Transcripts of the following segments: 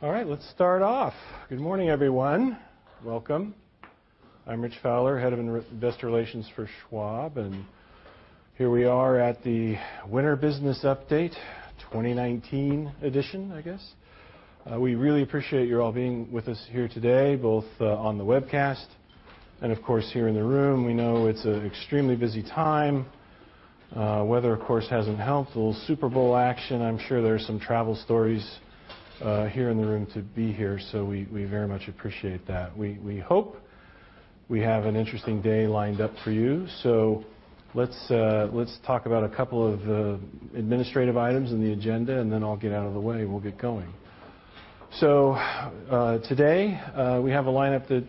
All right. Let's start off. Good morning, everyone. Welcome. I'm Rich Fowler, head of investor relations for Schwab, and here we are at the Winter Business Update 2019 edition. We really appreciate you all being with us here today, both on the webcast and of course, here in the room. We know it's an extremely busy time. Weather, of course, hasn't helped. A little Super Bowl action. I'm sure there's some travel stories here in the room to be here, so we very much appreciate that. We hope we have an interesting day lined up for you. Let's talk about a couple of the administrative items in the agenda, and then I'll get out of the way. We'll get going. Today, we have a lineup that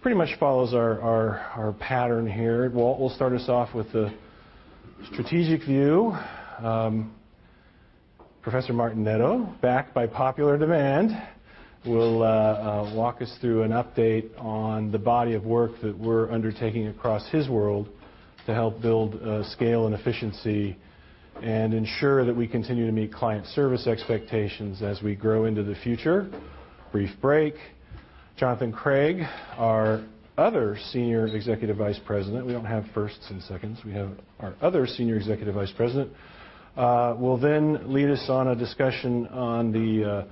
pretty much follows our pattern here. Walt will start us off with the strategic view. Professor Martinetto, back by popular demand, will walk us through an update on the body of work that we're undertaking across his world to help build scale and efficiency and ensure that we continue to meet client service expectations as we grow into the future. Brief break. Jonathan Craig, our other Senior Executive Vice President, we don't have firsts and seconds, we have our other Senior Executive Vice President, will then lead us on a discussion on the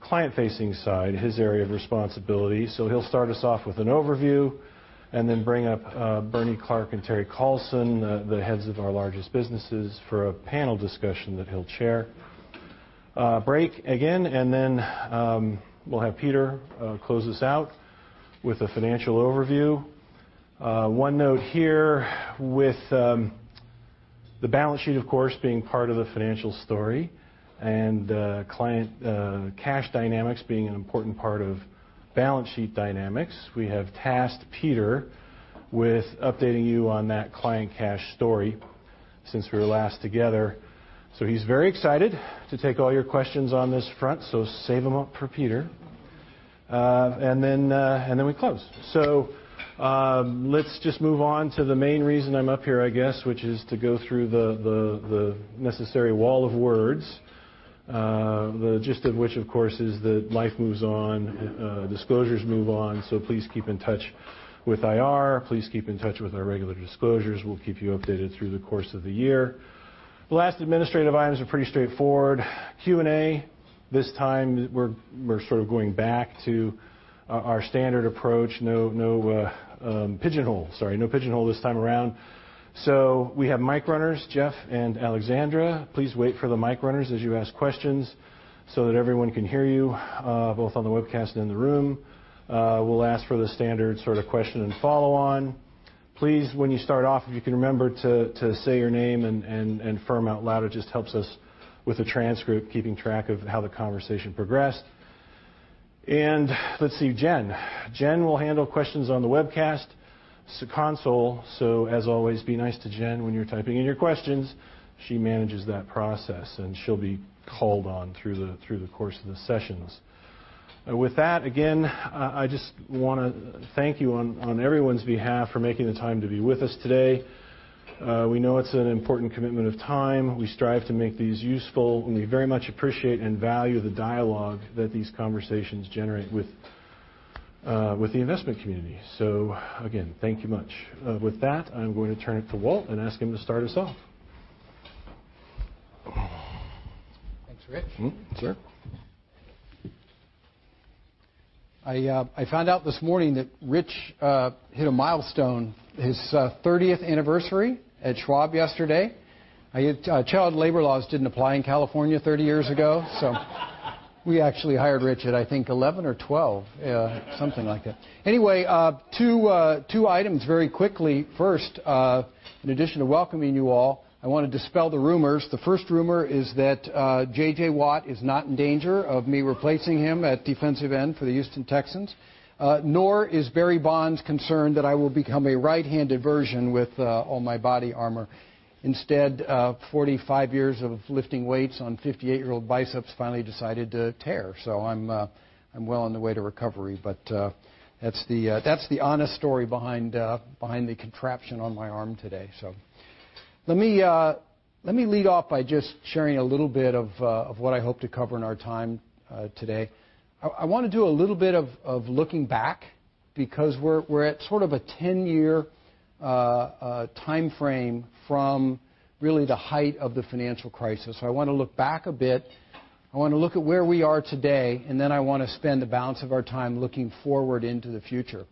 client-facing side, his area of responsibility. He'll start us off with an overview and then bring up Bernie Clark and Terri Collison, the heads of our largest businesses, for a panel discussion that he'll chair. Break again, then we'll have Peter close us out with a financial overview. One note here with the balance sheet, of course, being part of the financial story and cash dynamics being an important part of balance sheet dynamics, we have tasked Peter with updating you on that client cash story since we were last together. He's very excited to take all your questions on this front, so save them up for Peter. Then we close. Let's just move on to the main reason I'm up here, which is to go through the necessary wall of words. The gist of which, of course, is that life moves on, disclosures move on. Please keep in touch with IR. Please keep in touch with our regular disclosures. We'll keep you updated through the course of the year. The last administrative items are pretty straightforward. Q&A. This time we're sort of going back to our standard approach. No pigeonhole this time around. We have mic runners, Jeff and Alexandra. Please wait for the mic runners as you ask questions so that everyone can hear you, both on the webcast and in the room. We'll ask for the standard question and follow on. Please, when you start off, if you can remember to say your name and firm out loud. It just helps us with the transcript, keeping track of how the conversation progressed. Let's see, Jen. Jen will handle questions on the webcast console. As always, be nice to Jen when you're typing in your questions. She manages that process, and she'll be called on through the course of the sessions. With that, again, I just wanna thank you on everyone's behalf for making the time to be with us today. We know it's an important commitment of time. We strive to make these useful, we very much appreciate and value the dialogue that these conversations generate with the investment community. Again, thank you much. With that, I'm going to turn it to Walt and ask him to start us off. Thanks, Rich. Sure. I found out this morning that Rich hit a milestone, his 30th anniversary at Schwab yesterday. Child labor laws didn't apply in California 30 years ago. We actually hired Rich at, I think, 11 or 12. Something like that. Anyway, two items very quickly. First, in addition to welcoming you all, I want to dispel the rumors. The first rumor is that J.J. Watt is not in danger of me replacing him at defensive end for the Houston Texans, nor is Barry Bonds concerned that I will become a right-handed version with all my body armor. Instead, 45 years of lifting weights on 58-year-old biceps finally decided to tear. I'm well on the way to recovery. That's the honest story behind the contraption on my arm today. Let me lead off by just sharing a little bit of what I hope to cover in our time today. I wanna do a little bit of looking back because we're at sort of a 10-year timeframe from really the height of the financial crisis. I wanna look back a bit. I wanna look at where we are today, and then I wanna spend the balance of our time looking forward into the future.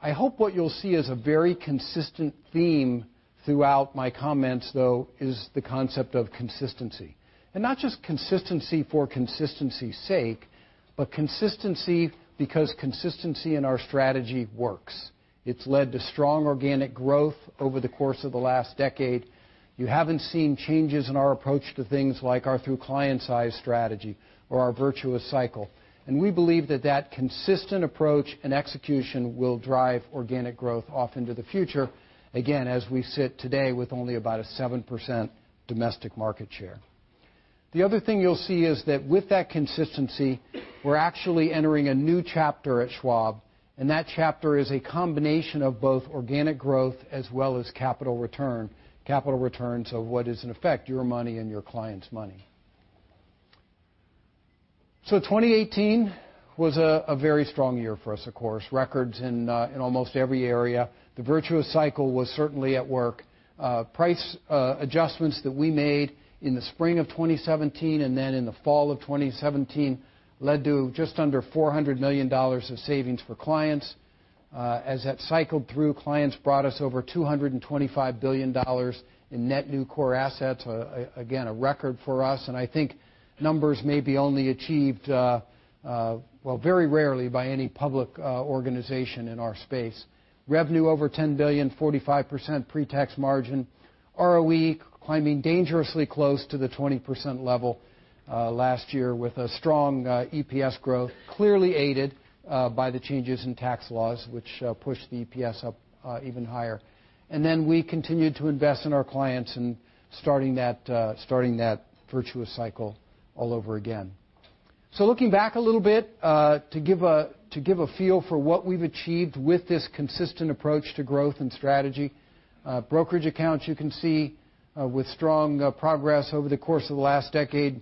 I hope what you'll see is a very consistent theme throughout my comments, though, is the concept of consistency. Not just consistency for consistency's sake, but consistency because consistency in our strategy works. It's led to strong organic growth over the course of the last decade. You haven't seen changes in our approach to things like our through client size strategy or our virtuous cycle. We believe that that consistent approach and execution will drive organic growth off into the future, again, as we sit today with only about a 7% domestic market share. The other thing you'll see is that with that consistency, we're actually entering a new chapter at Schwab, that chapter is a combination of both organic growth as well as capital return. Capital returns of what is, in effect, your money and your clients' money. So 2018 was a very strong year for us, of course. Records in almost every area. The virtuous cycle was certainly at work. Price adjustments that we made in the spring of 2017, then in the fall of 2017, led to just under $400 million of savings for clients. As that cycled through, clients brought us over $225 billion in net new core assets, again, a record for us. I think numbers may be only achieved, well, very rarely by any public organization in our space. Revenue over $10 billion, 45% pre-tax margin, ROE climbing dangerously close to the 20% level last year with a strong EPS growth, clearly aided by the changes in tax laws, which pushed the EPS up even higher. We continued to invest in our clients and starting that virtuous cycle all over again. Looking back a little bit, to give a feel for what we've achieved with this consistent approach to growth and strategy, brokerage accounts, you can see with strong progress over the course of the last decade.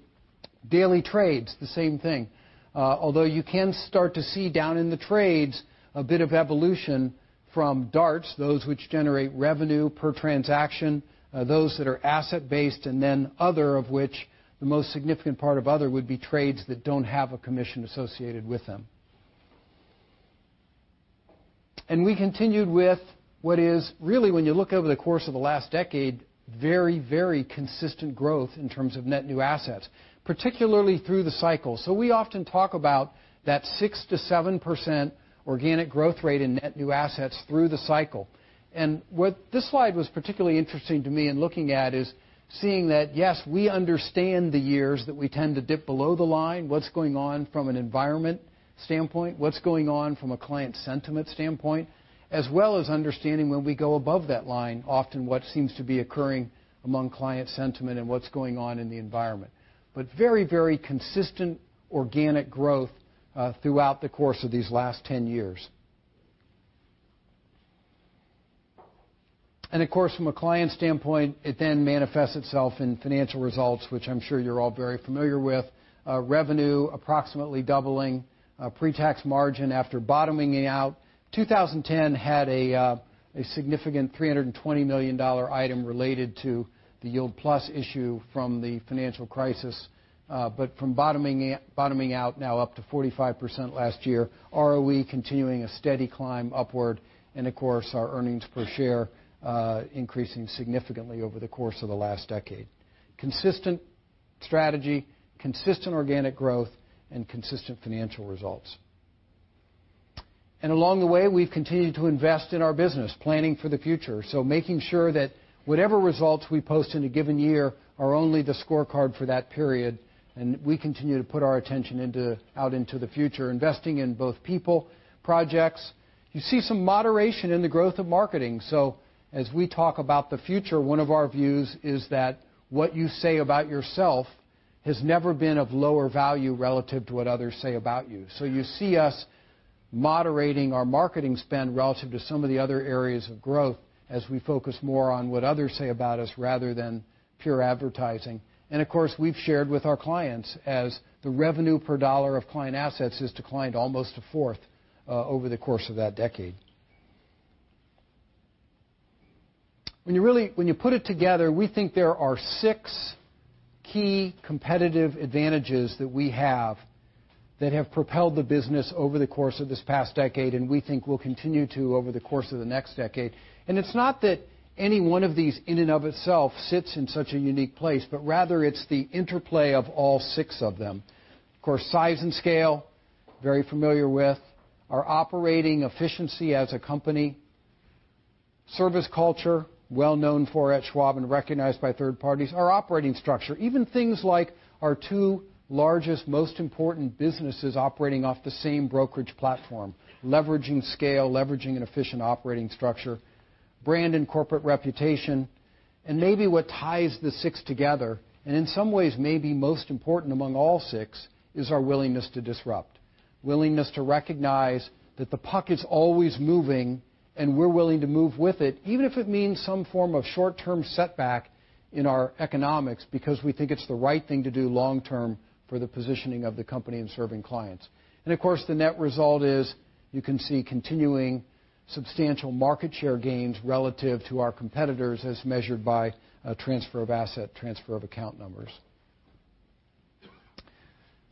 Daily trades, the same thing, although you can start to see down in the trades a bit of evolution from DARTs, those which generate revenue per transaction, those that are asset-based, then other of which the most significant part of other would be trades that don't have a commission associated with them. We continued with what is really, when you look over the course of the last decade, very consistent growth in terms of net new assets, particularly through the cycle. We often talk about that 6%-7% organic growth rate in net new assets through the cycle. What this slide was particularly interesting to me in looking at is seeing that, yes, we understand the years that we tend to dip below the line, what's going on from an environment standpoint, what's going on from a client sentiment standpoint, as well as understanding when we go above that line, often what seems to be occurring among client sentiment and what's going on in the environment. Very consistent organic growth throughout the course of these last 10 years. Of course, from a client standpoint, it then manifests itself in financial results, which I'm sure you're all very familiar with. Revenue approximately doubling pre-tax margin after bottoming out. 2010 had a significant $320 million item related to the YieldPlus issue from the financial crisis. From bottoming out, now up to 45% last year, ROE continuing a steady climb upward, of course, our earnings per share, increasing significantly over the course of the last decade. Consistent strategy, consistent organic growth, and consistent financial results. Along the way, we've continued to invest in our business, planning for the future. Making sure that whatever results we post in a given year are only the scorecard for that period, and we continue to put our attention out into the future, investing in both people, projects. You see some moderation in the growth of marketing. As we talk about the future, one of our views is that what you say about yourself has never been of lower value relative to what others say about you. You see us moderating our marketing spend relative to some of the other areas of growth as we focus more on what others say about us rather than pure advertising. Of course, we've shared with our clients as the revenue per dollar of client assets has declined almost a fourth over the course of that decade. When you put it together, we think there are six key competitive advantages that we have that have propelled the business over the course of this past decade, and we think will continue to over the course of the next decade. It's not that any one of these in and of itself sits in such a unique place, but rather it's the interplay of all six of them. Of course, size and scale, very familiar with. Our operating efficiency as a company. Service culture, well known for at Schwab and recognized by third parties. Our operating structure, even things like our two largest, most important businesses operating off the same brokerage platform, leveraging scale, leveraging an efficient operating structure. Brand and corporate reputation. Maybe what ties the six together, and in some ways, maybe most important among all six, is our willingness to disrupt, willingness to recognize that the puck is always moving, and we're willing to move with it, even if it means some form of short-term setback in our economics because we think it's the right thing to do long-term for the positioning of the company and serving clients. Of course, the net result is you can see continuing substantial market share gains relative to our competitors as measured by transfer of asset, transfer of account numbers.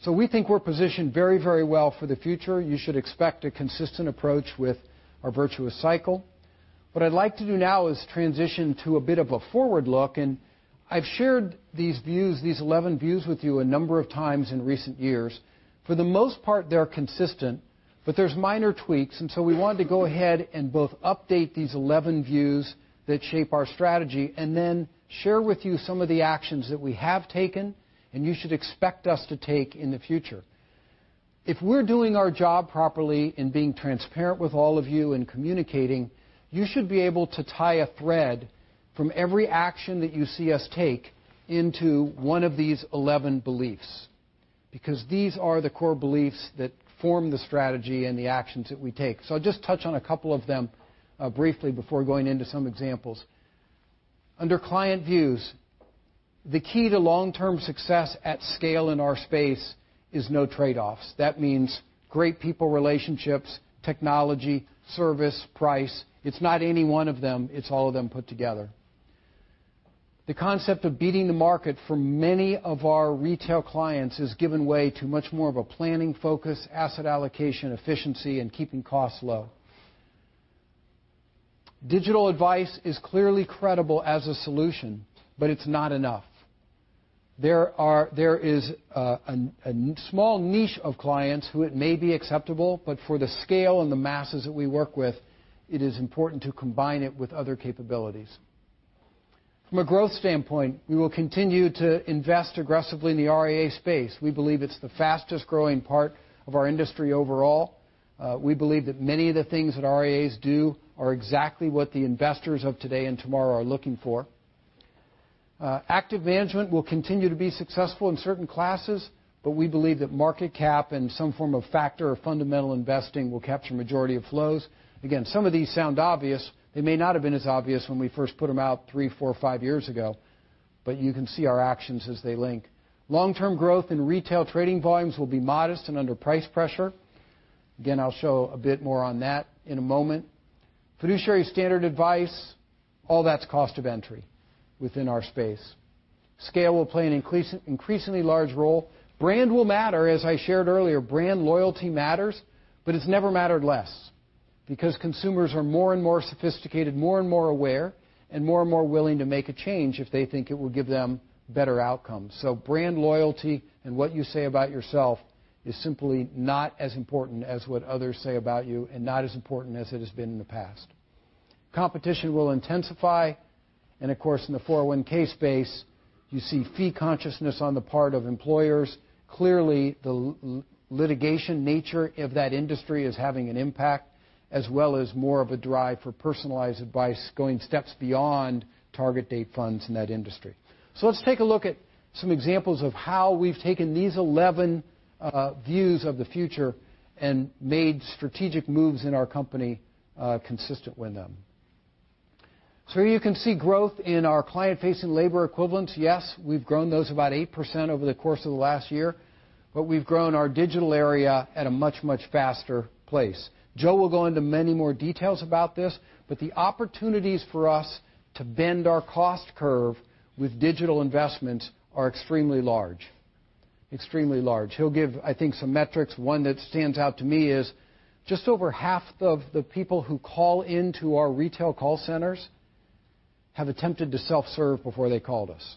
We think we're positioned very well for the future. You should expect a consistent approach with our virtuous cycle. What I'd like to do now is transition to a bit of a forward look. I've shared these views, these 11 views with you a number of times in recent years. For the most part, they're consistent, there's minor tweaks. We wanted to go ahead and both update these 11 views that shape our strategy and then share with you some of the actions that we have taken and you should expect us to take in the future. If we're doing our job properly and being transparent with all of you and communicating, you should be able to tie a thread from every action that you see us take into one of these 11 beliefs, because these are the core beliefs that form the strategy and the actions that we take. I'll just touch on a couple of them briefly before going into some examples. Under client views, the key to long-term success at scale in our space is no trade-offs. That means great people relationships, technology, service, price. It's not any one of them, it's all of them put together. The concept of beating the market for many of our retail clients has given way to much more of a planning focus, asset allocation, efficiency, and keeping costs low. Digital advice is clearly credible as a solution, it's not enough. There is a small niche of clients who it may be acceptable, for the scale and the masses that we work with, it is important to combine it with other capabilities. From a growth standpoint, we will continue to invest aggressively in the RIA space. We believe it's the fastest-growing part of our industry overall. We believe that many of the things that RIAs do are exactly what the investors of today and tomorrow are looking for. Active management will continue to be successful in certain classes, we believe that market cap and some form of factor or fundamental investing will capture majority of flows. Some of these sound obvious. They may not have been as obvious when we first put them out three, four, five years ago, you can see our actions as they link. Long-term growth in retail trading volumes will be modest and under price pressure. I'll show a bit more on that in a moment. Fiduciary standard advice, all that's cost of entry within our space. Scale will play an increasingly large role. Brand will matter. As I shared earlier, brand loyalty matters, it's never mattered less because consumers are more and more sophisticated, more and more aware, and more and more willing to make a change if they think it will give them better outcomes. Brand loyalty and what you say about yourself is simply not as important as what others say about you, not as important as it has been in the past. Competition will intensify, in the 401 space, you see fee consciousness on the part of employers. Clearly, the litigation nature of that industry is having an impact, as well as more of a drive for personalized advice, going steps beyond target date funds in that industry. Let's take a look at some examples of how we've taken these 11 views of the future and made strategic moves in our company, consistent with them. Here you can see growth in our client-facing LE. Yes, we've grown those about 8% over the course of the last year, but we've grown our digital area at a much, much faster pace. Joe Martinetto will go into many more details about this, but the opportunities for us to bend our cost curve with digital investments are extremely large. Extremely large. He'll give, I think, some metrics. One that stands out to me is just over half of the people who call into our retail call centers have attempted to self-serve before they called us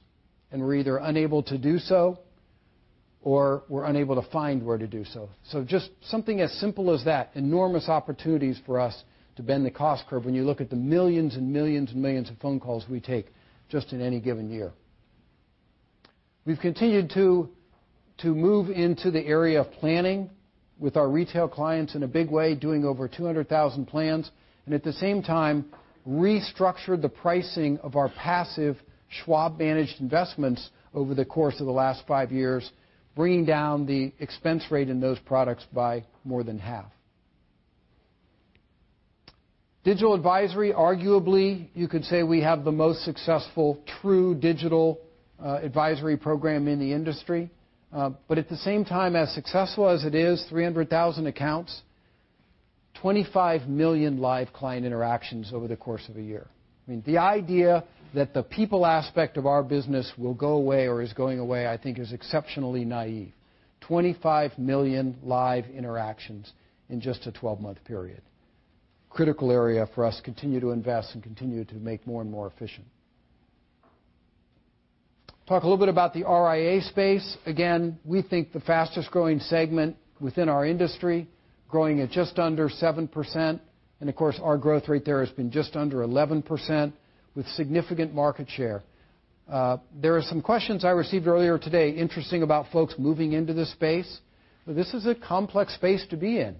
and were either unable to do so or were unable to find where to do so. Just something as simple as that, enormous opportunities for us to bend the cost curve when you look at the millions and millions and millions of phone calls we take just in any given year. We've continued to move into the area of planning with our retail clients in a big way, doing over 200,000 plans, and at the same time, restructured the pricing of our passive Schwab Managed Portfolios over the course of the last five years, bringing down the expense rate in those products by more than half. Digital advisory, arguably, you could say we have the most successful true digital advisory program in the industry. At the same time, as successful as it is, 300,000 accounts, 25 million live client interactions over the course of a year. I mean, the idea that the people aspect of our business will go away or is going away, I think is exceptionally naive. 25 million live interactions in just a 12-month period. Critical area for us. Continue to invest and continue to make more and more efficient. Talk a little bit about the RIA space. We think the fastest-growing segment within our industry, growing at just under 7%. Of course, our growth rate there has been just under 11% with significant market share. There are some questions I received earlier today, interesting about folks moving into this space. This is a complex space to be in.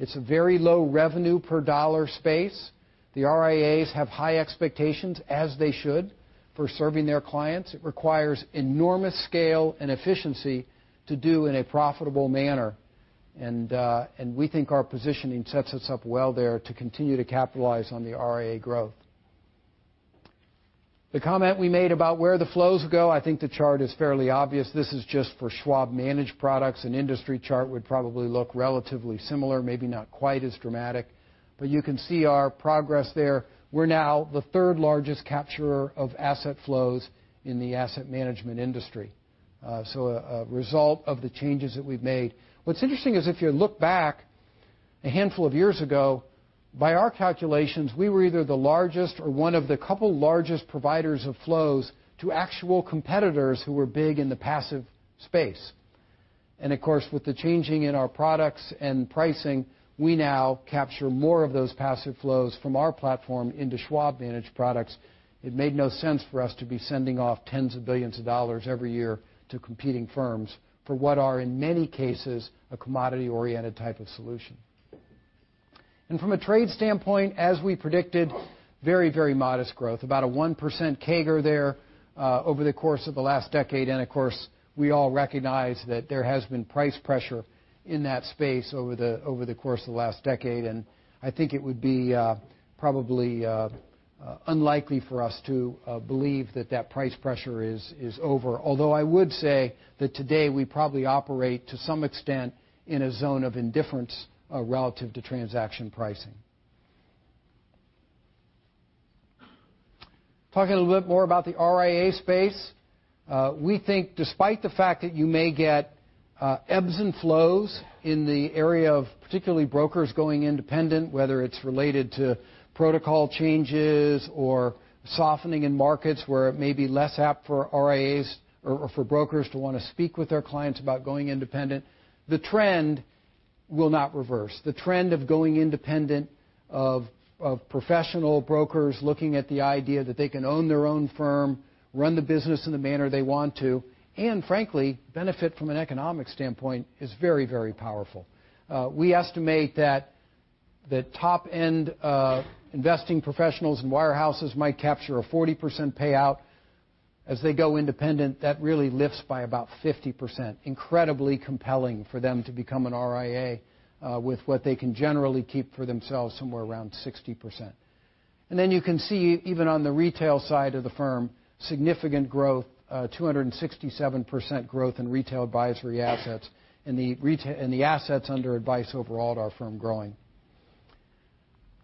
It's a very low revenue per dollar space. The RIAs have high expectations, as they should, for serving their clients. It requires enormous scale and efficiency to do in a profitable manner. We think our positioning sets us up well there to continue to capitalize on the RIA growth. The comment we made about where the flows go, I think the chart is fairly obvious. This is just for Schwab managed products. An industry chart would probably look relatively similar, maybe not quite as dramatic, but you can see our progress there. We're now the third-largest capturer of asset flows in the asset management industry. A result of the changes that we've made. What's interesting is if you look back a handful of years ago, by our calculations, we were either the largest or one of the couple largest providers of flows to actual competitors who were big in the passive space. Of course, with the changing in our products and pricing, we now capture more of those passive flows from our platform into Schwab managed products. It made no sense for us to be sending off $tens of billions every year to competing firms for what are, in many cases, a commodity-oriented type of solution. From a trade standpoint, as we predicted, very, very modest growth, about a 1% CAGR there over the course of the last decade. Of course, we all recognize that there has been price pressure in that space over the course of the last decade, and I think it would be probably unlikely for us to believe that that price pressure is over. Although I would say that today, we probably operate to some extent in a zone of indifference relative to transaction pricing. Talking a little bit more about the RIA space. We think despite the fact that you may get ebbs and flows in the area of particularly brokers going independent, whether it's related to protocol changes or softening in markets where it may be less apt for RIAs or for brokers to want to speak with their clients about going independent, the trend will not reverse. The trend of going independent, of professional brokers looking at the idea that they can own their own firm, run the business in the manner they want to, and frankly, benefit from an economic standpoint, is very, very powerful. We estimate that the top end of investing professionals and wire houses might capture a 40% payout. As they go independent, that really lifts by about 50%. Incredibly compelling for them to become an RIA with what they can generally keep for themselves, somewhere around 60%. Then you can see, even on the retail side of the firm, significant growth, 267% growth in retail advisory assets, and the assets under advice overall at our firm growing.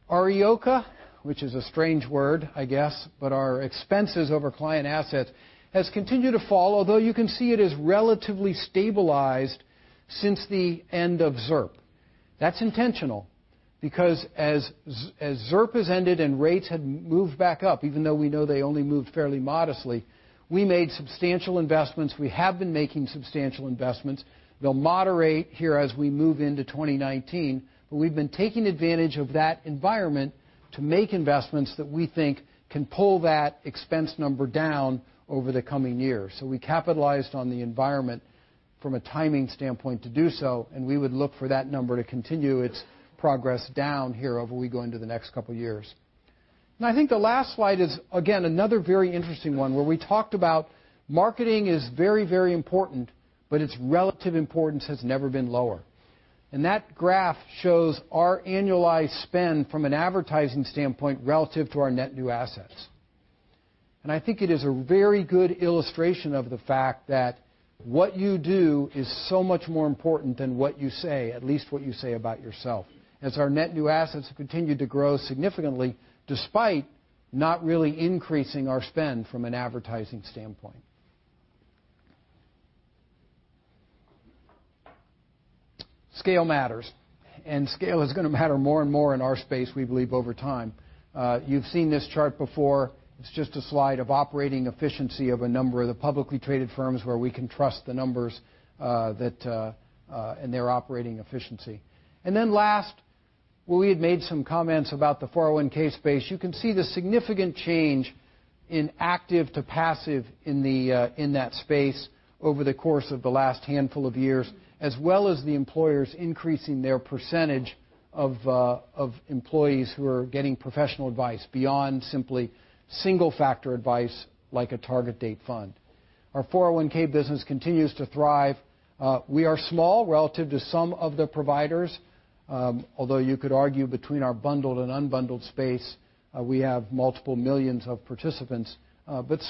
EOCA, which is a strange word, I guess, but our expenses over client assets has continued to fall, although you can see it has relatively stabilized since the end of ZIRP. That's intentional because as ZIRP has ended and rates have moved back up, even though we know they only moved fairly modestly, we made substantial investments. We have been making substantial investments. They'll moderate here as we move into 2019. We've been taking advantage of that environment to make investments that we think can pull that expense number down over the coming years. We capitalized on the environment from a timing standpoint to do so, and we would look for that number to continue its progress down here over we go into the next couple of years. I think the last slide is again another very interesting one, where we talked about marketing is very, very important, but its relative importance has never been lower. That graph shows our annualized spend from an advertising standpoint relative to our net new assets. I think it is a very good illustration of the fact that what you do is so much more important than what you say, at least what you say about yourself, as our net new assets have continued to grow significantly, despite not really increasing our spend from an advertising standpoint. Scale matters, and scale is going to matter more and more in our space, we believe, over time. You've seen this chart before. It's just a slide of operating efficiency of a number of the publicly traded firms where we can trust the numbers and their operating efficiency. Last, where we had made some comments about the 401 space, you can see the significant change in active to passive in that space over the course of the last handful of years, as well as the employers increasing their percentage of employees who are getting professional advice beyond simply single factor advice like a target date fund. Our 401 business continues to thrive. We are small relative to some of the providers, although you could argue between our bundled and unbundled space, we have multiple millions of participants.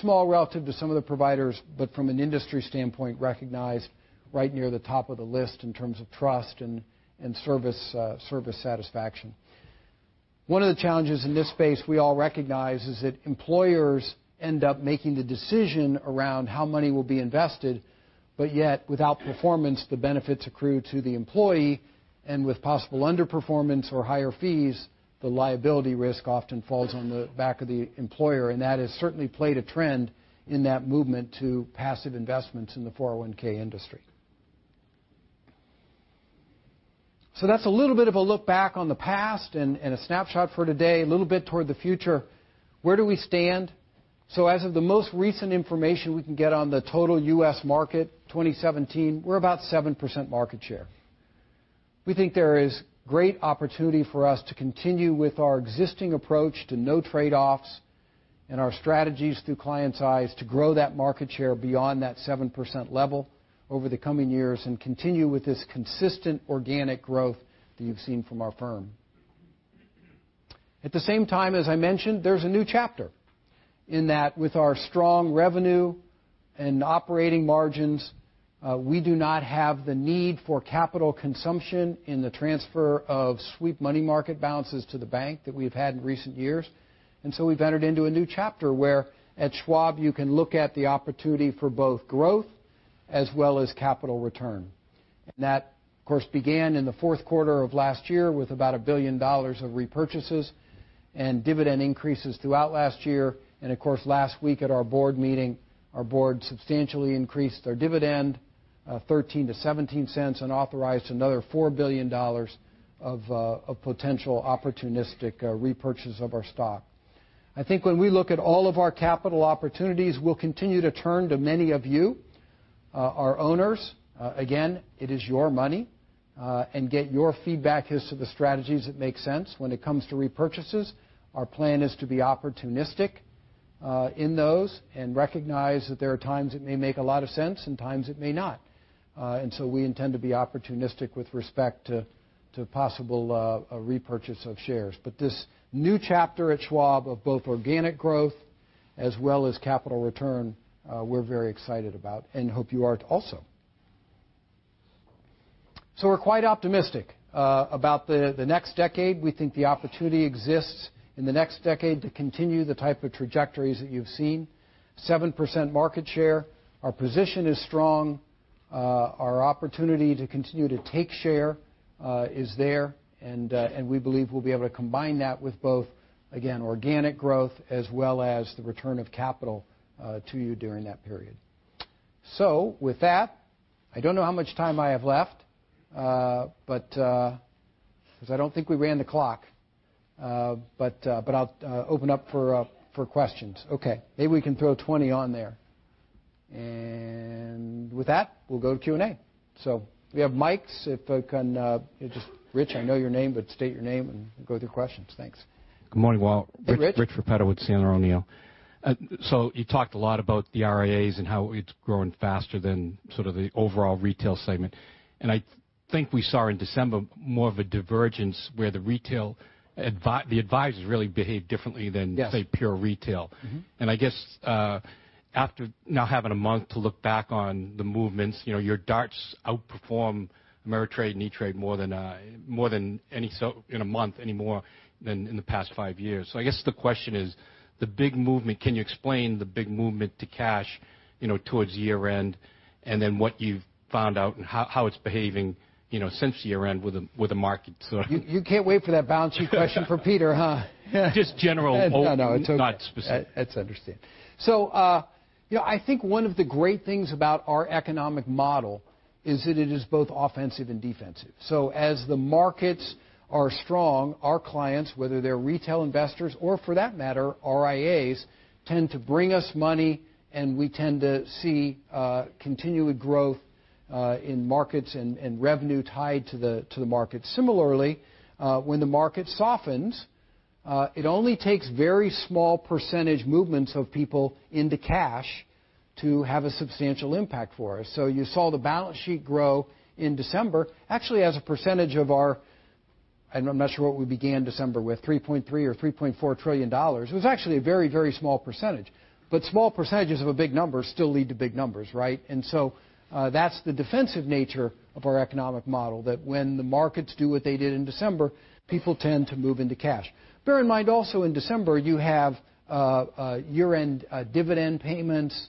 Small relative to some of the providers, but from an industry standpoint, recognized right near the top of the list in terms of trust and service satisfaction. One of the challenges in this space we all recognize is that employers end up making the decision around how money will be invested, yet without performance, the benefits accrue to the employee, and with possible underperformance or higher fees, the liability risk often falls on the back of the employer, and that has certainly played a trend in that movement to passive investments in the 401 industry. That's a little bit of a look back on the past and a snapshot for today, a little bit toward the future. Where do we stand? As of the most recent information we can get on the total U.S. market, 2017, we're about 7% market share. We think there is great opportunity for us to continue with our existing approach to no trade-offs and our strategies through clients' eyes to grow that market share beyond that 7% level over the coming years and continue with this consistent organic growth that you've seen from our firm. At the same time, as I mentioned, there's a new chapter in that with our strong revenue and operating margins, we do not have the need for capital consumption in the transfer of sweep money market balances to the bank that we have had in recent years. We've entered into a new chapter where at Schwab, you can look at the opportunity for both growth as well as capital return. That, of course, began in the fourth quarter of last year with about $1 billion of repurchases and dividend increases throughout last year. Of course, last week at our board meeting, our board substantially increased our dividend, $0.13 to $0.17, and authorized another $4 billion of potential opportunistic repurchase of our stock. I think when we look at all of our capital opportunities, we'll continue to turn to many of you, our owners, again, it is your money, and get your feedback as to the strategies that make sense. When it comes to repurchases, our plan is to be opportunistic in those and recognize that there are times it may make a lot of sense, and times it may not. We intend to be opportunistic with respect to possible repurchase of shares. This new chapter at Schwab of both organic growth as well as capital return, we're very excited about and hope you are too also. We're quite optimistic about the next decade. We think the opportunity exists in the next decade to continue the type of trajectories that you've seen, 7% market share. Our position is strong. Our opportunity to continue to take share is there, and we believe we'll be able to combine that with both, again, organic growth as well as the return of capital to you during that period. With that, I don't know how much time I have left, because I don't think we ran the clock. I'll open up for questions. Okay, maybe we can throw 20 on there. With that, we'll go to Q&A. We have mics. Rich, I know your name, state your name and go with your questions. Thanks. Good morning, Walt. Hey, Rich. Rich Repetto with Sandler O'Neill. You talked a lot about the RIAs and how it's growing faster than sort of the overall retail segment. I think we saw in December more of a divergence where the advisors really behaved differently than- Yes say, pure retail. I guess, after now having a month to look back on the movements, your DARTs outperform Ameritrade and E*TRADE more than in a month anymore than in the past five years. I guess the question is, can you explain the big movement to cash towards year-end, and then what you've found out and how it's behaving since year-end with the market? You can't wait for that balance sheet question from Peter, huh? Just general- No, no, it's okay not specific. That's understood. I think one of the great things about our economic model is that it is both offensive and defensive. As the markets are strong, our clients, whether they're retail investors or, for that matter, RIAs, tend to bring us money, and we tend to see continued growth in markets and revenue tied to the market. Similarly, when the market softens, it only takes very small % movements of people into cash to have a substantial impact for us. You saw the balance sheet grow in December, actually as a percentage of our, I'm not sure what we began December with, $3.3 trillion or $3.4 trillion. It was actually a very, very small %. Small percentages of a big number still lead to big numbers, right? That's the defensive nature of our economic model, that when the markets do what they did in December, people tend to move into cash. Bear in mind, also in December, you have year-end dividend payments,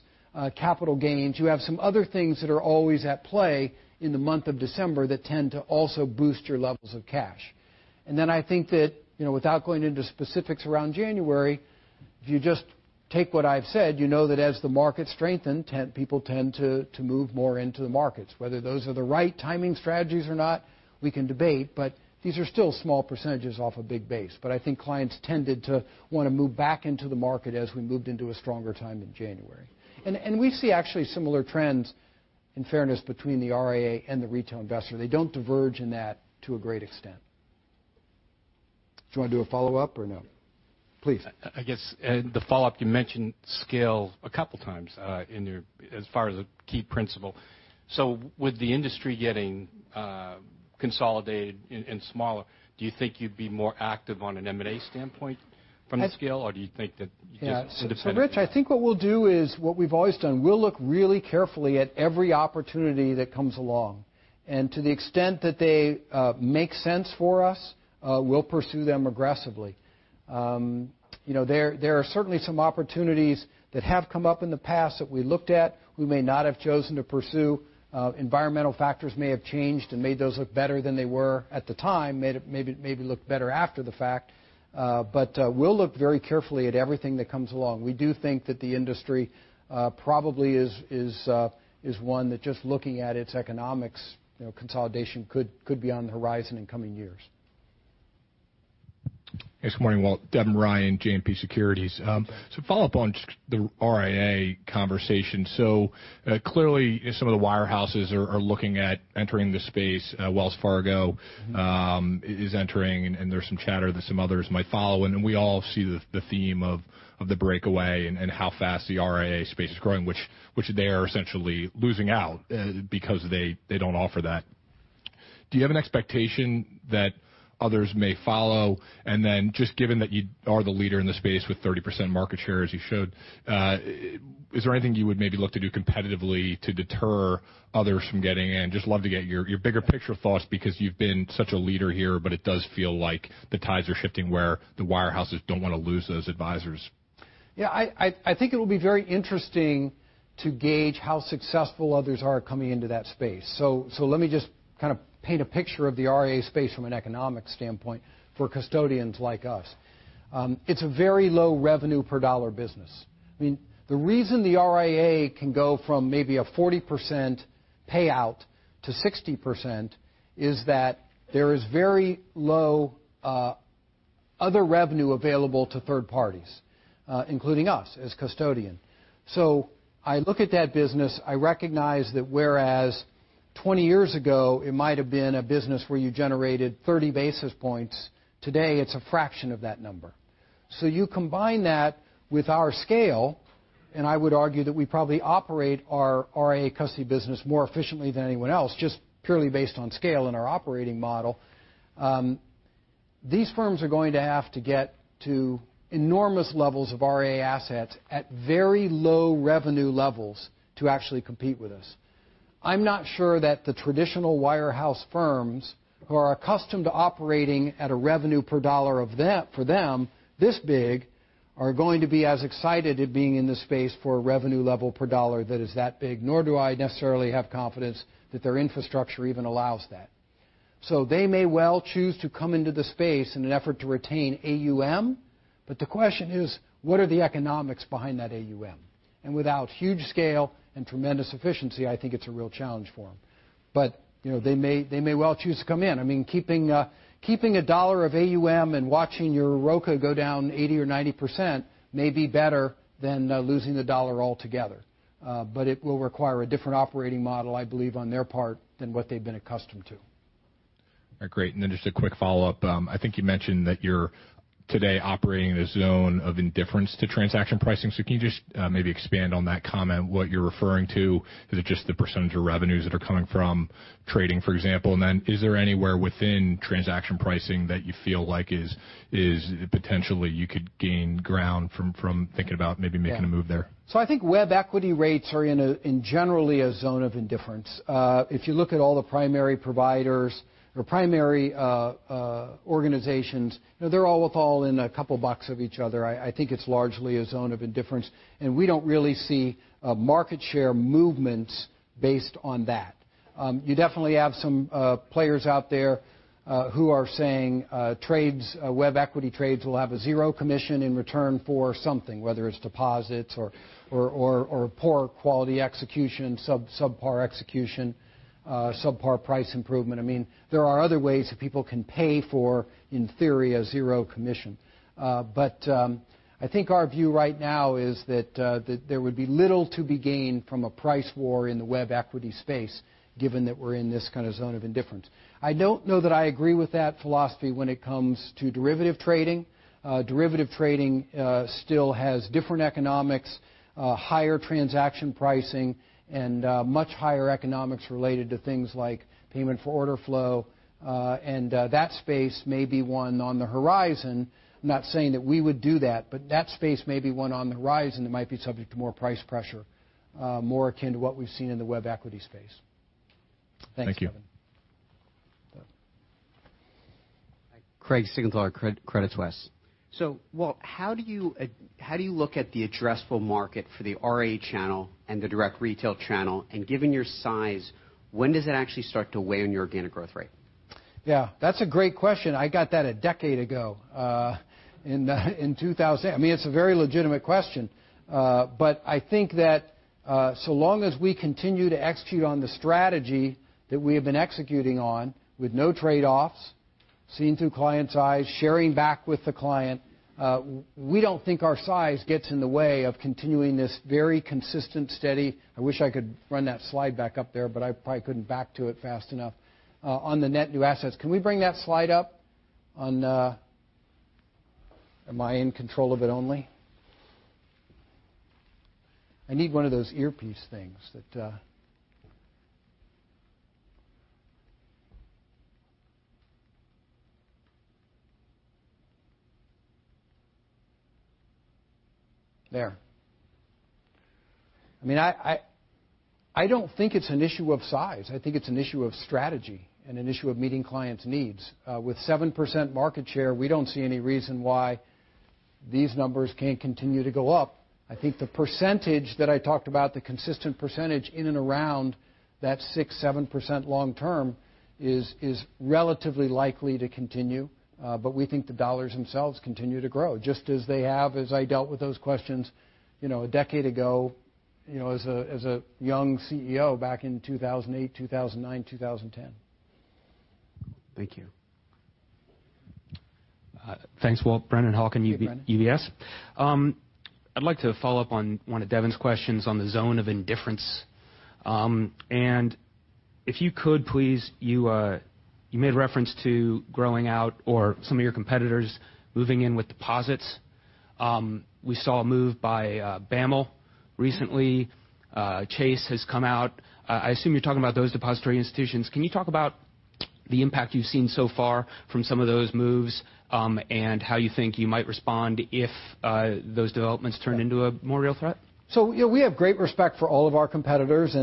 capital gains. You have some other things that are always at play in the month of December that tend to also boost your levels of cash. I think that, without going into specifics around January, if you just take what I've said, you know that as the markets strengthen, people tend to move more into the markets, whether those are the right timing strategies or not, we can debate, but these are still small percentages off a big base. I think clients tended to want to move back into the market as we moved into a stronger time in January. We see actually similar trends, in fairness, between the RIA and the retail investor. They don't diverge in that to a great extent. Do you want to do a follow-up or no? Please. I guess, the follow-up, you mentioned scale a couple of times as far as a key principle. With the industry getting consolidated and smaller, do you think you'd be more active on an M&A standpoint from the scale? Do you think that you just it depends? Rich, I think what we'll do is what we've always done. We'll look really carefully at every opportunity that comes along. To the extent that they make sense for us, we'll pursue them aggressively. There are certainly some opportunities that have come up in the past that we looked at, we may not have chosen to pursue. Environmental factors may have changed and made those look better than they were at the time, made it maybe look better after the fact. We'll look very carefully at everything that comes along. We do think that the industry probably is one that just looking at its economics, consolidation could be on the horizon in coming years. Yes, good morning, Walt. Devin Ryan, JMP Securities. To follow up on just the RIA conversation. Clearly, some of the wirehouses are looking at entering the space. Wells Fargo- is entering, there's some chatter that some others might follow. We all see the theme of the breakaway and how fast the RIA space is growing, which they are essentially losing out because they don't offer that. Do you have an expectation that others may follow? Just given that you are the leader in the space with 30% market share, as you showed, is there anything you would maybe look to do competitively to deter others from getting in? Just love to get your bigger picture thoughts because you've been such a leader here, but it does feel like the tides are shifting where the wirehouses don't want to lose those advisors. I think it'll be very interesting to gauge how successful others are coming into that space. Let me just kind of paint a picture of the RIA space from an economic standpoint for custodians like us. It's a very low revenue per dollar business. The reason the RIA can go from maybe a 40% payout to 60% is that there is very low other revenue available to third parties, including us as custodian. I look at that business, I recognize that whereas 20 years ago, it might have been a business where you generated 30 basis points. Today, it's a fraction of that number. You combine that with our scale, and I would argue that we probably operate our RIA custody business more efficiently than anyone else, just purely based on scale and our operating model. These firms are going to have to get to enormous levels of RIA assets at very low revenue levels to actually compete with us. I'm not sure that the traditional wirehouse firms who are accustomed to operating at a revenue per dollar for them this big are going to be as excited at being in the space for a revenue level per dollar that is that big, nor do I necessarily have confidence that their infrastructure even allows that. They may well choose to come into the space in an effort to retain AUM, but the question is, what are the economics behind that AUM? Without huge scale and tremendous efficiency, I think it's a real challenge for them. They may well choose to come in. Keeping a dollar of AUM and watching your ROIC go down 80% or 90% may be better than losing the dollar altogether. It will require a different operating model, I believe, on their part than what they've been accustomed to. Great. Just a quick follow-up. I think you mentioned that you're today operating in a zone of indifference to transaction pricing. Can you just maybe expand on that comment, what you're referring to? Is it just the percentage of revenues that are coming from trading, for example? Is there anywhere within transaction pricing that you feel like potentially you could gain ground from thinking about maybe making a move there? I think web equity rates are in generally a zone of indifference. If you look at all the primary providers or primary organizations, they're all within a couple of bucks of each other. I think it's largely a zone of indifference, and we don't really see market share movements based on that. You definitely have some players out there who are saying web equity trades will have a zero commission in return for something, whether it's deposits or poor quality execution, subpar execution, subpar price improvement. There are other ways that people can pay for, in theory, a zero commission. I think our view right now is that there would be little to be gained from a price war in the web equity space, given that we're in this kind of zone of indifference. I don't know that I agree with that philosophy when it comes to derivative trading. Derivative trading still has different economics, higher transaction pricing, and much higher economics related to things like payment for order flow. That space may be one on the horizon. I'm not saying that we would do that, but that space may be one on the horizon that might be subject to more price pressure, more akin to what we've seen in the web equity space. Thank you. Thanks, Devin. Craig Siegenthaler, Credit Suisse. Walt, how do you look at the addressable market for the RIA channel and the direct retail channel? Given your size, when does it actually start to weigh on your organic growth rate? That's a great question. I got that a decade ago, in 2000. It's a very legitimate question. I think that so long as we continue to execute on the strategy that we have been executing on with no trade-offs, seeing through clients' eyes, sharing back with the client, we don't think our size gets in the way of continuing this very consistent, steady. I wish I could run that slide back up there, but I probably couldn't back to it fast enough. On the Net New Assets, can we bring that slide up? Am I in control of it only? I need one of those earpiece things. There. I don't think it's an issue of size. I think it's an issue of strategy and an issue of meeting clients' needs. With 7% market share, we don't see any reason why these numbers can't continue to go up. I think the percentage that I talked about, the consistent percentage in and around that 6%, 7% long term, is relatively likely to continue, but we think the dollars themselves continue to grow, just as they have as I dealt with those questions a decade ago as a young CEO back in 2008, 2009, 2010. Thank you. Thanks, Walt. Brennan Hawken, UBS. Hey, Brennan. I'd like to follow up on one of Devin's questions on the zone of indifference. If you could, please, you made reference to growing out or some of your competitors moving in with deposits. We saw a move by BAML recently. Chase has come out. I assume you're talking about those depository institutions. Can you talk about the impact you've seen so far from some of those moves, and how you think you might respond if those developments turn into a more real threat? We have great respect for all of our competitors. Two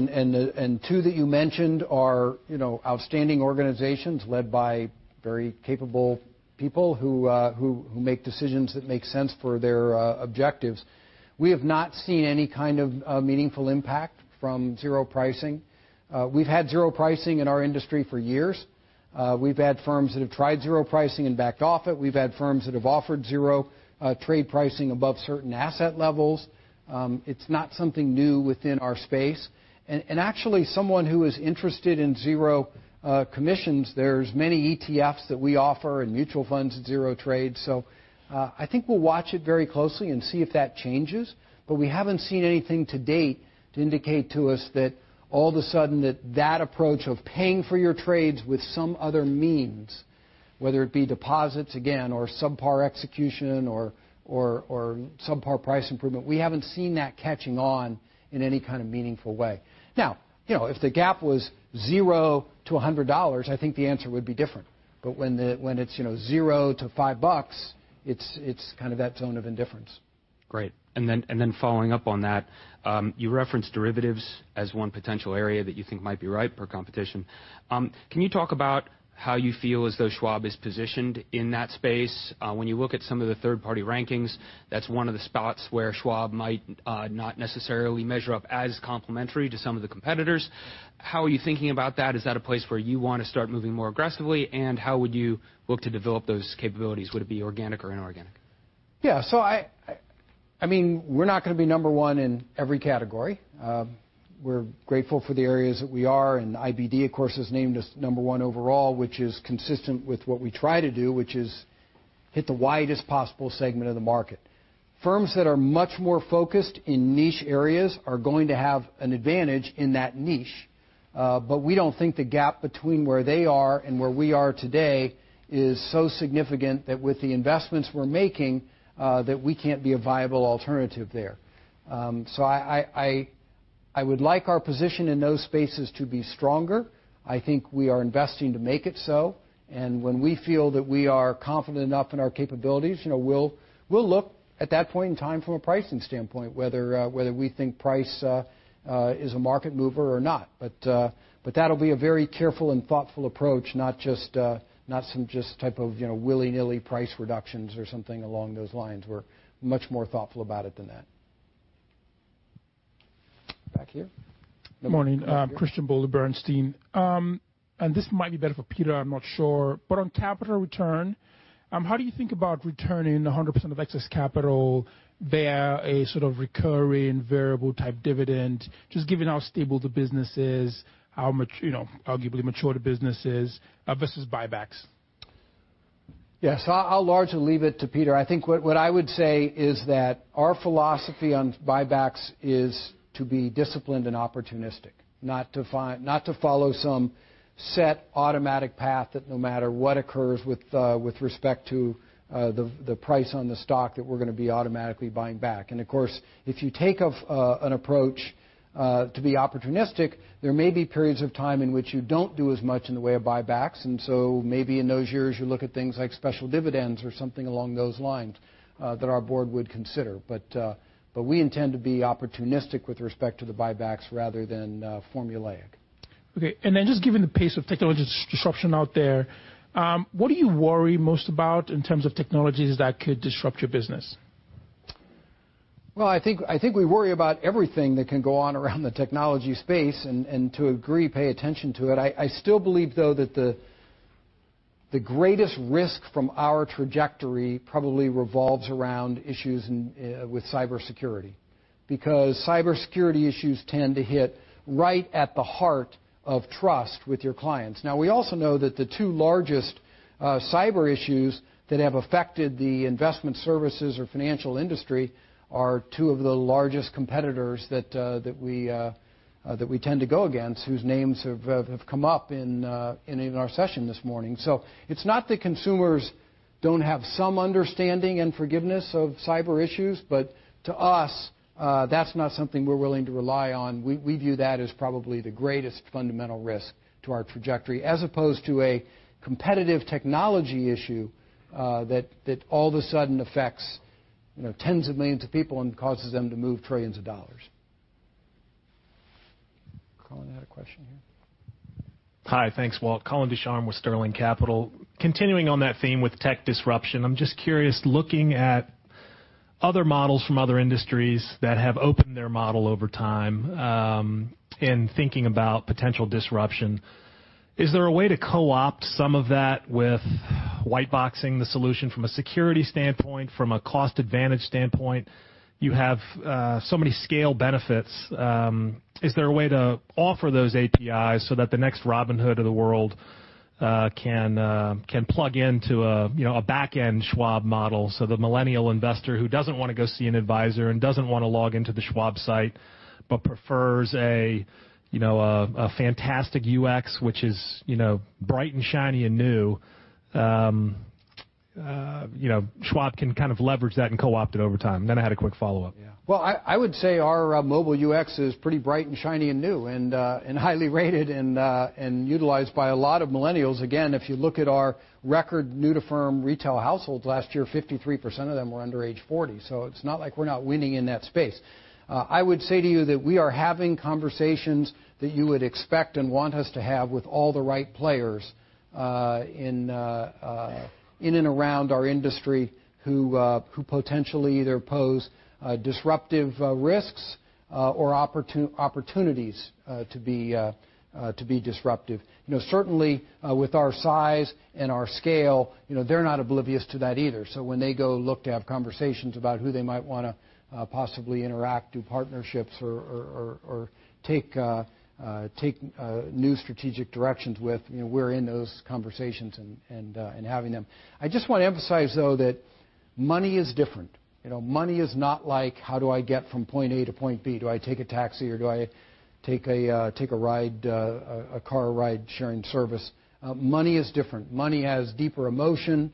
that you mentioned are outstanding organizations led by very capable people who make decisions that make sense for their objectives. We have not seen any kind of meaningful impact from zero pricing. We've had zero pricing in our industry for years. We've had firms that have tried zero pricing and backed off it. We've had firms that have offered zero trade pricing above certain asset levels. It's not something new within our space. Someone who is interested in zero commissions, there's many ETFs that we offer and mutual funds at zero trade. I think we'll watch it very closely and see if that changes. We haven't seen anything to date to indicate to us that all of a sudden that approach of paying for your trades with some other means, whether it be deposits, again, or subpar execution, or subpar price improvement, we haven't seen that catching on in any kind of meaningful way. Now, if the gap was zero to $100, I think the answer would be different. When it's zero to five bucks, it's kind of that zone of indifference. Great. Following up on that, you referenced derivatives as one potential area that you think might be ripe for competition. Can you talk about how you feel as though Schwab is positioned in that space? When you look at some of the third-party rankings, that's one of the spots where Schwab might not necessarily measure up as complementary to some of the competitors. How are you thinking about that? Is that a place where you want to start moving more aggressively? How would you look to develop those capabilities? Would it be organic or inorganic? Yeah. We're not going to be number one in every category. We're grateful for the areas that we are. IBD, of course, has named us number one overall, which is consistent with what we try to do, which is hit the widest possible segment of the market. Firms that are much more focused in niche areas are going to have an advantage in that niche. We don't think the gap between where they are and where we are today is so significant that with the investments we're making, that we can't be a viable alternative there. I would like our position in those spaces to be stronger. I think we are investing to make it so, when we feel that we are confident enough in our capabilities, we'll look at that point in time from a pricing standpoint, whether we think price is a market mover or not. That'll be a very careful and thoughtful approach, not some type of willy-nilly price reductions or something along those lines. We're much more thoughtful about it than that. Back here. Good morning. Christian Bolu, Bernstein. This might be better for Peter, I'm not sure. On capital return, how do you think about returning 100% of excess capital via a sort of recurring variable-type dividend, just given how stable the business is, how arguably mature the business is versus buybacks? Yes. I'll largely leave it to Peter. I think what I would say is that our philosophy on buybacks is to be disciplined and opportunistic, not to follow some set automatic path that no matter what occurs with respect to the price on the stock, that we're going to be automatically buying back. Of course, if you take an approach to be opportunistic, there may be periods of time in which you don't do as much in the way of buybacks. So maybe in those years, you look at things like special dividends or something along those lines that our board would consider. We intend to be opportunistic with respect to the buybacks rather than formulaic. Okay. Then just given the pace of technology disruption out there, what do you worry most about in terms of technologies that could disrupt your business? Well, I think we worry about everything that can go on around the technology space and to a degree, pay attention to it. I still believe, though, that the greatest risk from our trajectory probably revolves around issues with cybersecurity, because cybersecurity issues tend to hit right at the heart of trust with your clients. Now, we also know that the two largest cyber issues that have affected the investment services or financial industry are two of the largest competitors that we tend to go against, whose names have come up in our session this morning. It's not that consumers don't have some understanding and forgiveness of cyber issues, but to us, that's not something we're willing to rely on. We view that as probably the greatest fundamental risk to our trajectory as opposed to a competitive technology issue that all of a sudden affects tens of millions of people and causes them to move trillions of dollars. Colin had a question here. Hi. Thanks, Walt. Colin Ducharme with Sterling Capital. Continuing on that theme with tech disruption, I'm just curious, looking at other models from other industries that have opened their model over time, and thinking about potential disruption, is there a way to co-opt some of that with white boxing the solution from a security standpoint, from a cost advantage standpoint? You have so many scale benefits. Is there a way to offer those APIs so that the next Robinhood of the world can plug into a back-end Schwab model so the millennial investor who doesn't want to go see an advisor and doesn't want to log into the Schwab site but prefers a fantastic UX, which is bright and shiny and new, Schwab can kind of leverage that and co-opt it over time? I had a quick follow-up. Well, I would say our mobile UX is pretty bright and shiny and new and highly rated and utilized by a lot of millennials. Again, if you look at our record new-to-firm retail households last year, 53% of them were under age 40, it's not like we're not winning in that space. I would say to you that we are having conversations that you would expect and want us to have with all the right players in and around our industry who potentially either pose disruptive risks or opportunities to be disruptive. Certainly, with our size and our scale, they're not oblivious to that either. When they go look to have conversations about who they might want to possibly interact, do partnerships or take new strategic directions with, we're in those conversations and having them. I just want to emphasize, though, that money is different. Money is not like, how do I get from point A to point B? Do I take a taxi or do I take a car ride-sharing service? Money is different. Money has deeper emotion.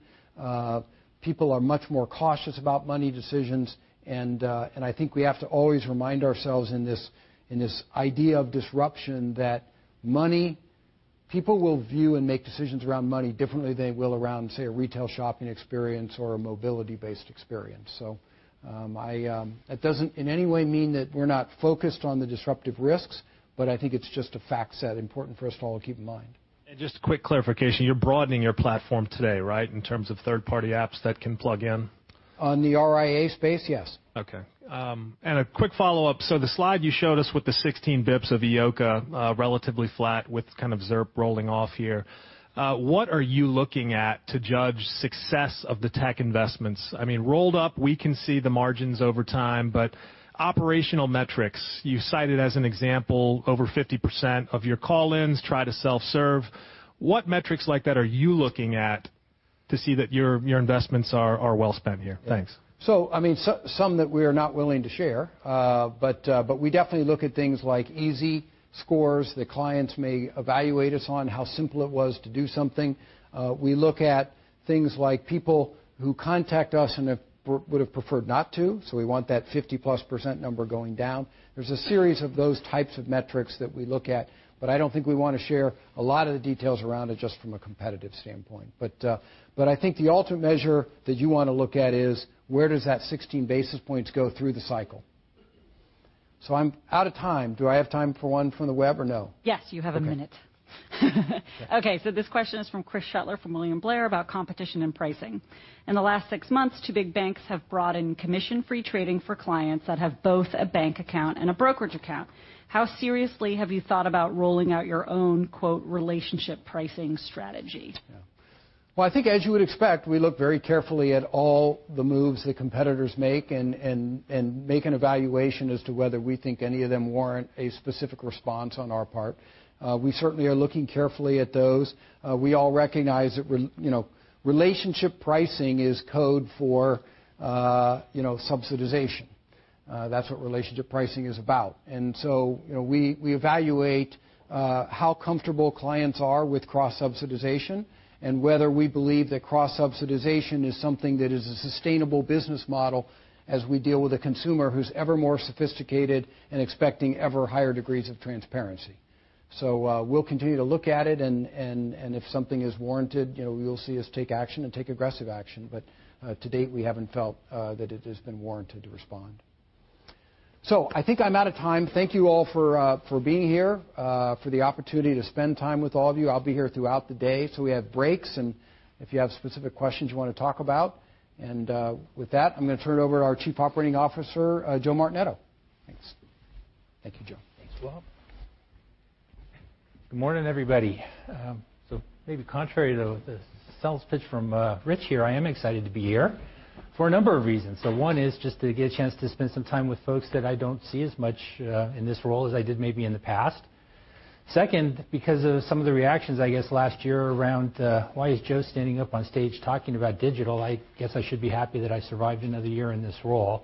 People are much more cautious about money decisions, and I think we have to always remind ourselves in this idea of disruption that money. People will view and make decisions around money differently than they will around, say, a retail shopping experience or a mobility-based experience. That doesn't in any way mean that we're not focused on the disruptive risks, but I think it's just a fact set important for us to all keep in mind. Just quick clarification, you're broadening your platform today, right? In terms of third-party apps that can plug in. On the RIA space, yes. Okay. A quick follow-up. The slide you showed us with the 16 basis points of EOCA, relatively flat with kind of ZIRP rolling off here. What are you looking at to judge success of the tech investments? I mean, rolled up, we can see the margins over time, but operational metrics, you cited as an example, over 50% of your call-ins try to self-serve. What metrics like that are you looking at to see that your investments are well spent here? Thanks. Some that we are not willing to share. We definitely look at things like easy scores that clients may evaluate us on, how simple it was to do something. We look at things like people who contact us and would have preferred not to, we want that 50-plus % number going down. There's a series of those types of metrics that we look at, but I don't think we want to share a lot of the details around it just from a competitive standpoint. I think the ultimate measure that you want to look at is where does that 16 basis points go through the cycle? I'm out of time. Do I have time for one from the web or no? Yes, you have a minute. Okay. Okay, this question is from Chris Shutler from William Blair about competition and pricing. In the last six months, two big banks have brought in commission-free trading for clients that have both a bank account and a brokerage account. How seriously have you thought about rolling out your own, quote, "relationship pricing strategy? Yeah. Well, I think as you would expect, we look very carefully at all the moves that competitors make and make an evaluation as to whether we think any of them warrant a specific response on our part. We certainly are looking carefully at those. We all recognize that relationship pricing is code for subsidization. That's what relationship pricing is about. We evaluate how comfortable clients are with cross-subsidization and whether we believe that cross-subsidization is something that is a sustainable business model as we deal with a consumer who's ever more sophisticated and expecting ever higher degrees of transparency. We'll continue to look at it, and if something is warranted, you'll see us take action and take aggressive action. To date, we haven't felt that it has been warranted to respond. I think I'm out of time. Thank you all for being here, for the opportunity to spend time with all of you. I'll be here throughout the day, so we have breaks and if you have specific questions you want to talk about. With that, I'm going to turn it over to our Chief Operating Officer, Joe Martinetto. Thanks. Thank you, Joe. Thanks, Walt. Good morning, everybody. Maybe contrary to the sales pitch from Rich here, I am excited to be here for a number of reasons. One is just to get a chance to spend some time with folks that I don't see as much in this role as I did maybe in the past. Second, because of some of the reactions, I guess, last year around why is Joe standing up on stage talking about digital, I guess I should be happy that I survived another year in this role.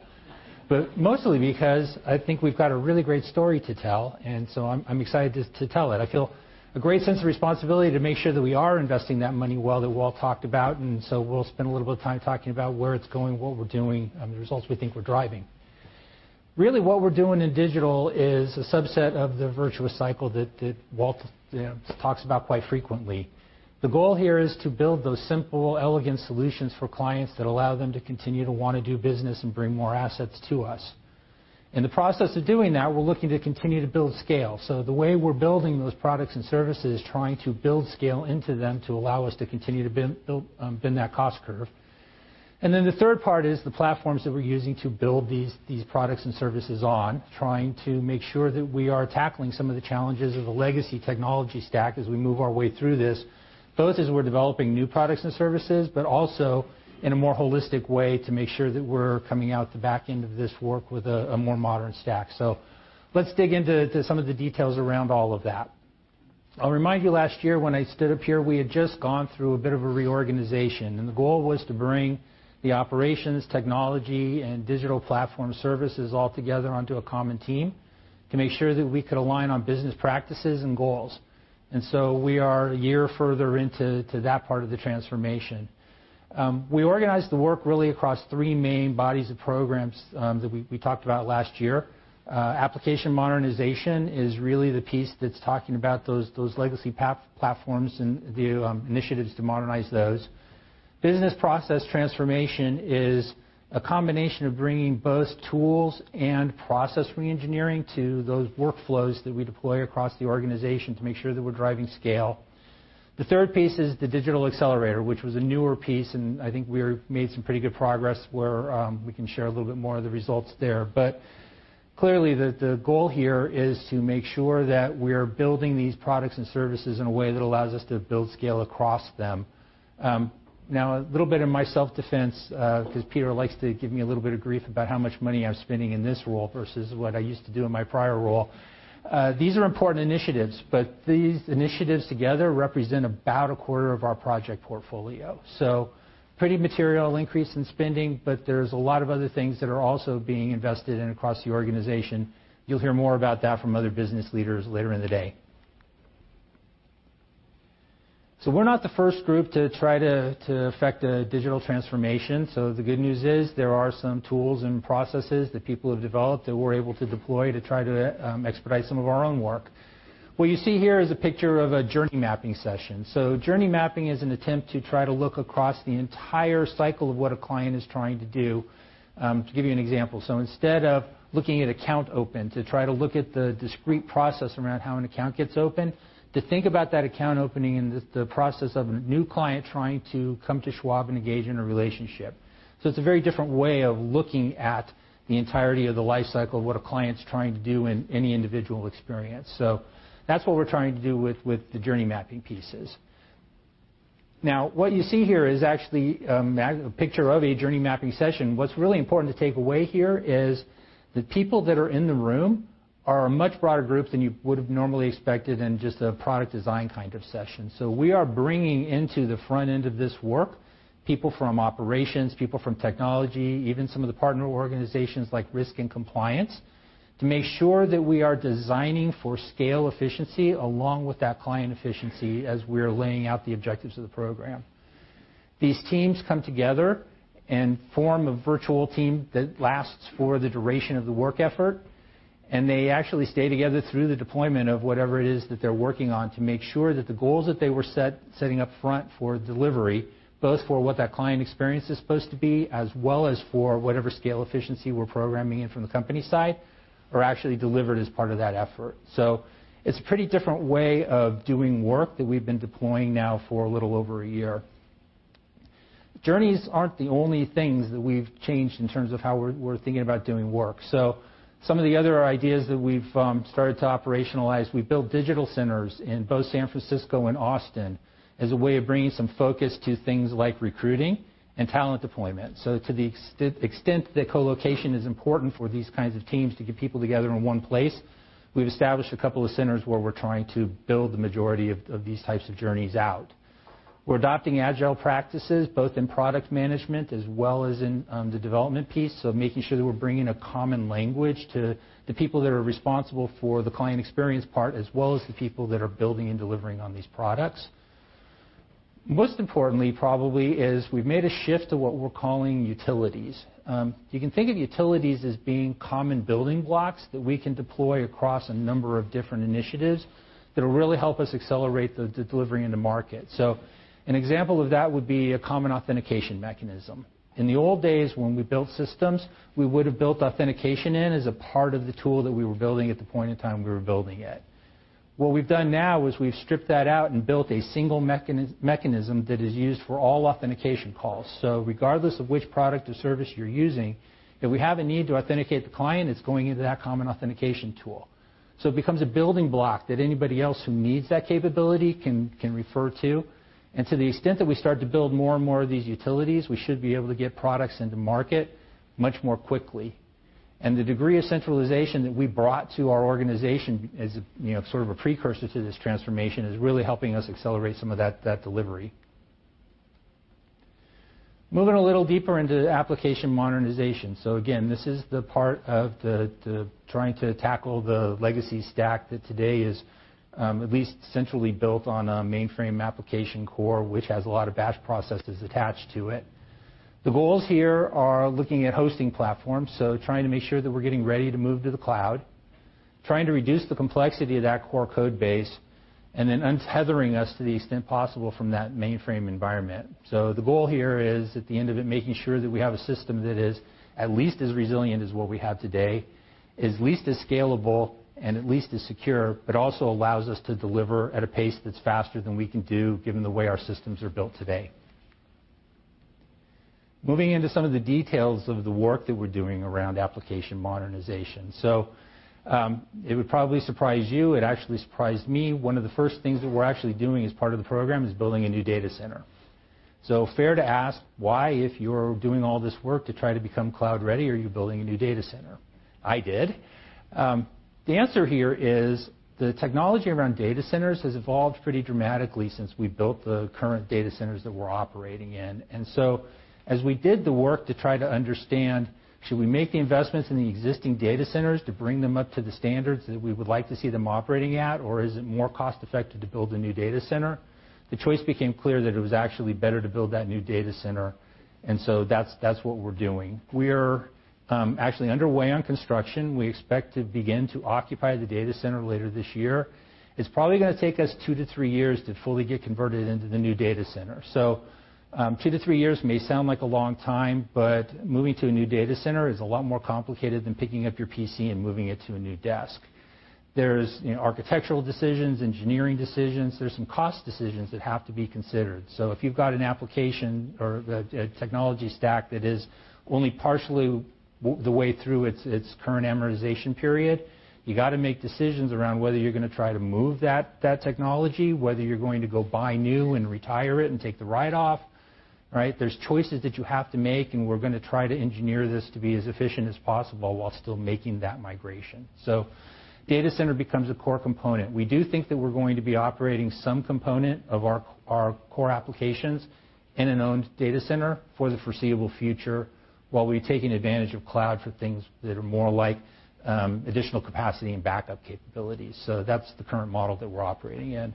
Mostly because I think we've got a really great story to tell, I'm excited to tell it. I feel a great sense of responsibility to make sure that we are investing that money well that Walt talked about, we'll spend a little bit of time talking about where it's going, what we're doing, and the results we think we're driving. Really what we're doing in digital is a subset of the virtuous cycle that Walt talks about quite frequently. The goal here is to build those simple, elegant solutions for clients that allow them to continue to want to do business and bring more assets to us. In the process of doing that, we're looking to continue to build scale. The way we're building those products and services, trying to build scale into them to allow us to continue to bend that cost curve. The third part is the platforms that we're using to build these products and services on, trying to make sure that we are tackling some of the challenges of the legacy technology stack as we move our way through this, both as we're developing new products and services, but also in a more holistic way to make sure that we're coming out the back end of this work with a more modern stack. Let's dig into some of the details around all of that. I'll remind you last year when I stood up here, we had just gone through a bit of a reorganization, the goal was to bring the operations, technology, and digital platform services all together onto a common team to make sure that we could align on business practices and goals. We are a year further into that part of the transformation. We organized the work really across three main bodies of programs that we talked about last year. Application Modernization is really the piece that's talking about those legacy platforms and the initiatives to modernize those. Business Process Transformation is a combination of bringing both tools and process reengineering to those workflows that we deploy across the organization to make sure that we're driving scale. The third piece is the Digital Accelerator, which was a newer piece, and I think we made some pretty good progress where we can share a little bit more of the results there. Clearly, the goal here is to make sure that we're building these products and services in a way that allows us to build scale across them. Now, a little bit in my self-defense because Peter likes to give me a little bit of grief about how much money I'm spending in this role versus what I used to do in my prior role. These are important initiatives, but these initiatives together represent about a quarter of our project portfolio. Pretty material increase in spending, but there's a lot of other things that are also being invested in across the organization. You'll hear more about that from other business leaders later in the day. We're not the first group to try to affect a digital transformation. The good news is there are some tools and processes that people have developed that we're able to deploy to try to expedite some of our own work. What you see here is a picture of a journey mapping session. Journey mapping is an attempt to try to look across the entire cycle of what a client is trying to do. To give you an example, instead of looking at account open, to try to look at the discrete process around how an account gets open, to think about that account opening and the process of a new client trying to come to Schwab and engage in a relationship. It's a very different way of looking at the entirety of the life cycle of what a client's trying to do in any individual experience. That's what we're trying to do with the journey mapping pieces. Now what you see here is actually a picture of a journey mapping session. What's really important to take away here is the people that are in the room are a much broader group than you would've normally expected in just a product design kind of session. We are bringing into the front end of this work people from operations, people from technology, even some of the partner organizations like risk and compliance, to make sure that we are designing for scale efficiency along with that client efficiency as we're laying out the objectives of the program. These teams come together and form a virtual team that lasts for the duration of the work effort, and they actually stay together through the deployment of whatever it is that they're working on to make sure that the goals that they were setting up front for delivery, both for what that client experience is supposed to be as well as for whatever scale efficiency we're programming in from the company side, are actually delivered as part of that effort. It's a pretty different way of doing work that we've been deploying now for a little over one year. Journeys aren't the only things that we've changed in terms of how we're thinking about doing work. Some of the other ideas that we've started to operationalize, we've built digital centers in both San Francisco and Austin as a way of bringing some focus to things like recruiting and talent deployment. To the extent that co-location is important for these kinds of teams to get people together in one place, we've established a couple of centers where we're trying to build the majority of these types of journeys out. We're adopting agile practices both in product management as well as in the development piece, making sure that we're bringing a common language to the people that are responsible for the client experience part, as well as the people that are building and delivering on these products. Most importantly probably is we've made a shift to what we're calling utilities. You can think of utilities as being common building blocks that we can deploy across a number of different initiatives that'll really help us accelerate the delivery into market. An example of that would be a common authentication mechanism. In the old days when we built systems, we would've built authentication in as a part of the tool that we were building at the point in time we were building it. What we've done now is we've stripped that out and built a single mechanism that is used for all authentication calls. Regardless of which product or service you're using, if we have a need to authenticate the client, it's going into that common authentication tool. It becomes a building block that anybody else who needs that capability can refer to. To the extent that we start to build more and more of these utilities, we should be able to get products into market much more quickly. The degree of centralization that we brought to our organization as sort of a precursor to this transformation is really helping us accelerate some of that delivery. Moving a little deeper into application modernization. Again, this is the part of trying to tackle the legacy stack that today is at least centrally built on a mainframe application core, which has a lot of batch processes attached to it. The goals here are looking at hosting platforms, trying to make sure that we're getting ready to move to the cloud, trying to reduce the complexity of that core code base, and then untethering us to the extent possible from that mainframe environment. The goal here is at the end of it, making sure that we have a system that is at least as resilient as what we have today, is at least as scalable and at least as secure, also allows us to deliver at a pace that's faster than we can do given the way our systems are built today. Moving into some of the details of the work that we're doing around application modernization. It would probably surprise you, it actually surprised me, one of the first things that we're actually doing as part of the program is building a new data center. Fair to ask, why, if you're doing all this work to try to become cloud-ready, are you building a new data center? I did. The answer here is the technology around data centers has evolved pretty dramatically since we built the current data centers that we're operating in. As we did the work to try to understand should we make the investments in the existing data centers to bring them up to the standards that we would like to see them operating at, or is it more cost-effective to build a new data center? The choice became clear that it was actually better to build that new data center, that's what we're doing. We're actually underway on construction. We expect to begin to occupy the data center later this year. It's probably going to take us two to three years to fully get converted into the new data center. two to three years may sound like a long time, Moving to a new data center is a lot more complicated than picking up your PC and moving it to a new desk. There's architectural decisions, engineering decisions. There's some cost decisions that have to be considered. If you've got an application or a technology stack that is only partially the way through its current amortization period, you got to make decisions around whether you're going to try to move that technology, whether you're going to go buy new and retire it and take the write-off, right? There's choices that you have to make, We're going to try to engineer this to be as efficient as possible while still making that migration. Data center becomes a core component. We do think that we're going to be operating some component of our core applications in an owned data center for the foreseeable future while we've taken advantage of cloud for things that are more like additional capacity and backup capabilities. That's the current model that we're operating in.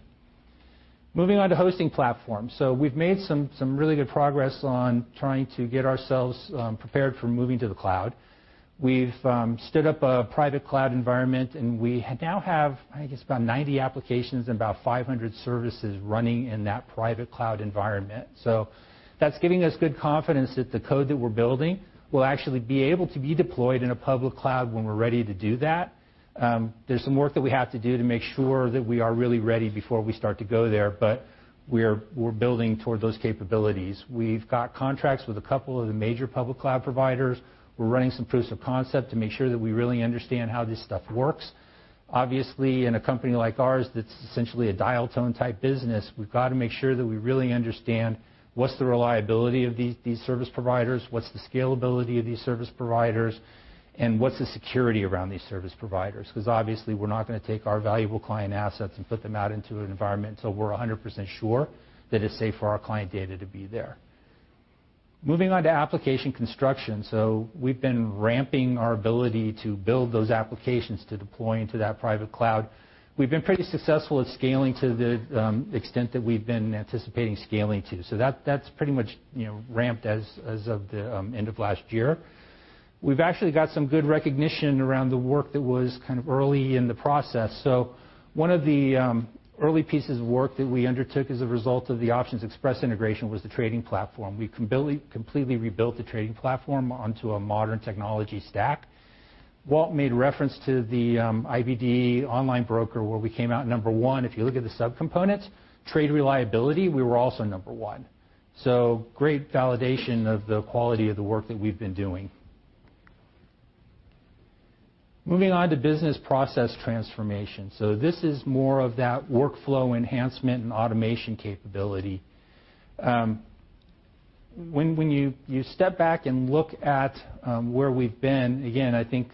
Moving on to hosting platforms. We've made some really good progress on trying to get ourselves prepared for moving to the cloud. We've stood up a private cloud environment, and we now have, I think, it's about 90 applications and about 500 services running in that private cloud environment. That's giving us good confidence that the code that we're building will actually be able to be deployed in a public cloud when we're ready to do that. There's some work that we have to do to make sure that we are really ready before we start to go there, but we're building toward those capabilities. We've got contracts with a couple of the major public cloud providers. We're running some proofs of concept to make sure that we really understand how this stuff works. Obviously, in a company like ours that's essentially a dial tone type business, we've got to make sure that we really understand what's the reliability of these service providers, what's the scalability of these service providers, and what's the security around these service providers. Because obviously, we're not going to take our valuable client assets and put them out into an environment until we're 100% sure that it's safe for our client data to be there. Moving on to application construction. We've been ramping our ability to build those applications to deploy into that private cloud. We've been pretty successful at scaling to the extent that we've been anticipating scaling to. That's pretty much ramped as of the end of last year. We've actually got some good recognition around the work that was kind of early in the process. One of the early pieces of work that we undertook as a result of the OptionsXpress integration was the trading platform. We completely rebuilt the trading platform onto a modern technology stack. Walt made reference to the IBD Online Broker, where we came out number one. If you look at the subcomponents, trade reliability, we were also number one. Great validation of the quality of the work that we've been doing. Moving on to business process transformation. This is more of that workflow enhancement and automation capability. When you step back and look at where we've been, again, I think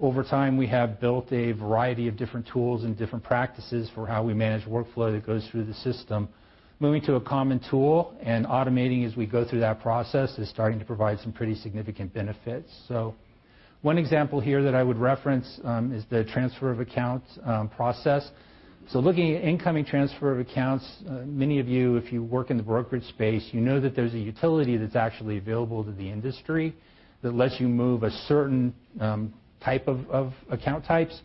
over time, we have built a variety of different tools and different practices for how we manage workflow that goes through the system. Moving to a common tool and automating as we go through that process is starting to provide some pretty significant benefits. One example here that I would reference is the transfer of accounts process. Looking at incoming transfer of accounts, many of you, if you work in the brokerage space, you know that there's a utility that's actually available to the industry that lets you move a certain type of account types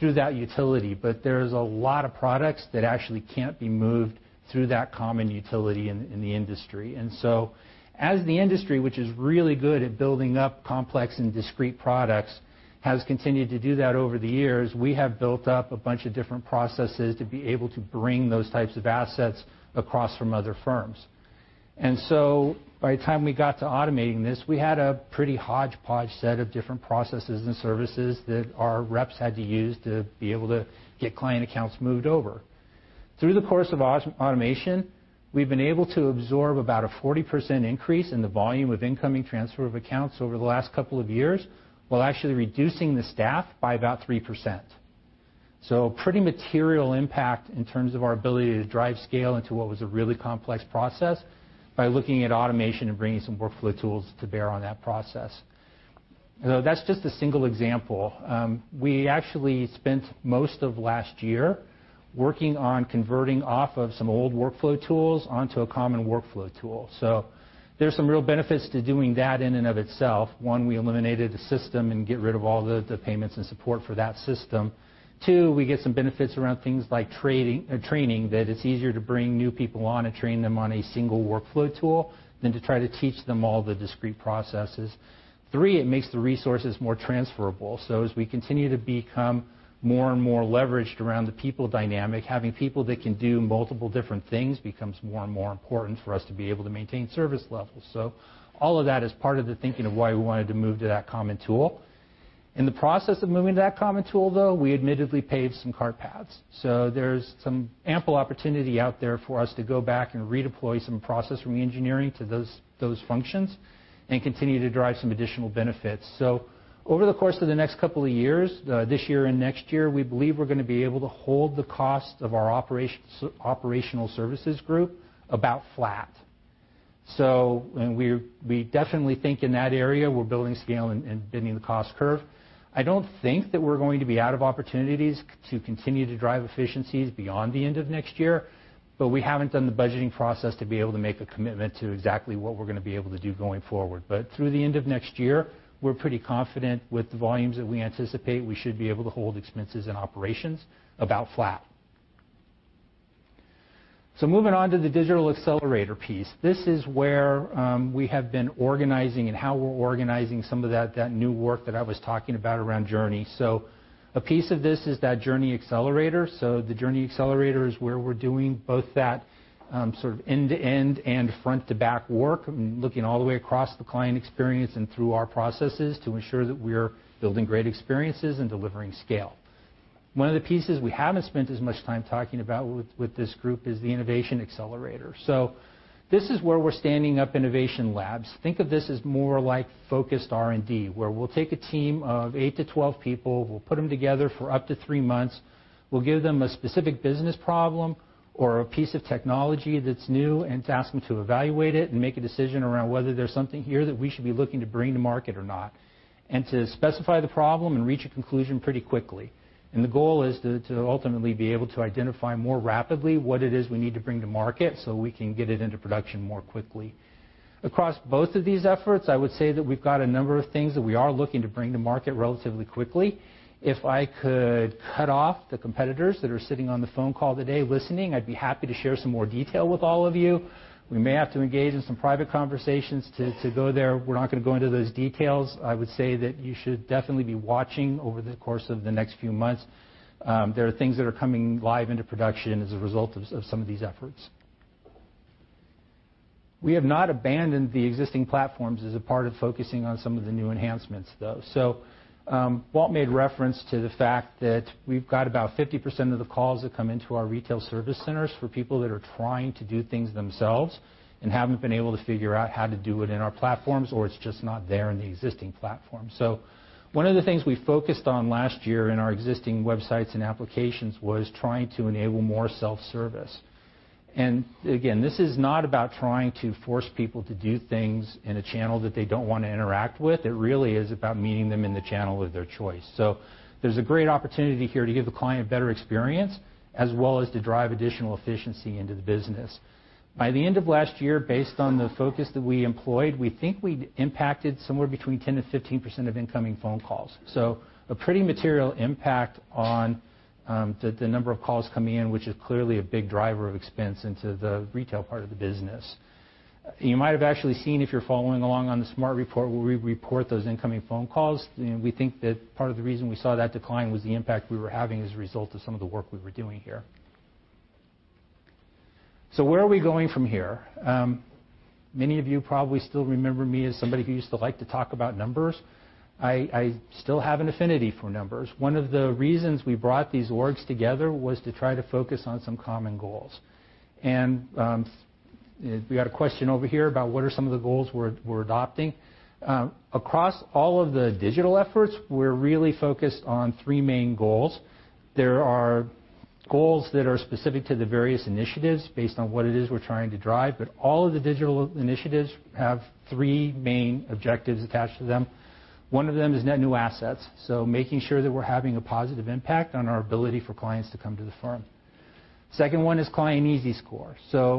through that utility. There's a lot of products that actually can't be moved through that common utility in the industry. As the industry, which is really good at building up complex and discrete products, has continued to do that over the years, we have built up a bunch of different processes to be able to bring those types of assets across from other firms. By the time we got to automating this, we had a pretty hodgepodge set of different processes and services that our reps had to use to be able to get client accounts moved over. Through the course of automation, we've been able to absorb about a 40% increase in the volume of incoming transfer of accounts over the last couple of years, while actually reducing the staff by about 3%. Pretty material impact in terms of our ability to drive scale into what was a really complex process by looking at automation and bringing some workflow tools to bear on that process. That's just a single example. We actually spent most of last year working on converting off of some old workflow tools onto a common workflow tool. There's some real benefits to doing that in and of itself. One, we eliminated the system and get rid of all the payments and support for that system. Two, we get some benefits around things like training, that it's easier to bring new people on and train them on a single workflow tool than to try to teach them all the discrete processes. Three, it makes the resources more transferable. As we continue to become more and more leveraged around the people dynamic, having people that can do multiple different things becomes more and more important for us to be able to maintain service levels. All of that is part of the thinking of why we wanted to move to that common tool. In the process of moving to that common tool, though, we admittedly paved some cart paths. There's some ample opportunity out there for us to go back and redeploy some process reengineering to those functions and continue to drive some additional benefits. Over the course of the next couple of years, this year and next year, we believe we're going to be able to hold the cost of our operational services group about flat. We definitely think in that area, we're building scale and bending the cost curve. I don't think that we're going to be out of opportunities to continue to drive efficiencies beyond the end of next year, but we haven't done the budgeting process to be able to make a commitment to exactly what we're going to be able to do going forward. Through the end of next year, we're pretty confident with the volumes that we anticipate we should be able to hold expenses and operations about flat. Moving on to the digital accelerator piece. This is where we have been organizing and how we're organizing some of that new work that I was talking about around journey. A piece of this is that journey accelerator. The journey accelerator is where we're doing both that sort of end-to-end and front-to-back work, looking all the way across the client experience and through our processes to ensure that we're building great experiences and delivering scale. One of the pieces we haven't spent as much time talking about with this group is the Innovation Accelerator. This is where we're standing up innovation labs. Think of this as more like focused R&D, where we'll take a team of eight to 12 people, we'll put them together for up to three months. We'll give them a specific business problem or a piece of technology that's new, and ask them to evaluate it and make a decision around whether there's something here that we should be looking to bring to market or not, and to specify the problem and reach a conclusion pretty quickly. The goal is to ultimately be able to identify more rapidly what it is we need to bring to market so we can get it into production more quickly. Across both of these efforts, we've got a number of things that we are looking to bring to market relatively quickly. If I could cut off the competitors that are sitting on the phone call today listening, I'd be happy to share some more detail with all of you. We may have to engage in some private conversations to go there. We're not going to go into those details. You should definitely be watching over the course of the next few months. There are things that are coming live into production as a result of some of these efforts. We have not abandoned the existing platforms as a part of focusing on some of the new enhancements, though. Walt made reference to the fact that we've got about 50% of the calls that come into our retail service centers for people that are trying to do things themselves and haven't been able to figure out how to do it in our platforms, or it's just not there in the existing platform. One of the things we focused on last year in our existing websites and applications was trying to enable more self-service. Again, this is not about trying to force people to do things in a channel that they don't want to interact with. It really is about meeting them in the channel of their choice. There's a great opportunity here to give the client a better experience, as well as to drive additional efficiency into the business. By the end of last year, based on the focus that we employed, we think we impacted somewhere between 10%-15% of incoming phone calls. A pretty material impact on the number of calls coming in, which is clearly a big driver of expense into the retail part of the business. You might have actually seen if you're following along on the smart report where we report those incoming phone calls. We think that part of the reason we saw that decline was the impact we were having as a result of some of the work we were doing here. Where are we going from here? Many of you probably still remember me as somebody who used to like to talk about numbers. I still have an affinity for numbers. One of the reasons we brought these orgs together was to try to focus on some common goals. We got a question over here about what are some of the goals we're adopting. Across all of the digital efforts, we're really focused on three main goals. There are goals that are specific to the various initiatives based on what it is we're trying to drive, but all of the digital initiatives have three main objectives attached to them. One of them is net new assets, making sure that we're having a positive impact on our ability for clients to come to the firm. Second one is client easy score.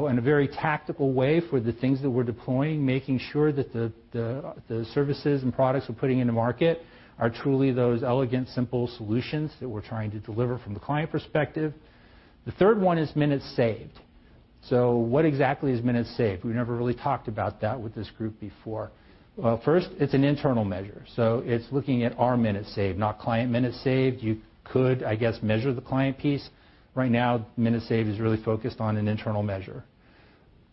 In a very tactical way for the things that we're deploying, making sure that the services and products we're putting in the market are truly those elegant, simple solutions that we're trying to deliver from the client perspective. The third one is minutes saved. What exactly is minutes saved? We never really talked about that with this group before. First, it's an internal measure, it's looking at our minutes saved, not client minutes saved. You could, I guess, measure the client piece. Right now, minutes saved is really focused on an internal measure.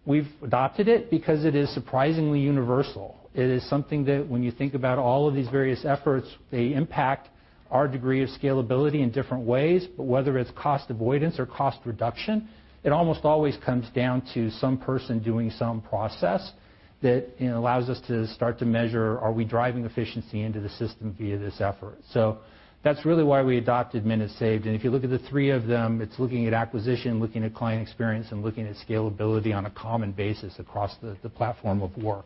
We've adopted it because it is surprisingly universal. It is something that when you think about all of these various efforts, they impact our degree of scalability in different ways, but whether it's cost avoidance or cost reduction, it almost always comes down to some person doing some process that allows us to start to measure, are we driving efficiency into the system via this effort? That's really why we adopted minutes saved, and if you look at the three of them, it's looking at acquisition, looking at client experience, and looking at scalability on a common basis across the platform of work.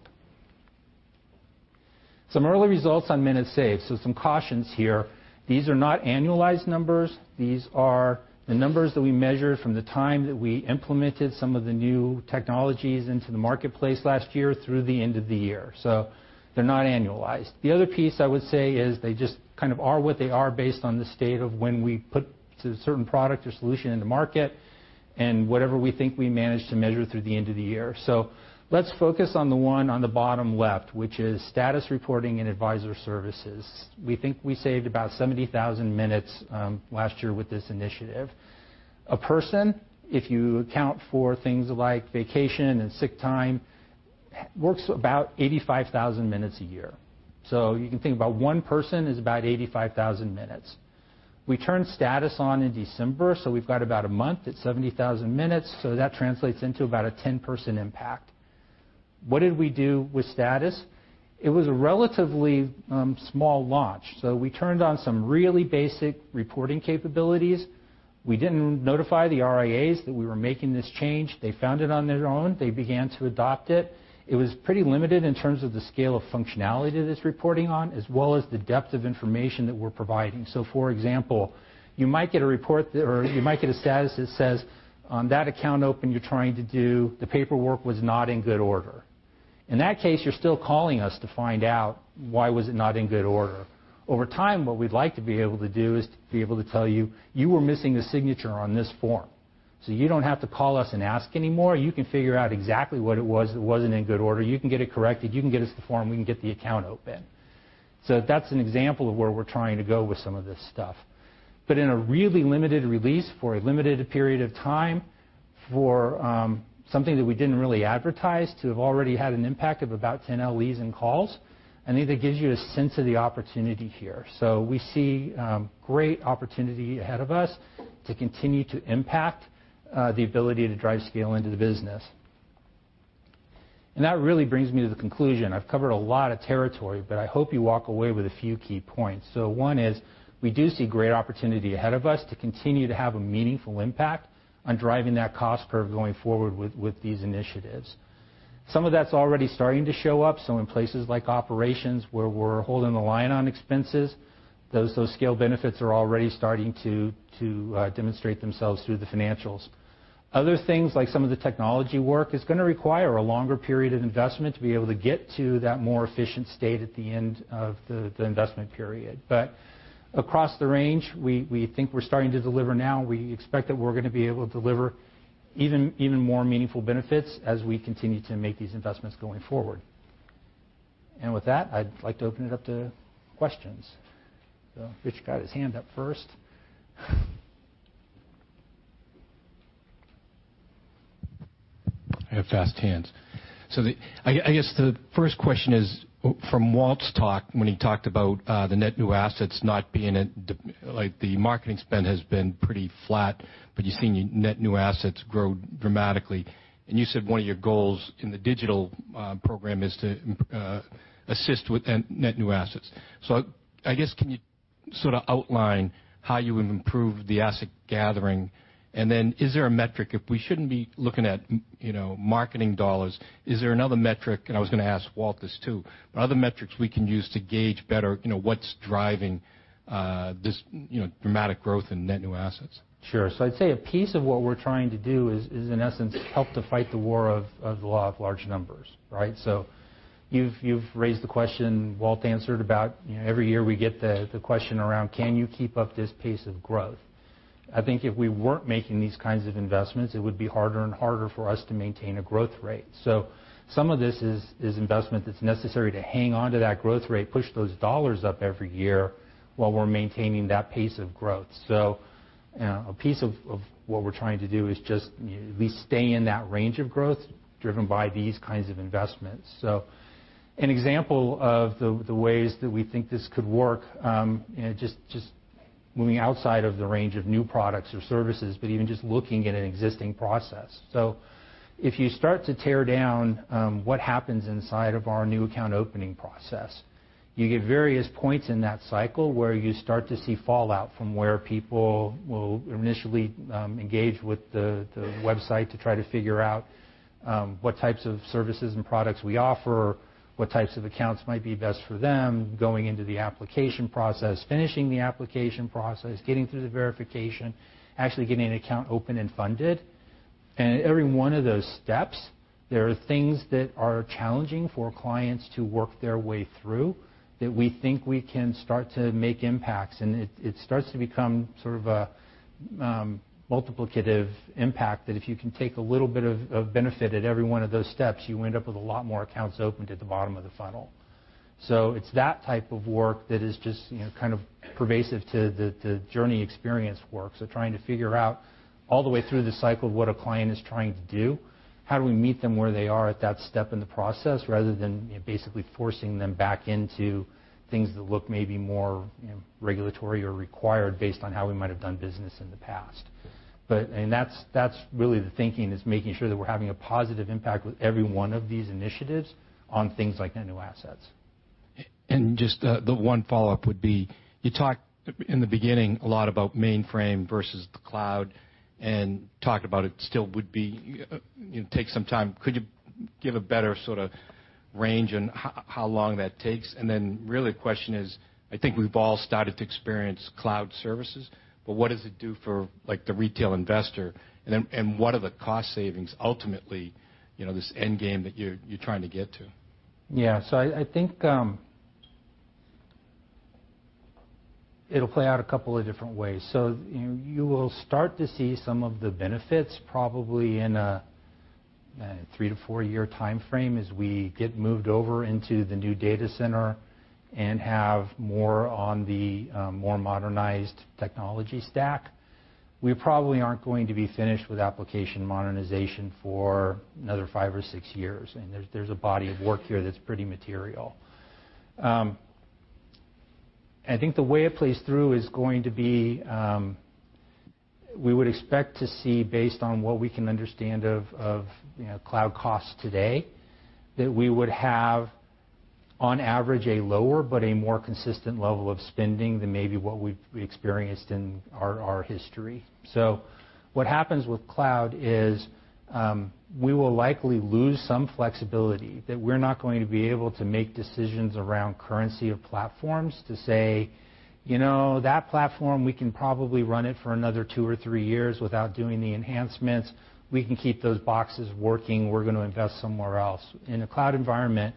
Some early results on minutes saved. Some cautions here. These are not annualized numbers. These are the numbers that we measured from the time that we implemented some of the new technologies into the marketplace last year through the end of the year. They're not annualized. The other piece I would say is they just kind of are what they are based on the state of when we put a certain product or solution in the market and whatever we think we managed to measure through the end of the year. Let's focus on the one on the bottom left, which is status reporting and Schwab Advisor Services. We think we saved about 70,000 minutes last year with this initiative. A person, if you account for things like vacation and sick time, works about 85,000 minutes a year. You can think about one person is about 85,000 minutes. We turned status on in December, we've got about a month at 70,000 minutes, that translates into about a 10-person impact. What did we do with status? It was a relatively small launch. We turned on some really basic reporting capabilities. We didn't notify the RIAs that we were making this change. They found it on their own. They began to adopt it. It was pretty limited in terms of the scale of functionality that it's reporting on, as well as the depth of information that we're providing. For example, you might get a report or you might get a status that says on that account open you're trying to do, the paperwork was not in good order. In that case, you're still calling us to find out why was it not in good order. Over time, what we'd like to be able to do is to be able to tell you were missing a signature on this form. You don't have to call us and ask anymore. You can figure out exactly what it was that wasn't in good order. You can get it corrected, you can get us the form, we can get the account open. That's an example of where we're trying to go with some of this stuff. In a really limited release for a limited period of time. For something that we didn't really advertise to have already had an impact of about 10 LEs and calls, I think that gives you a sense of the opportunity here. We see great opportunity ahead of us to continue to impact the ability to drive scale into the business. That really brings me to the conclusion. I've covered a lot of territory, but I hope you walk away with a few key points. One is, we do see great opportunity ahead of us to continue to have a meaningful impact on driving that cost curve going forward with these initiatives. Some of that's already starting to show up. In places like operations, where we're holding the line on expenses, those scale benefits are already starting to demonstrate themselves through the financials. Other things, like some of the technology work, is going to require a longer period of investment to be able to get to that more efficient state at the end of the investment period. Across the range, we think we're starting to deliver now. We expect that we're going to be able to deliver even more meaningful benefits as we continue to make these investments going forward. With that, I'd like to open it up to questions. Rich got his hand up first. I have fast hands. I guess the first question is from Walt's talk when he talked about the net new assets not being at the. The marketing spend has been pretty flat, but you're seeing net new assets grow dramatically. You said one of your goals in the digital program is to assist with net new assets. I guess can you sort of outline how you would improve the asset gathering? Then is there a metric if we shouldn't be looking at marketing dollars, is there another metric, and I was going to ask Walt this too, but other metrics we can use to gauge better what's driving this dramatic growth in net new assets? Sure. I'd say a piece of what we're trying to do is, in essence, help to fight the war of the law of large numbers. Right? You've raised the question Walt answered about every year we get the question around can you keep up this pace of growth? I think if we weren't making these kinds of investments, it would be harder and harder for us to maintain a growth rate. Some of this is investment that's necessary to hang on to that growth rate, push those dollars up every year while we're maintaining that pace of growth. A piece of what we're trying to do is just at least stay in that range of growth driven by these kinds of investments. An example of the ways that we think this could work, just moving outside of the range of new products or services, but even just looking at an existing process. If you start to tear down what happens inside of our new account opening process, you get various points in that cycle where you start to see fallout from where people will initially engage with the website to try to figure out what types of services and products we offer, what types of accounts might be best for them, going into the application process, finishing the application process, getting through the verification, actually getting an account open and funded. Every one of those steps, there are things that are challenging for clients to work their way through that we think we can start to make impacts. It starts to become sort of a multiplicative impact that if you can take a little bit of benefit at every one of those steps, you end up with a lot more accounts opened at the bottom of the funnel. It's that type of work that is just kind of pervasive to the journey experience work. Trying to figure out all the way through the cycle of what a client is trying to do, how do we meet them where they are at that step in the process rather than basically forcing them back into things that look maybe more regulatory or required based on how we might have done business in the past. That's really the thinking is making sure that we're having a positive impact with every one of these initiatives on things like net new assets. Just the one follow-up would be, you talked in the beginning a lot about mainframe versus the cloud and talked about it still would be take some time. Could you give a better sort of range on how long that takes? Then really the question is, I think we've all started to experience cloud services, but what does it do for like the retail investor? What are the cost savings ultimately, this end game that you're trying to get to? I think it'll play out a couple of different ways. You will start to see some of the benefits probably in a 3 to 4 year timeframe as we get moved over into the new data center and have more on the more modernized technology stack. We probably aren't going to be finished with application modernization for another 5 or 6 years, and there's a body of work here that's pretty material. I think the way it plays through is going to be, we would expect to see based on what we can understand of cloud costs today, that we would have on average a lower but a more consistent level of spending than maybe what we've experienced in our history. What happens with cloud is, we will likely lose some flexibility that we're not going to be able to make decisions around currency of platforms to say, "You know, that platform, we can probably run it for another two or three years without doing the enhancements. We can keep those boxes working. We're going to invest somewhere else." In a cloud environment,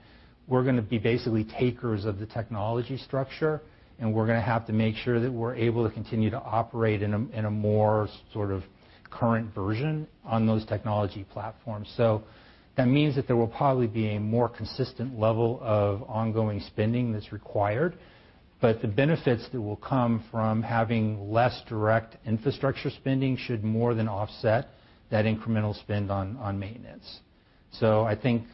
we're going to be basically takers of the technology structure, and we're going to have to make sure that we're able to continue to operate in a more sort of current version on those technology platforms. That means that there will probably be a more consistent level of ongoing spending that's required, but the benefits that will come from having less direct infrastructure spending should more than offset that incremental spend on maintenance. I think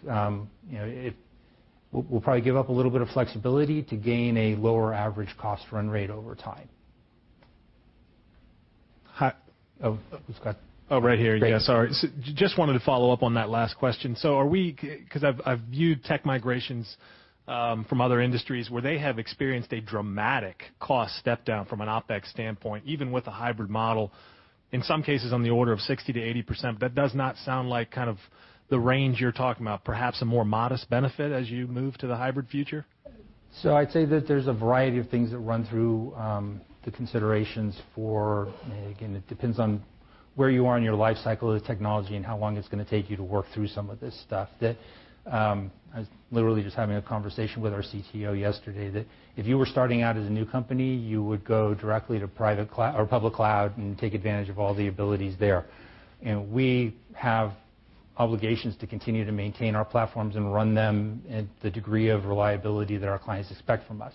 we'll probably give up a little bit of flexibility to gain a lower average cost run rate over time. Hi. Oh, Scott. Oh, right here. Yeah. Sorry. Just wanted to follow up on that last question. I've viewed tech migrations from other industries where they have experienced a dramatic cost step-down from an OpEx standpoint, even with a hybrid model, in some cases on the order of 60%-80%. That does not sound like kind of the range you're talking about. Perhaps a more modest benefit as you move to the hybrid future? I'd say that there's a variety of things that run through the considerations for Again, it depends on where you are in your life cycle of the technology and how long it's going to take you to work through some of this stuff that, I was literally just having a conversation with our CTO yesterday, that if you were starting out as a new company, you would go directly to public cloud and take advantage of all the abilities there. We have obligations to continue to maintain our platforms and run them at the degree of reliability that our clients expect from us.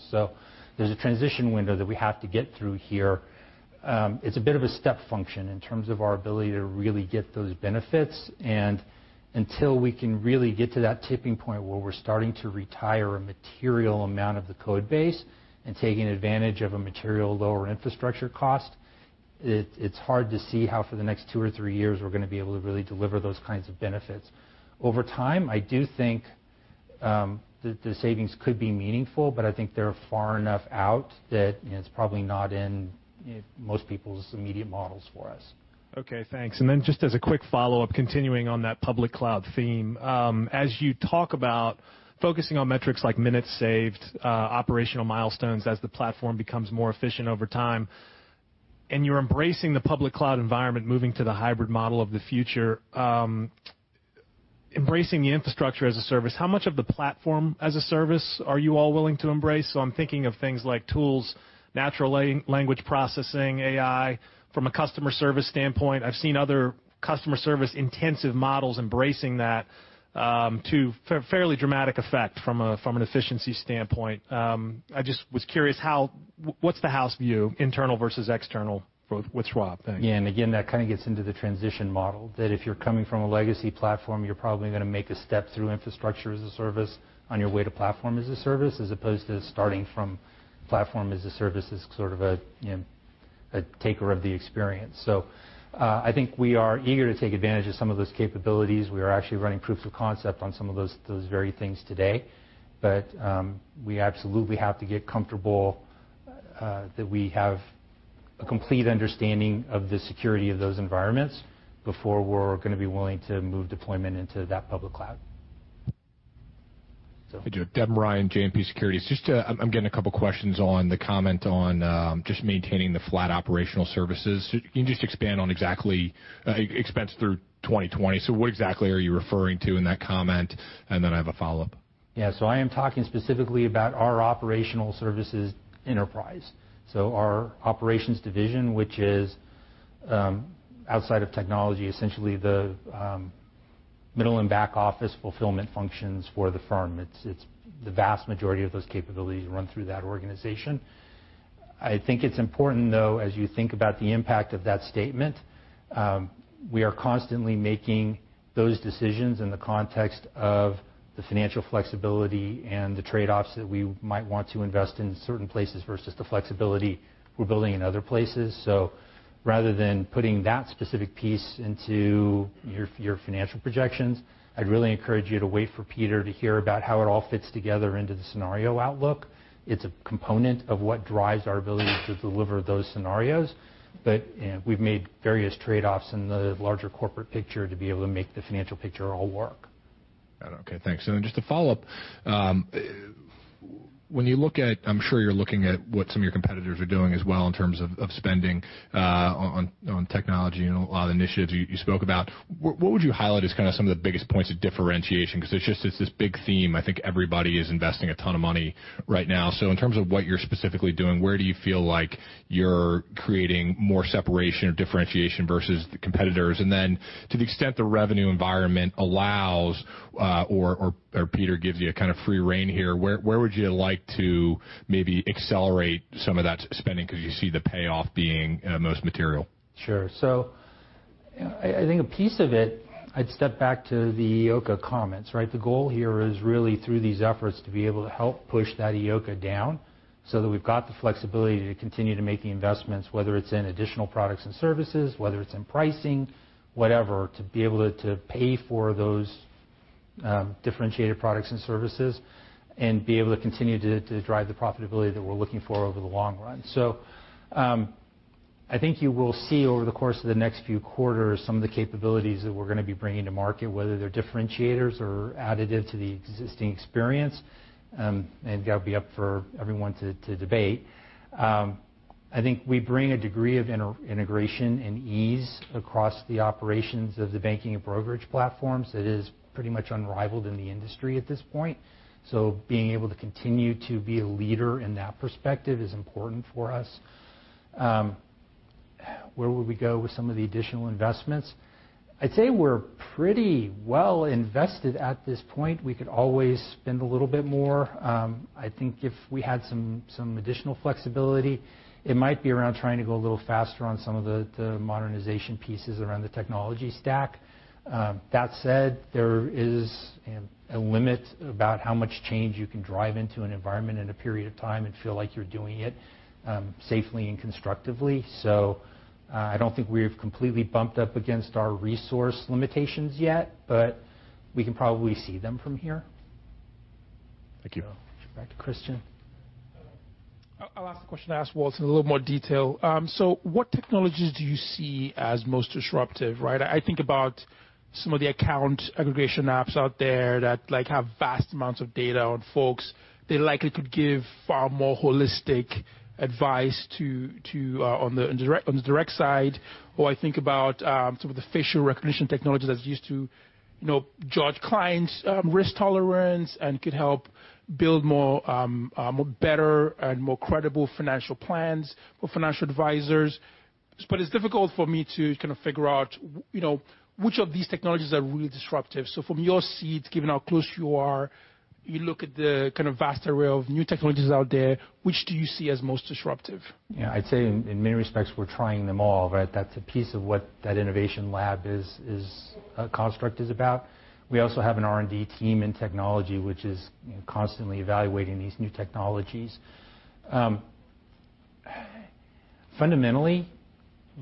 There's a transition window that we have to get through here. It's a bit of a step function in terms of our ability to really get those benefits. Until we can really get to that tipping point where we're starting to retire a material amount of the code base and taking advantage of a material lower infrastructure cost, it's hard to see how for the next two or three years we're going to be able to really deliver those kinds of benefits. Over time, I do think that the savings could be meaningful, but I think they're far enough out that it's probably not in most people's immediate models for us. Okay, thanks. Just as a quick follow-up, continuing on that public cloud theme, as you talk about focusing on metrics like minutes saved, operational milestones as the platform becomes more efficient over time, you're embracing the public cloud environment, moving to the hybrid model of the future, embracing the infrastructure as a service, how much of the platform as a service are you all willing to embrace? I'm thinking of things like tools, natural language processing, AI from a customer service standpoint. I've seen other customer service intensive models embracing that to fairly dramatic effect from an efficiency standpoint. I just was curious, what's the house view, internal versus external for what Schwab thinks? Yeah. Again, that kind of gets into the transition model, that if you're coming from a legacy platform, you're probably going to make a step through infrastructure as a service on your way to platform as a service, as opposed to starting from platform as a service as sort of a taker of the experience. I think we are eager to take advantage of some of those capabilities. We are actually running proofs of concept on some of those very things today. We absolutely have to get comfortable that we have a complete understanding of the security of those environments before we're going to be willing to move deployment into that public cloud. Devin Ryan, JMP Securities. I'm getting a couple questions on the comment on just maintaining the flat operational services. Can you just expand on exactly, expense through 2020. What exactly are you referring to in that comment? I have a follow-up. I am talking specifically about our operational services enterprise. Our operations division, which is outside of technology, essentially the middle and back office fulfillment functions for the firm. The vast majority of those capabilities run through that organization. I think it's important, though, as you think about the impact of that statement, we are constantly making those decisions in the context of the financial flexibility and the trade-offs that we might want to invest in certain places versus the flexibility we're building in other places. Rather than putting that specific piece into your financial projections, I'd really encourage you to wait for Peter to hear about how it all fits together into the scenario outlook. It's a component of what drives our ability to deliver those scenarios. We've made various trade-offs in the larger corporate picture to be able to make the financial picture all work. Got it. Okay, thanks. Just a follow-up. I'm sure you're looking at what some of your competitors are doing as well in terms of spending on technology and a lot of initiatives you spoke about. What would you highlight as kind of some of the biggest points of differentiation? Because it's this big theme. I think everybody is investing a ton of money right now. In terms of what you're specifically doing, where do you feel like you're creating more separation or differentiation versus the competitors? And then to the extent the revenue environment allows, or Peter gives you a kind of free rein here, where would you like to maybe accelerate some of that spending because you see the payoff being most material? Sure. I think a piece of it, I'd step back to the EOCA comments, right? The goal here is really through these efforts to be able to help push that EOCA down so that we've got the flexibility to continue to make the investments, whether it's in additional products and services, whether it's in pricing, whatever, to be able to pay for those differentiated products and services and be able to continue to drive the profitability that we're looking for over the long run. I think you will see over the course of the next few quarters some of the capabilities that we're going to be bringing to market, whether they're differentiators or additive to the existing experience, and that'll be up for everyone to debate. I think we bring a degree of integration and ease across the operations of the banking and brokerage platforms that is pretty much unrivaled in the industry at this point. Being able to continue to be a leader in that perspective is important for us. Where would we go with some of the additional investments? I'd say we're pretty well invested at this point. We could always spend a little bit more. I think if we had some additional flexibility, it might be around trying to go a little faster on some of the modernization pieces around the technology stack. That said, there is a limit about how much change you can drive into an environment in a period of time and feel like you're doing it safely and constructively. I don't think we've completely bumped up against our resource limitations yet, but we can probably see them from here. Thank you. Back to Christian. I'll ask the question I asked Walt in a little more detail. What technologies do you see as most disruptive, right? I think about some of the account aggregation apps out there that have vast amounts of data on folks. They likely could give far more holistic advice on the direct side, or I think about some of the facial recognition technologies that's used to judge clients' risk tolerance and could help build better and more credible financial plans for financial advisors. It's difficult for me to figure out which of these technologies are really disruptive. From your seat, given how close you are, you look at the vast array of new technologies out there, which do you see as most disruptive? Yeah. I'd say in many respects we're trying them all, right? That's a piece of what that innovation lab construct is about. We also have an R&D team in technology which is constantly evaluating these new technologies. Fundamentally,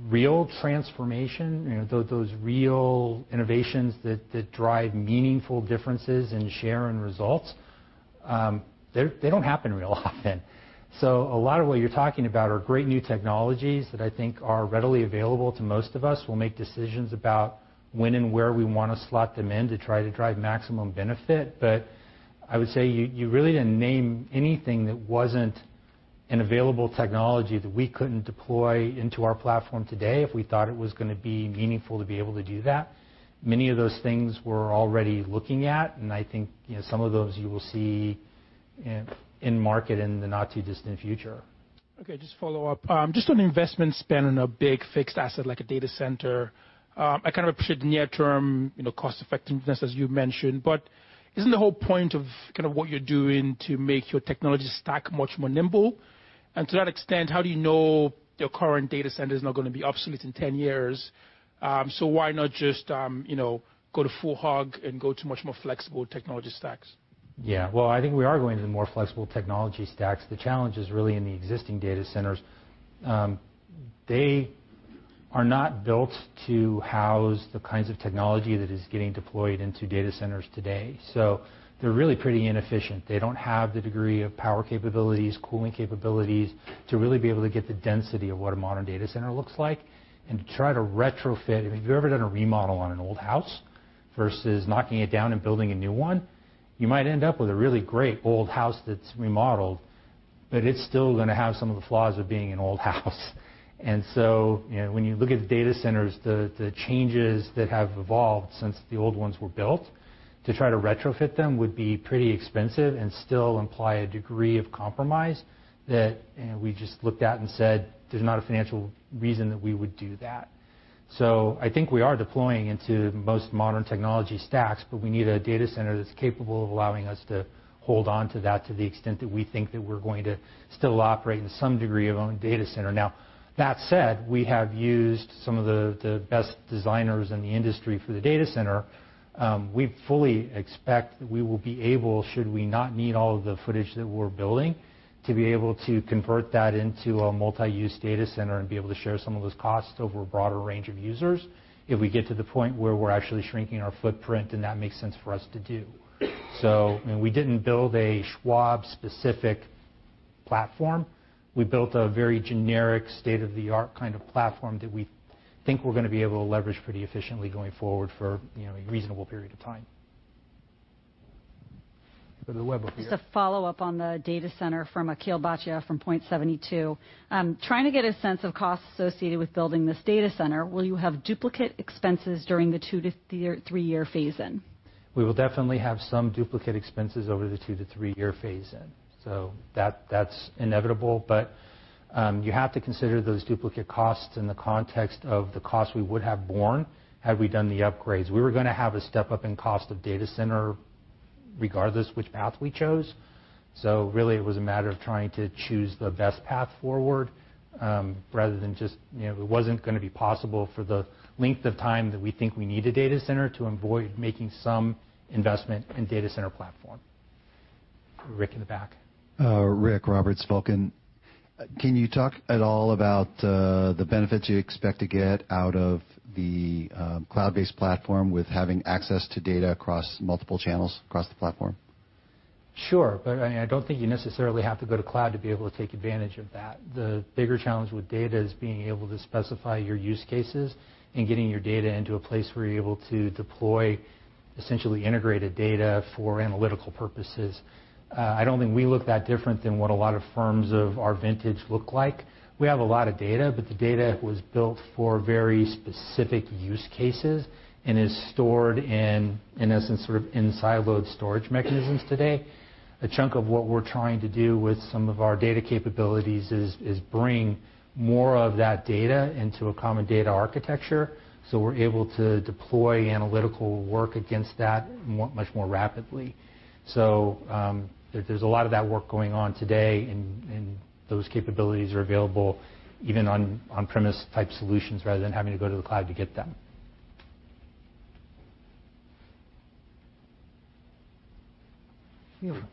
real transformation, those real innovations that drive meaningful differences in share and results, they don't happen real often. A lot of what you're talking about are great new technologies that I think are readily available to most of us. We'll make decisions about when and where we want to slot them in to try to drive maximum benefit. I would say you really didn't name anything that wasn't an available technology that we couldn't deploy into our platform today if we thought it was going to be meaningful to be able to do that. Many of those things we're already looking at, and I think some of those you will see in market in the not-too-distant future. Okay. Just follow up. Just on investment spend on a big fixed asset like a data center. I kind of appreciate near term cost effectiveness as you mentioned, but isn't the whole point of what you're doing to make your technology stack much more nimble? To that extent, how do you know your current data center is not going to be obsolete in 10 years? Why not just go the full hog and go to much more flexible technology stacks? I think we are going to the more flexible technology stacks. The challenge is really in the existing data centers. They are not built to house the kinds of technology that is getting deployed into data centers today. They're really pretty inefficient. They don't have the degree of power capabilities, cooling capabilities to really be able to get the density of what a modern data center looks like. To try to retrofit, if you've ever done a remodel on an old house versus knocking it down and building a new one, you might end up with a really great old house that's remodeled, but it's still going to have some of the flaws of being an old house. When you look at the data centers, the changes that have evolved since the old ones were built, to try to retrofit them would be pretty expensive and still imply a degree of compromise that we just looked at and said there's not a financial reason that we would do that. I think we are deploying into most modern technology stacks, but we need a data center that's capable of allowing us to hold onto that to the extent that we think that we're going to still operate in some degree of own data center. That said, we have used some of the best designers in the industry for the data center. We fully expect that we will be able, should we not need all of the footage that we're building, to be able to convert that into a multi-use data center and be able to share some of those costs over a broader range of users if we get to the point where we're actually shrinking our footprint and that makes sense for us to do. We didn't build a Schwab-specific platform. We built a very generic state-of-the-art kind of platform that we think we're going to be able to leverage pretty efficiently going forward for a reasonable period of time. Go to the web over here. Just a follow-up on the data center from Akhil Bachia from Point72. Trying to get a sense of costs associated with building this data center. Will you have duplicate expenses during the two to three-year phase-in? We will definitely have some duplicate expenses over the two to three-year phase-in. That's inevitable, but you have to consider those duplicate costs in the context of the cost we would have borne had we done the upgrades. We were going to have a step-up in cost of data center regardless which path we chose. Really it was a matter of trying to choose the best path forward, rather than just, it wasn't going to be possible for the length of time that we think we need a data center to avoid making some investment in data center platform. Rick in the back. Rick Roberts, Vulcan. Can you talk at all about the benefits you expect to get out of the cloud-based platform with having access to data across multiple channels across the platform? Sure. I don't think you necessarily have to go to cloud to be able to take advantage of that. The bigger challenge with data is being able to specify your use cases and getting your data into a place where you're able to deploy essentially integrated data for analytical purposes. I don't think we look that different than what a lot of firms of our vintage look like. We have a lot of data, the data was built for very specific use cases and is stored in essence, sort of in siloed storage mechanisms today. A chunk of what we're trying to do with some of our data capabilities is bring more of that data into a common data architecture we're able to deploy analytical work against that much more rapidly. There's a lot of that work going on today, those capabilities are available even on-premise-type solutions rather than having to go to the cloud to get them.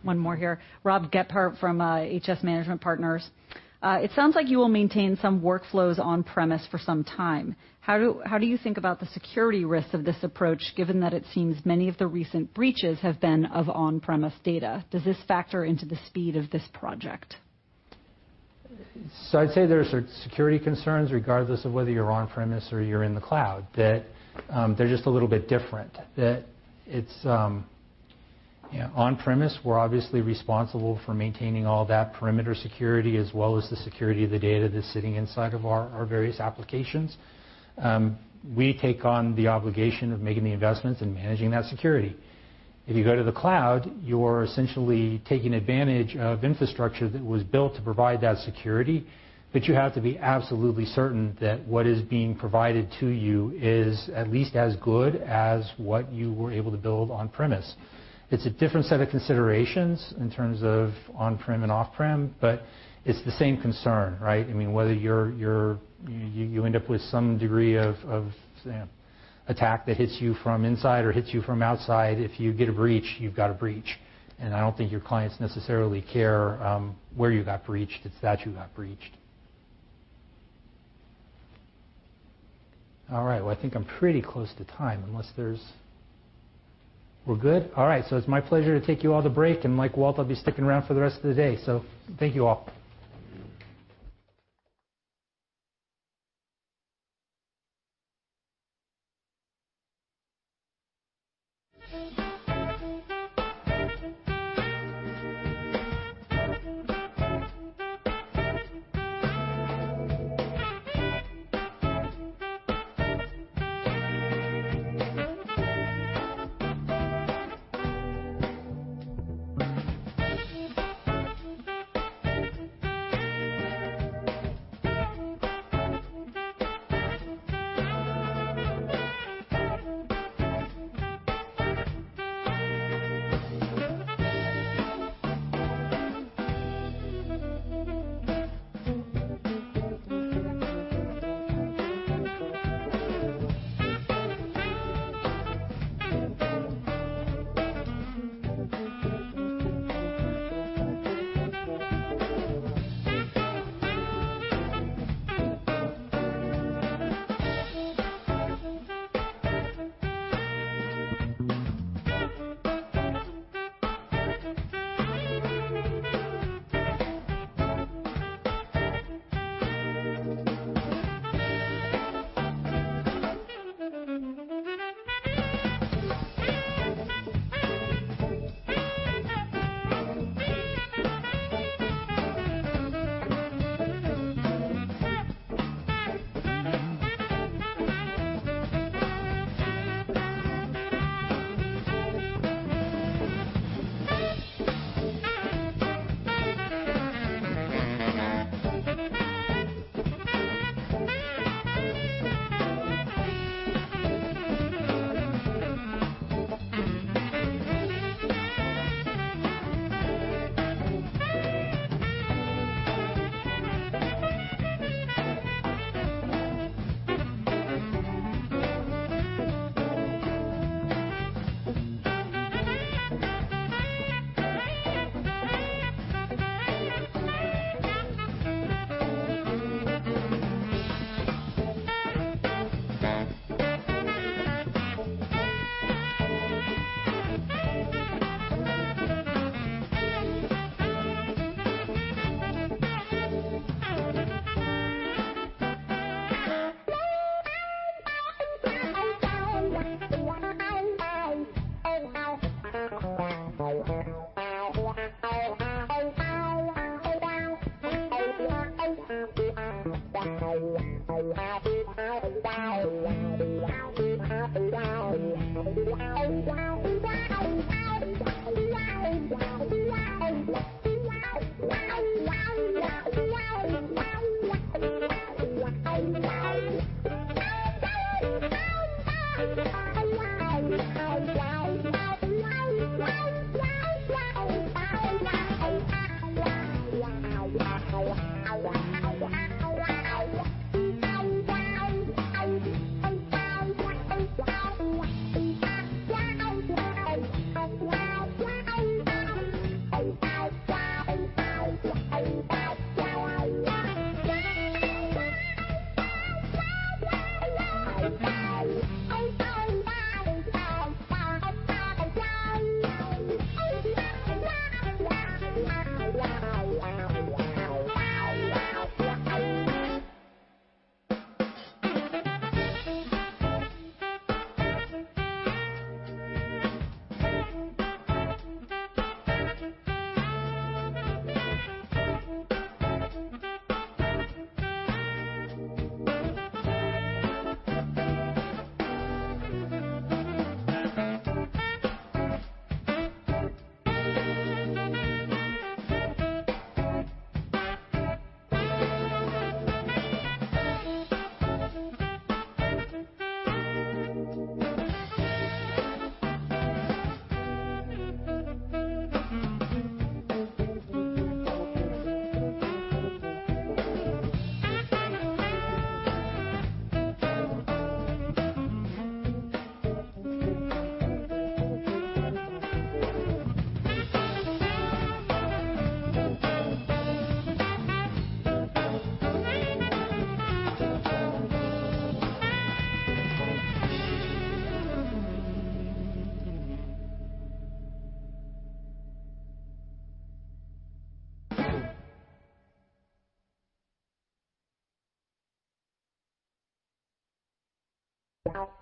One more here. Rob Gephart from HS Management Partners. It sounds like you will maintain some workflows on-premise for some time. How do you think about the security risks of this approach, given that it seems many of the recent breaches have been of on-premise data? Does this factor into the speed of this project? I'd say there's security concerns regardless of whether you're on-premise or you're in the cloud, that they're just a little bit different. That it's on-premise, we're obviously responsible for maintaining all that perimeter security as well as the security of the data that's sitting inside of our various applications. We take on the obligation of making the investments and managing that security. If you go to the cloud, you're essentially taking advantage of infrastructure that was built to provide that security, but you have to be absolutely certain that what is being provided to you is at least as good as what you were able to build on-premise. It's a different set of considerations in terms of on-prem and off-prem, but it's the same concern, right? Whether you end up with some degree of attack that hits you from inside or hits you from outside, if you get a breach, you've got a breach. I don't think your clients necessarily care where you got breached, it's that you got breached. I think I'm pretty close to time unless there's We're good? It's my pleasure to take you all to break, and like Walt, I'll be sticking around for the rest of the day. Thank you all.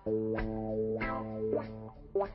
All right.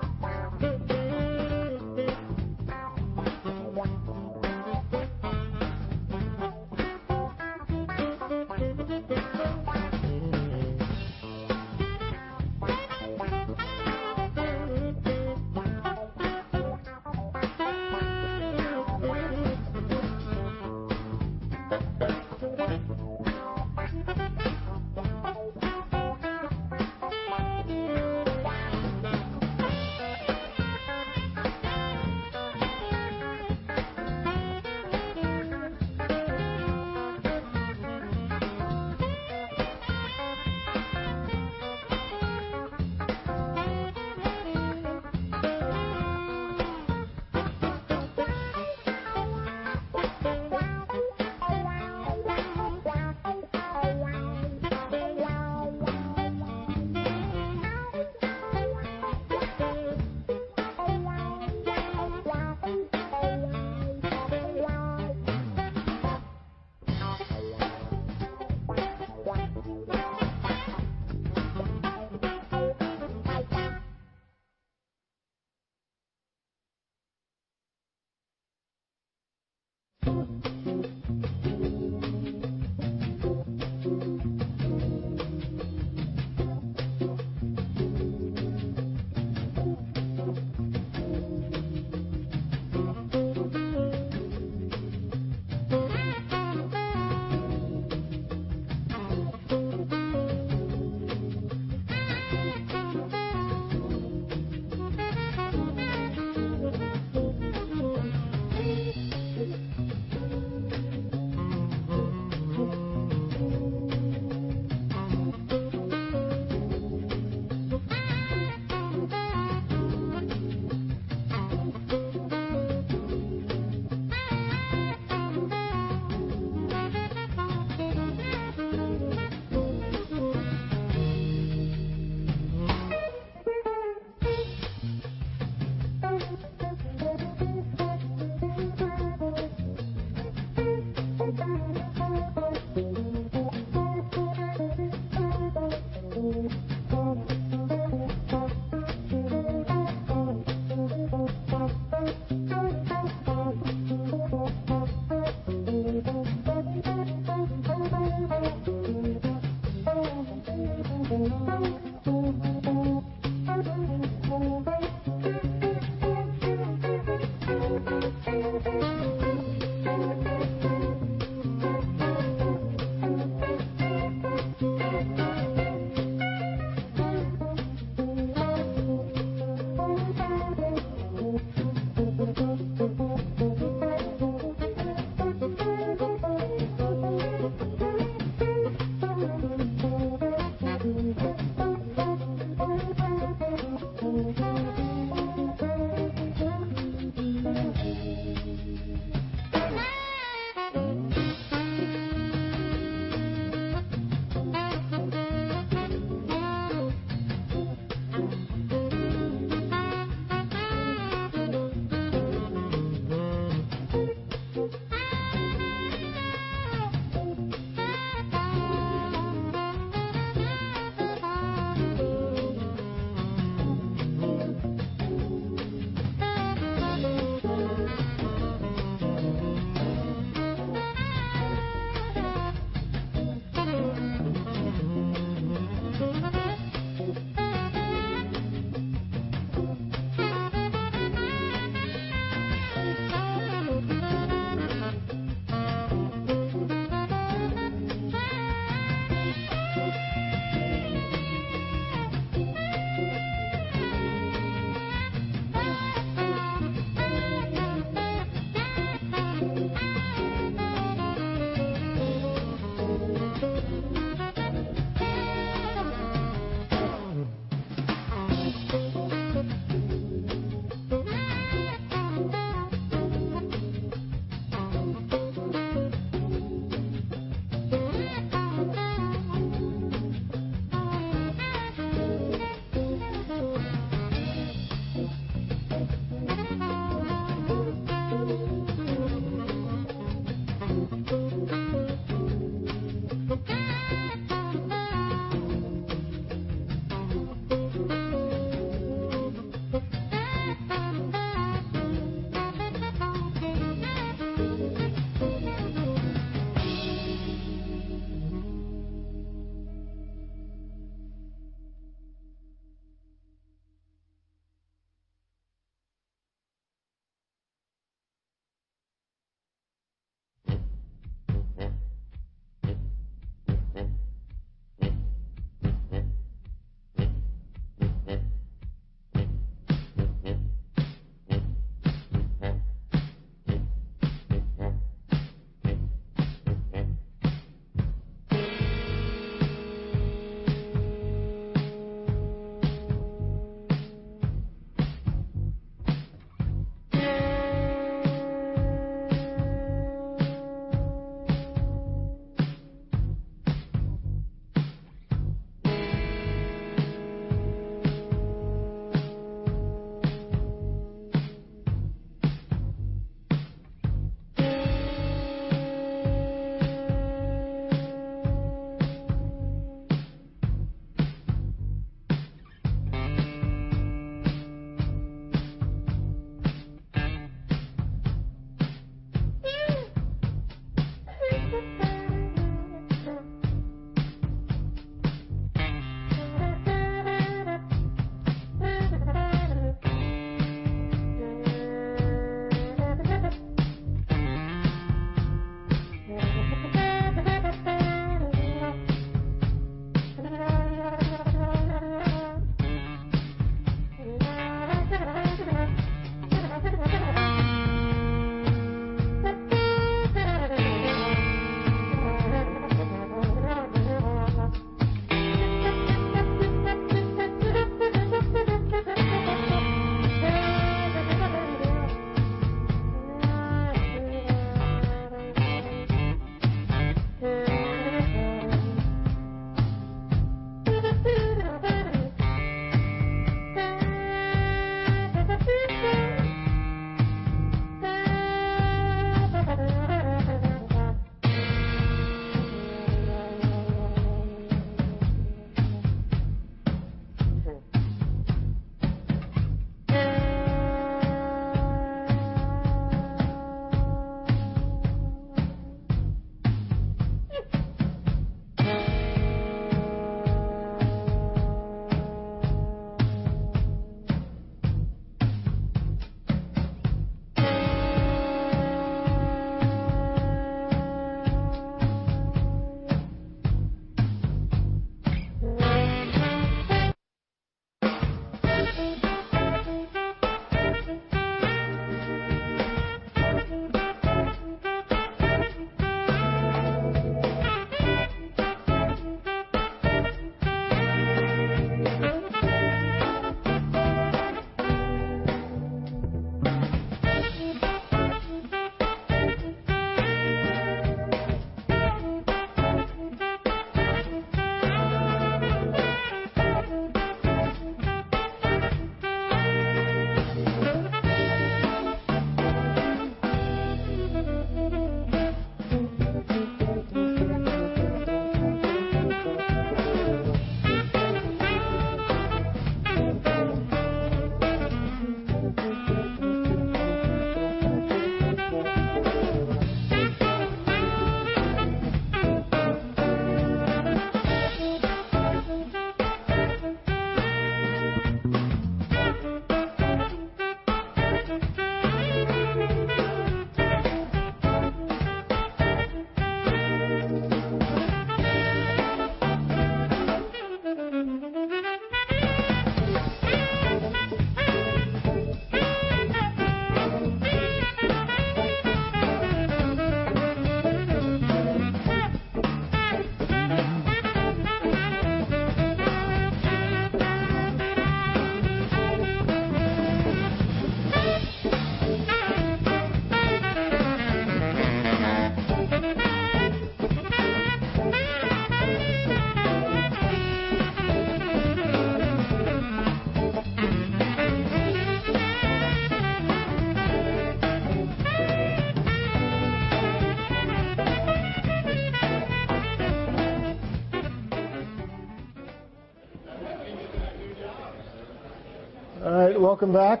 Welcome back.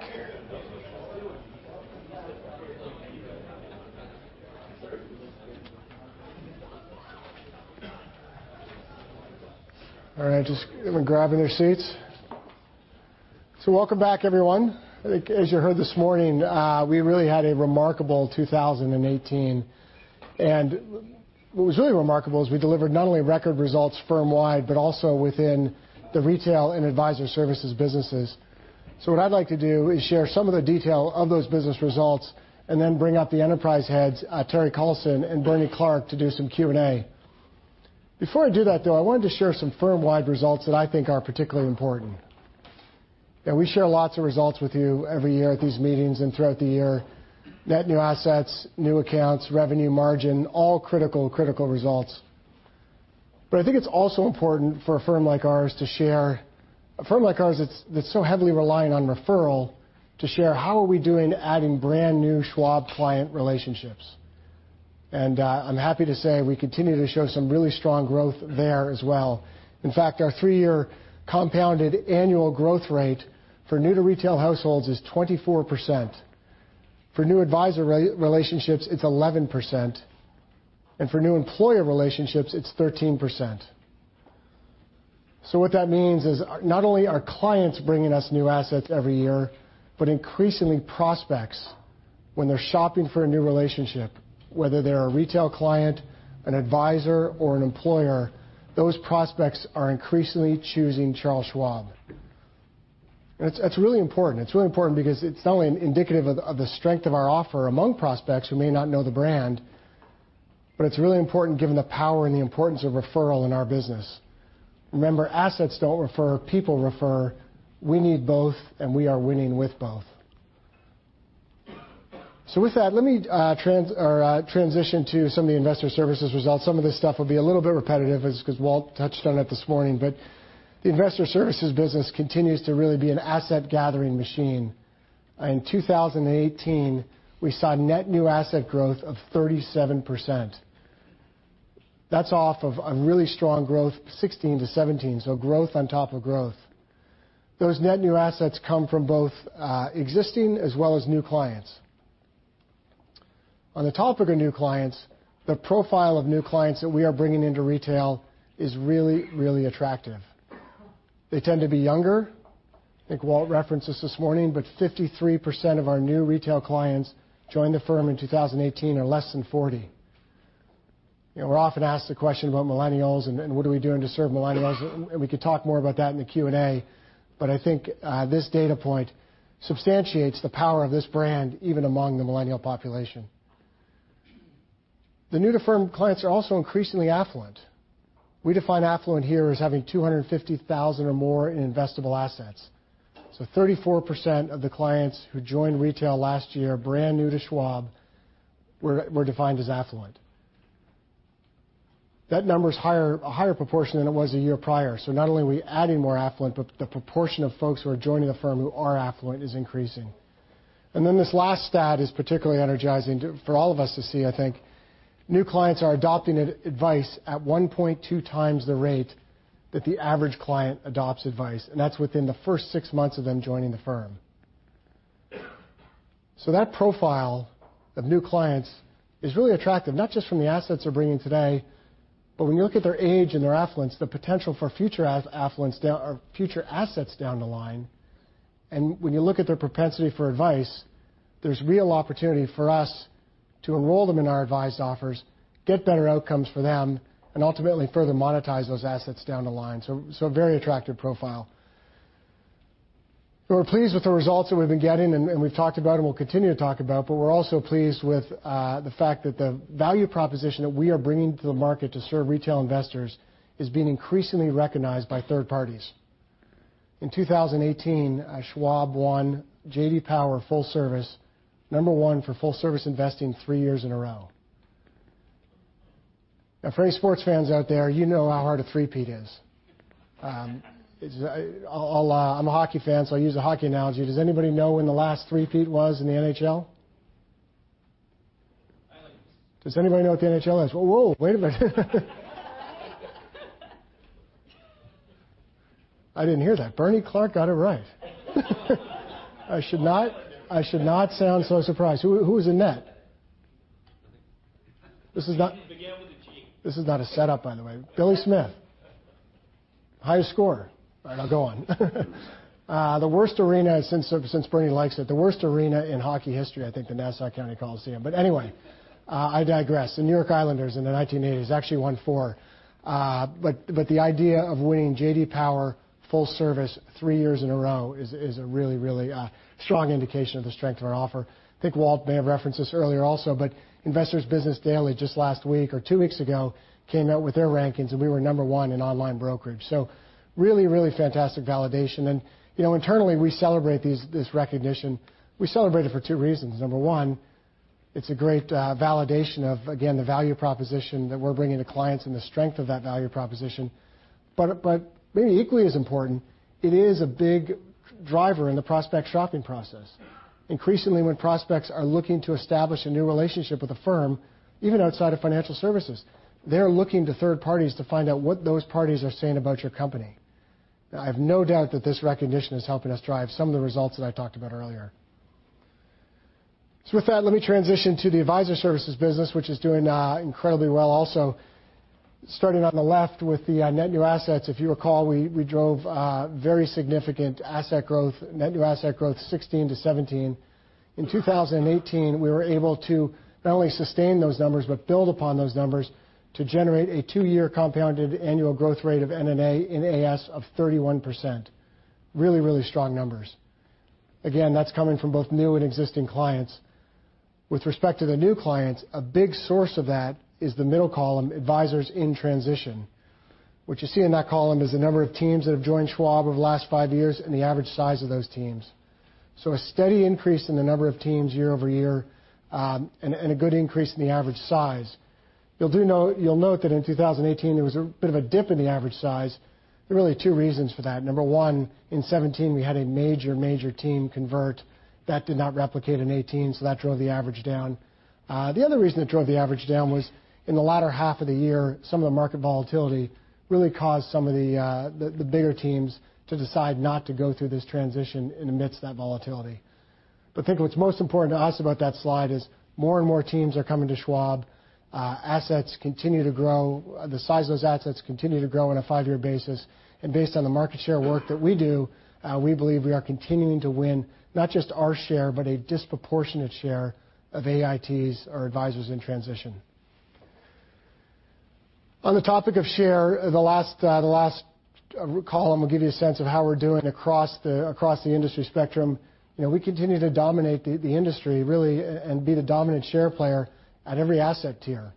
All right. Just everyone grabbing their seats. Welcome back, everyone. I think as you heard this morning, we really had a remarkable 2018. What was really remarkable is we delivered not only record results firm-wide but also within the retail and advisor services businesses. What I'd like to do is share some of the detail of those business results and then bring up the enterprise heads, Terri Collison and Bernie Clark, to do some Q&A. Before I do that, though, I wanted to share some firm-wide results that I think are particularly important. We share lots of results with you every year at these meetings and throughout the year. Net new assets, new accounts, revenue margin, all critical results. I think it's also important for a firm like ours that's so heavily reliant on referral to share how are we doing adding brand-new Schwab client relationships. I'm happy to say we continue to show some really strong growth there as well. In fact, our three-year compounded annual growth rate for new-to-retail households is 24%. For new advisor re-relationships, it's 11%. For new employer relationships, it's 13%. What that means is not only are clients bringing us new assets every year, but increasingly prospects when they're shopping for a new relationship, whether they're a retail client, an advisor, or an employer, those prospects are increasingly choosing Charles Schwab. It's really important. It's really important because it's not only indicative of the strength of our offer among prospects who may not know the brand, but it's really important given the power and the importance of referral in our business. Remember, assets don't refer, people refer. We need both, and we are winning with both. With that, let me transition to some of the investor services results. Some of this stuff will be a little bit repetitive as because Walt touched on it this morning. The investor services business continues to really be an asset-gathering machine. In 2018, we saw net new asset growth of 37%. That's off of a really strong growth 2016 to 2017, so growth on top of growth. Those net new assets come from both existing as well as new clients. On the topic of new clients, the profile of new clients that we are bringing into retail is really, really attractive. They tend to be younger. I think Walt referenced this this morning, but 53% of our new retail clients joined the firm in 2018 are less than 40. We're often asked the question about millennials and what are we doing to serve millennials, and we could talk more about that in the Q&A, but I think, this data point substantiates the power of this brand even among the millennial population. The new-to-firm clients are also increasingly affluent. We define affluent here as having $250,000 or more in investable assets. 34% of the clients who joined retail last year, brand new to Schwab, were defined as affluent. That number is a higher proportion than it was a year prior. Not only are we adding more affluent, but the proportion of folks who are joining the firm who are affluent is increasing. Then this last stat is particularly energizing for all of us to see, I think. New clients are adopting advice at 1.2 times the rate that the average client adopts advice, and that's within the first six months of them joining the firm. That profile of new clients is really attractive, not just from the assets they're bringing today, but when you look at their age and their affluence, the potential for future affluence or future assets down the line, and when you look at their propensity for advice, there's real opportunity for us to enroll them in our advice offers, get better outcomes for them, and ultimately further monetize those assets down the line. Very attractive profile. We're pleased with the results that we've been getting, and we've talked about, and we'll continue to talk about, but we're also pleased with the fact that the value proposition that we are bringing to the market to serve retail investors is being increasingly recognized by third parties. In 2018, Schwab won J.D. Power Full Service, number one for full-service investing three years in a row. For any sports fans out there, you know how hard a three-peat is. I'm a hockey fan, I'll use a hockey analogy. Does anybody know when the last three-peat was in the NHL? Islanders. Does anybody know what the NHL is? Whoa, wait a minute. I didn't hear that. Bernie Clark got it right. I should not sound so surprised. Who was the net? It began with a G. This is not a setup, by the way. Billy Smith. Highest scorer. I'll go on. The worst arena, since Bernie likes it, the worst arena in hockey history, I think, the Nassau County Coliseum. Anyway, I digress. The New York Islanders in the 1980s. They actually won four. The idea of winning J.D. Power Full Service three years in a row is a really strong indication of the strength of our offer. I think Walt may have referenced this earlier also, Investor's Business Daily, just last week or two weeks ago, came out with their rankings, and we were number one in online brokerage. Really fantastic validation. Internally, we celebrate this recognition. We celebrate it for two reasons. Number one, it's a great validation of, again, the value proposition that we're bringing to clients and the strength of that value proposition. maybe equally as important, it is a big driver in the prospect shopping process. Increasingly, when prospects are looking to establish a new relationship with a firm, even outside of financial services, they're looking to third parties to find out what those parties are saying about your company. I have no doubt that this recognition is helping us drive some of the results that I talked about earlier. With that, let me transition to the Advisor Services business, which is doing incredibly well also. Starting on the left with the net new assets, if you recall, we drove very significant asset growth, net new asset growth 2016 to 2017. In 2018, we were able to not only sustain those numbers but build upon those numbers to generate a two-year compounded annual growth rate of NNA in AS of 31%. Really strong numbers. Again, that's coming from both new and existing clients. With respect to the new clients, a big source of that is the middle column, advisors in transition. What you see in that column is the number of teams that have joined Schwab over the last five years and the average size of those teams. A steady increase in the number of teams year-over-year, and a good increase in the average size. You'll note that in 2018, there was a bit of a dip in the average size. There are really two reasons for that. Number one, in 2017, we had a major team convert that did not replicate in 2018, so that drove the average down. The other reason it drove the average down was in the latter half of the year, some of the market volatility really caused some of the bigger teams to decide not to go through this transition in amidst that volatility. I think what's most important to us about that slide is more and more teams are coming to Schwab. Assets continue to grow. The size of those assets continue to grow on a five-year basis. Based on the market share work that we do, we believe we are continuing to win not just our share, but a disproportionate share of AITs, or advisors in transition. On the topic of share, the last column will give you a sense of how we're doing across the industry spectrum. We continue to dominate the industry really and be the dominant share player at every asset tier.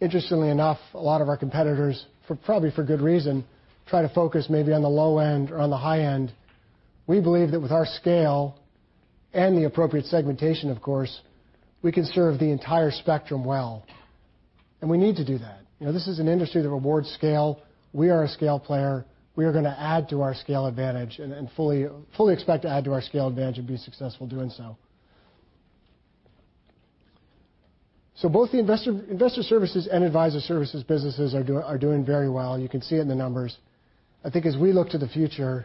Interestingly enough, a lot of our competitors, probably for good reason, try to focus maybe on the low end or on the high end. We believe that with our scale and the appropriate segmentation, of course, we can serve the entire spectrum well, and we need to do that. This is an industry that rewards scale. We are a scale player. We are going to add to our scale advantage and fully expect to add to our scale advantage and be successful doing so. Both the Investor Services and Advisor Services businesses are doing very well. You can see it in the numbers. I think as we look to the future,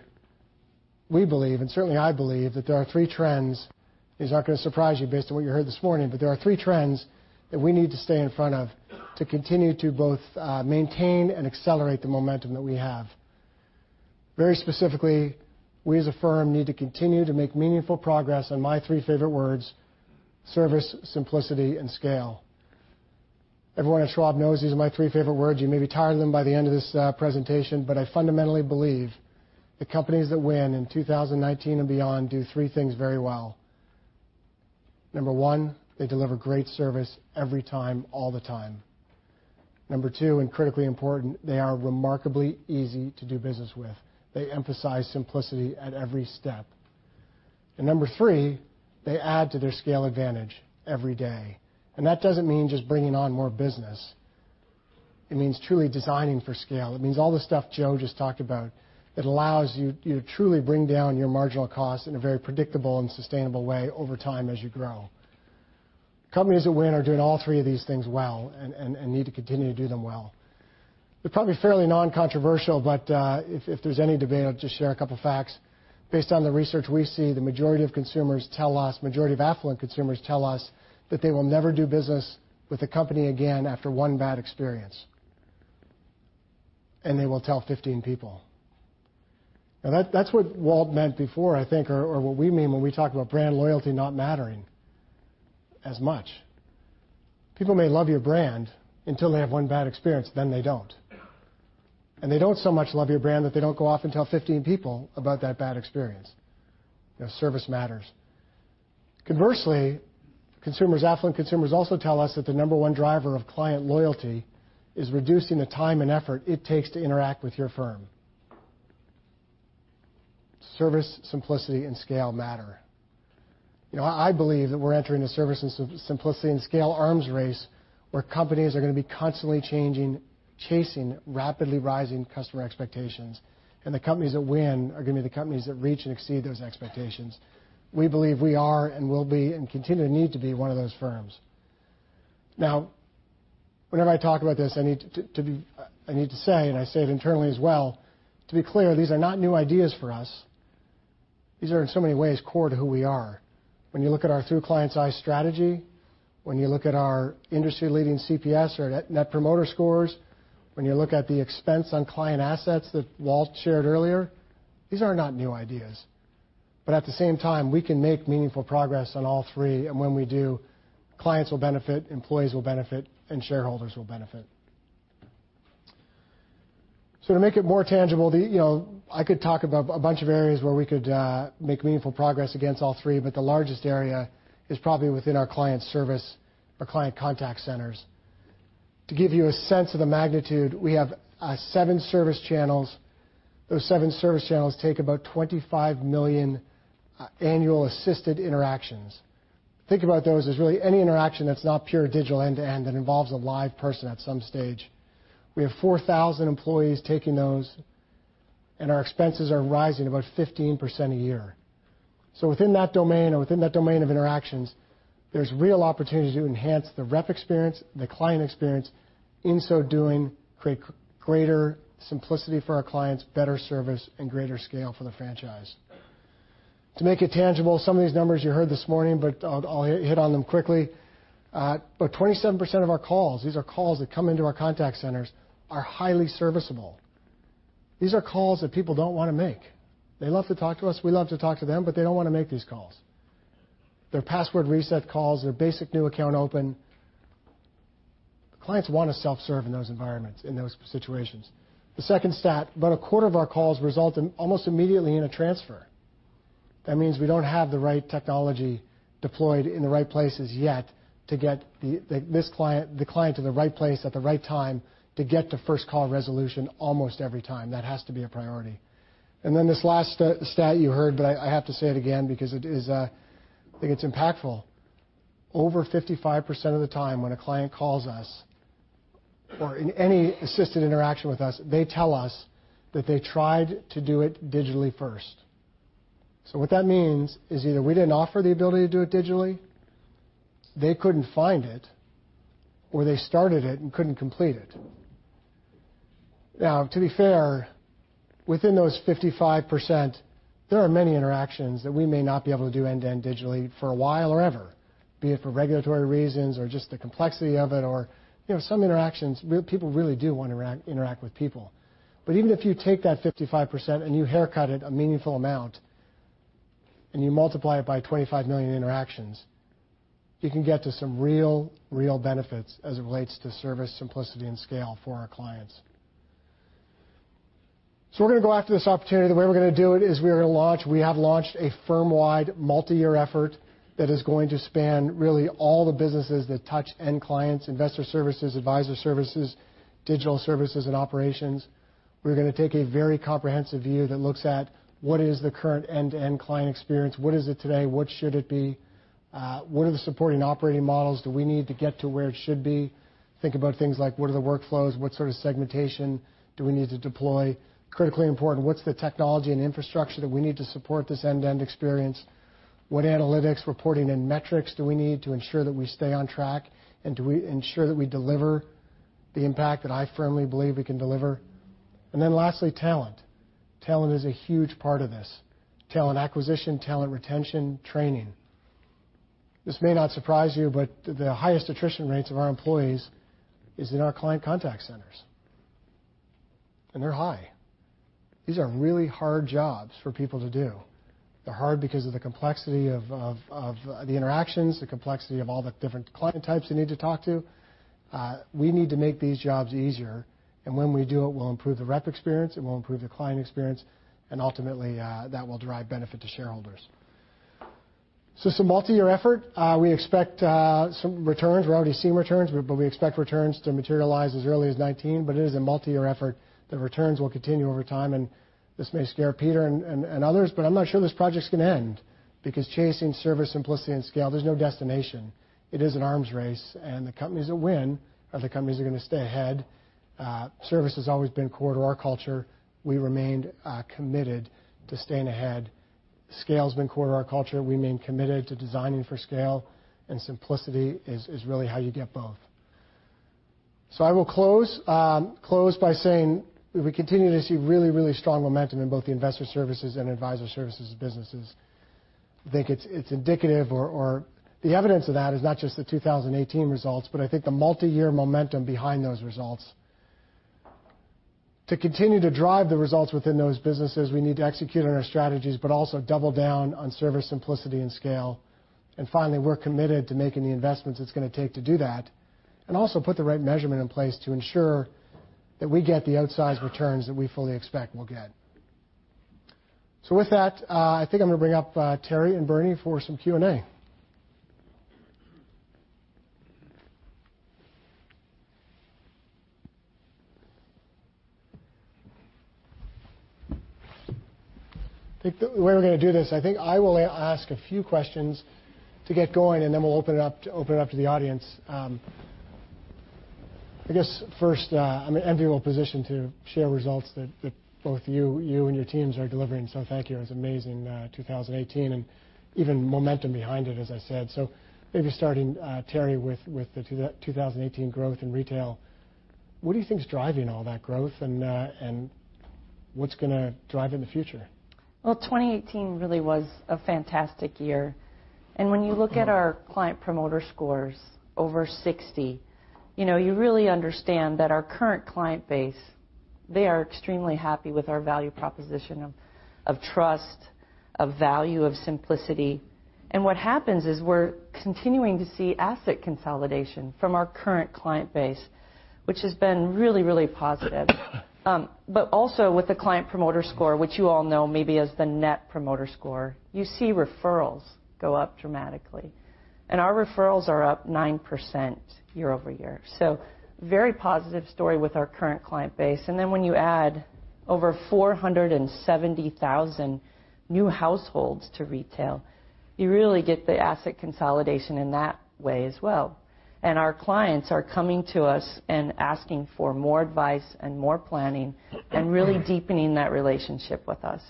we believe, and certainly I believe, that there are three trends. These aren't going to surprise you based on what you heard this morning, there are three trends that we need to stay in front of to continue to both maintain and accelerate the momentum that we have. Very specifically, we as a firm need to continue to make meaningful progress on my three favorite words: service, simplicity, and scale. Everyone at Schwab knows these are my three favorite words. You may be tired of them by the end of this presentation, I fundamentally believe the companies that win in 2019 and beyond do three things very well. Number one, they deliver great service every time, all the time. Number two, critically important, they are remarkably easy to do business with. They emphasize simplicity at every step. Number three, they add to their scale advantage every day. That doesn't mean just bringing on more business. It means truly designing for scale. It means all the stuff Joe just talked about that allows you to truly bring down your marginal cost in a very predictable and sustainable way over time as you grow. Companies that win are doing all three of these things well and need to continue to do them well. They're probably fairly non-controversial, if there's any debate, I'll just share a couple facts. Based on the research we see, the majority of affluent consumers tell us that they will never do business with a company again after one bad experience. They will tell 15 people. That's what Walt meant before, I think, or what we mean when we talk about brand loyalty not mattering as much. People may love your brand until they have one bad experience, they don't. They don't so much love your brand that they don't go off and tell 15 people about that bad experience. Service matters. Conversely, affluent consumers also tell us that the number 1 driver of client loyalty is reducing the time and effort it takes to interact with your firm. Service, simplicity, and scale matter. I believe that we're entering a service and simplicity and scale arms race where companies are going to be constantly changing, chasing rapidly rising customer expectations, the companies that win are going to be the companies that reach and exceed those expectations. We believe we are and will be, continue to need to be one of those firms. Whenever I talk about this, I need to say, I say it internally as well, to be clear, these are not new ideas for us. These are, in so many ways, core to who we are. When you look at our through client's eyes strategy, when you look at our industry-leading CPS or Net Promoter Scores, when you look at the Expenses on Client Assets that Walt shared earlier, these are not new ideas. At the same time, we can make meaningful progress on all three, when we do, clients will benefit, employees will benefit, shareholders will benefit. To make it more tangible, I could talk about a bunch of areas where we could make meaningful progress against all three, the largest area is probably within our client service or client contact centers. To give you a sense of the magnitude, we have seven service channels. Those seven service channels take about 25 million annual assisted interactions. Think about those as really any interaction that's not pure digital end-to-end that involves a live person at some stage. We have 4,000 employees taking those, and our expenses are rising about 15% a year. Within that domain, or within that domain of interactions, there's real opportunities to enhance the rep experience, the client experience, in so doing, create greater simplicity for our clients, better service, and greater scale for the franchise. To make it tangible, some of these numbers you heard this morning, but I'll hit on them quickly. About 27% of our calls, these are calls that come into our contact centers, are highly serviceable. These are calls that people don't want to make. They love to talk to us, we love to talk to them, but they don't want to make these calls. They're password reset calls. They're basic new account open. Clients want to self-serve in those environments, in those situations. The second stat, about a quarter of our calls result in almost immediately in a transfer. That means we don't have the right technology deployed in the right places yet to get the client to the right place at the right time to get to first call resolution almost every time. That has to be a priority. This last stat you heard, but I have to say it again because I think it's impactful. Over 55% of the time when a client calls us, or in any assisted interaction with us, they tell us that they tried to do it digitally first. What that means is either we didn't offer the ability to do it digitally, they couldn't find it, or they started it and couldn't complete it. Now, to be fair, within those 55%, there are many interactions that we may not be able to do end-to-end digitally for a while or ever, be it for regulatory reasons or just the complexity of it or some interactions people really do want to interact with people. Even if you take that 55% and you haircut it a meaningful amount, and you multiply it by 25 million interactions, you can get to some real benefits as it relates to service, simplicity, and scale for our clients. We're going to go after this opportunity. The way we're going to do it is we have launched a firmwide multi-year effort that is going to span really all the businesses that touch end clients, Investor Services, Advisor Services, Digital Services, and Operations. We're going to take a very comprehensive view that looks at what is the current end-to-end client experience. What is it today? What should it be? What are the supporting operating models? Do we need to get to where it should be? Think about things like, what are the workflows? What sort of segmentation do we need to deploy? Critically important, what's the technology and infrastructure that we need to support this end-to-end experience? What analytics, reporting, and metrics do we need to ensure that we stay on track, and ensure that we deliver the impact that I firmly believe we can deliver? Lastly, talent. Talent is a huge part of this. Talent acquisition, talent retention, training. This may not surprise you, but the highest attrition rates of our employees is in our client contact centers. They're high. These are really hard jobs for people to do. They're hard because of the complexity of the interactions, the complexity of all the different client types they need to talk to. We need to make these jobs easier, and when we do, it will improve the rep experience, it will improve the client experience, and ultimately, that will drive benefit to shareholders. It's a multi-year effort. We expect some returns. We're already seeing returns, but we expect returns to materialize as early as 2019. It is a multi-year effort. The returns will continue over time, and this may scare Peter and others, but I'm not sure this project's going to end because chasing service, simplicity, and scale, there's no destination. It is an arms race, and the companies that win are the companies that are going to stay ahead. Service has always been core to our culture. We remained committed to staying ahead. Scale has been core to our culture. We remain committed to designing for scale, and simplicity is really how you get both. I will close by saying we continue to see really, really strong momentum in both the Investor Services and Advisor Services businesses. I think it's indicative or the evidence of that is not just the 2018 results, but I think the multi-year momentum behind those results. To continue to drive the results within those businesses, we need to execute on our strategies, but also double down on service simplicity and scale. Finally, we're committed to making the investments it's going to take to do that, and also put the right measurement in place to ensure that we get the outsized returns that we fully expect we'll get. With that, I think I'm going to bring up Terri and Bernie for some Q&A. I think the way we're going to do this, I think I will ask a few questions to get going, and then we'll open it up to the audience. I guess first, I'm in an enviable position to share results that both you and your teams are delivering, so thank you. It was amazing, 2018, and even momentum behind it, as I said. Maybe starting, Terri, with the 2018 growth in retail, what do you think is driving all that growth? What's going to drive in the future? Well, 2018 really was a fantastic year. When you look at our client promoter scores over 60, you really understand that our current client base, they are extremely happy with our value proposition of trust, of value, of simplicity. What happens is we're continuing to see asset consolidation from our current client base, which has been really, really positive. Also with the client promoter score, which you all know maybe as the Net Promoter Score, you see referrals go up dramatically. Our referrals are up 9% year-over-year. Very positive story with our current client base. Then when you add over 470,000 new households to retail, you really get the asset consolidation in that way as well. Our clients are coming to us and asking for more advice and more planning and really deepening that relationship with us.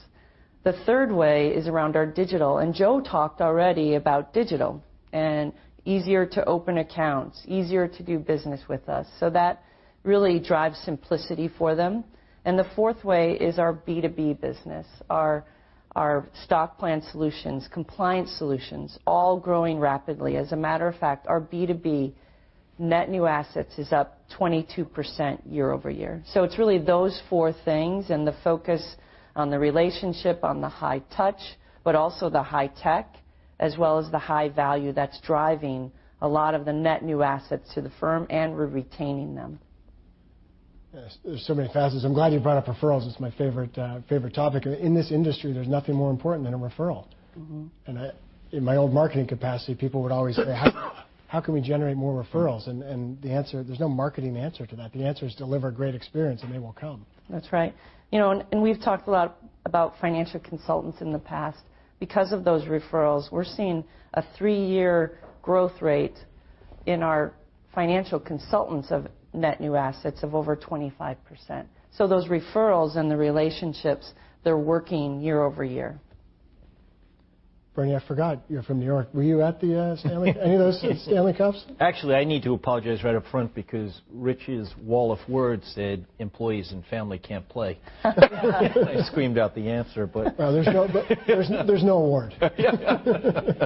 The third way is around our digital, and Joe talked already about digital and easier to open accounts, easier to do business with us. That really drives simplicity for them. The fourth way is our B2B business, our stock plan solutions, compliance solutions, all growing rapidly. As a matter of fact, our B2B net new assets is up 22% year-over-year. It's really those four things and the focus on the relationship, on the high touch, but also the high tech, as well as the high value that's driving a lot of the net new assets to the firm, and we're retaining them. Yes. There's so many facets. I'm glad you brought up referrals. It's my favorite topic. In this industry, there's nothing more important than a referral. In my old marketing capacity, people would always say, How can we generate more referrals? The answer, there's no marketing answer to that. The answer is deliver great experience, and they will come. That's right. We've talked a lot about financial consultants in the past. Because of those referrals, we're seeing a three-year growth rate in our financial consultants of net new assets of over 25%. Those referrals and the relationships, they're working year-over-year. Bernie, I forgot you're from New York. Were you at any of those Stanley Cups? Actually, I need to apologize right up front because Rich's wall of words said employees and family can't play. I screamed out the answer. Well, there's no award. Yeah.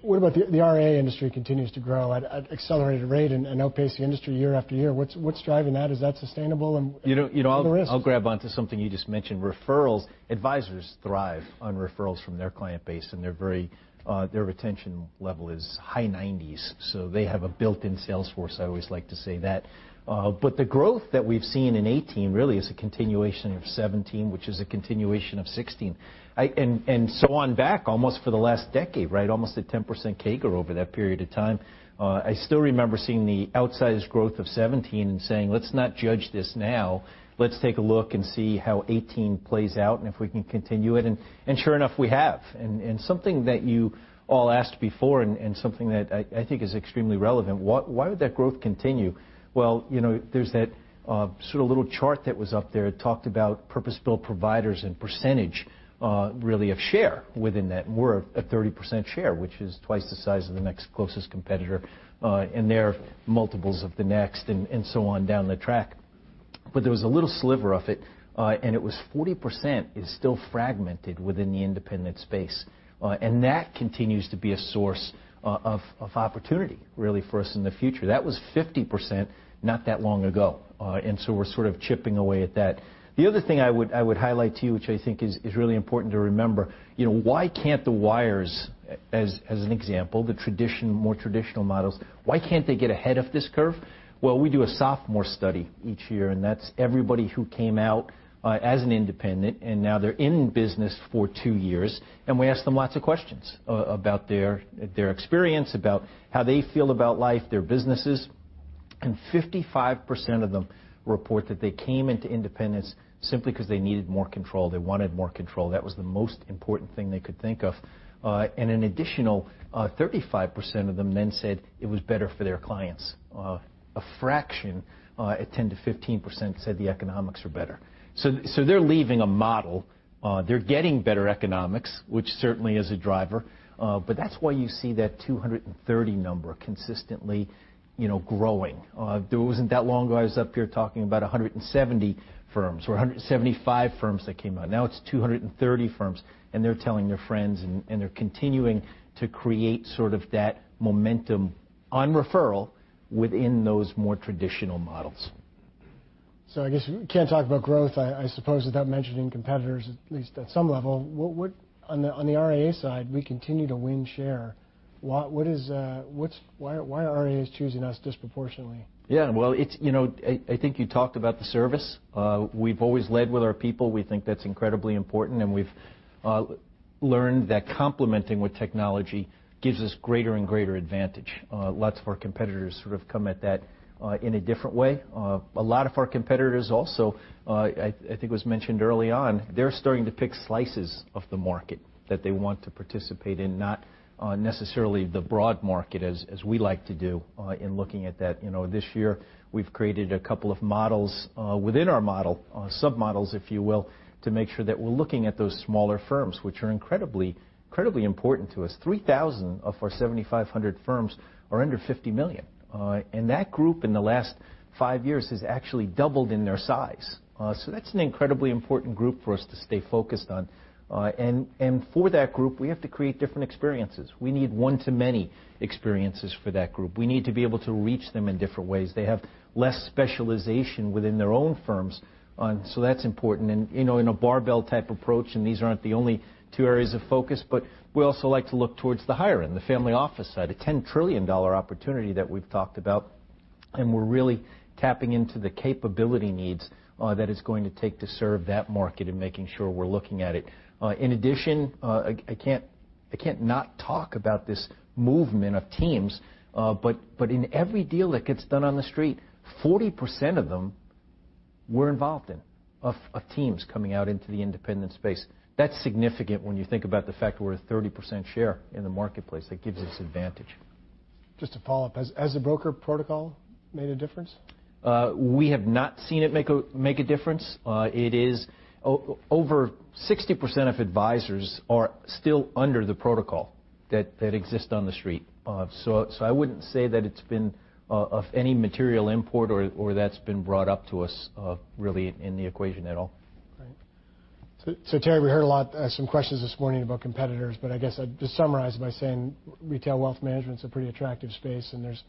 What about the RIA industry continues to grow at accelerated rate and outpace the industry year after year? What's driving that? Is that sustainable and what are the risks? I'll grab onto something you just mentioned, referrals. Advisors thrive on referrals from their client base, and their retention level is high 90s, so they have a built-in sales force, I always like to say that. The growth that we've seen in 2018 really is a continuation of 2017, which is a continuation of 2016, and so on back almost for the last decade, right? Almost a 10% CAGR over that period of time. I still remember seeing the outsized growth of 2017 and saying, Let's not judge this now. Let's take a look and see how 2018 plays out and if we can continue it. Sure enough, we have. Something that you all asked before and something that I think is extremely relevant, why would that growth continue? There's that sort of little chart that was up there. It talked about purpose-built providers and percentage, really of share within that. We're a 30% share, which is twice the size of the next closest competitor, and they're multiples of the next and so on down the track. There was a little sliver of it, and it was 40% is still fragmented within the independent space. That continues to be a source of opportunity, really for us in the future. That was 50% not that long ago. We're sort of chipping away at that. The other thing I would highlight to you, which I think is really important to remember, why can't the wires, as an example, the more traditional models, why can't they get ahead of this curve? We do a sophomore study each year, and that's everybody who came out as an independent, and now they're in business for two years, and we ask them lots of questions about their experience, about how they feel about life, their businesses, and 55% of them report that they came into independence simply because they needed more control. They wanted more control. That was the most important thing they could think of. An additional 35% of them then said it was better for their clients. A fraction, at 10%-15%, said the economics were better. They're getting better economics, which certainly is a driver. That's why you see that 230 number consistently growing. It wasn't that long ago I was up here talking about 170 firms or 175 firms that came on. Now it's 230 firms, and they're telling their friends, and they're continuing to create sort of that momentum on referral within those more traditional models. I guess we can't talk about growth, I suppose, without mentioning competitors, at least at some level. On the RIA side, we continue to win share. Why are RIAs choosing us disproportionately? I think you talked about the service. We've always led with our people. We think that's incredibly important, and we've learned that complementing with technology gives us greater and greater advantage. Lots of our competitors sort of come at that in a different way. A lot of our competitors also, I think was mentioned early on, they're starting to pick slices of the market that they want to participate in, not necessarily the broad market as we like to do in looking at that. This year, we've created a couple of models within our model, sub-models if you will, to make sure that we're looking at those smaller firms, which are incredibly important to us. 3,000 of our 7,500 firms are under $50 million. That group in the last five years has actually doubled in their size. That's an incredibly important group for us to stay focused on. For that group, we have to create different experiences. We need one-to-many experiences for that group. We need to be able to reach them in different ways. They have less specialization within their own firms, so that's important. In a barbell-type approach, and these aren't the only two areas of focus, we also like to look towards the higher end, the family office side, a $10 trillion opportunity that we've talked about, and we're really tapping into the capability needs that it's going to take to serve that market and making sure we're looking at it. In addition, I can't not talk about this movement of teams. In every deal that gets done on The Street, 40% of them we're involved in, of teams coming out into the independent space. That's significant when you think about the fact we're a 30% share in the marketplace. That gives us advantage. Just to follow up, has the Broker Protocol made a difference? We have not seen it make a difference. Over 60% of advisors are still under the Broker Protocol that exists on The Street. I wouldn't say that it's been of any material import or that's been brought up to us really in the equation at all. Right. Terri, we heard some questions this morning about competitors, but I guess I'd just summarize by saying retail wealth management's a pretty attractive space, and there's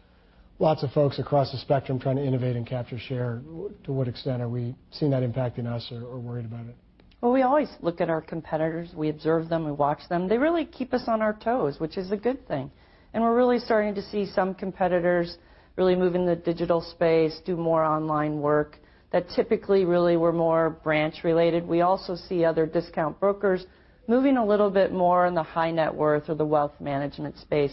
lots of folks across the spectrum trying to innovate and capture share. To what extent are we seeing that impacting us or worried about it? Well, we always look at our competitors. We observe them, we watch them. They really keep us on our toes, which is a good thing. We're really starting to see some competitors really move in the digital space, do more online work that typically really were more branch related. We also see other discount brokers moving a little bit more in the high net worth or the wealth management space.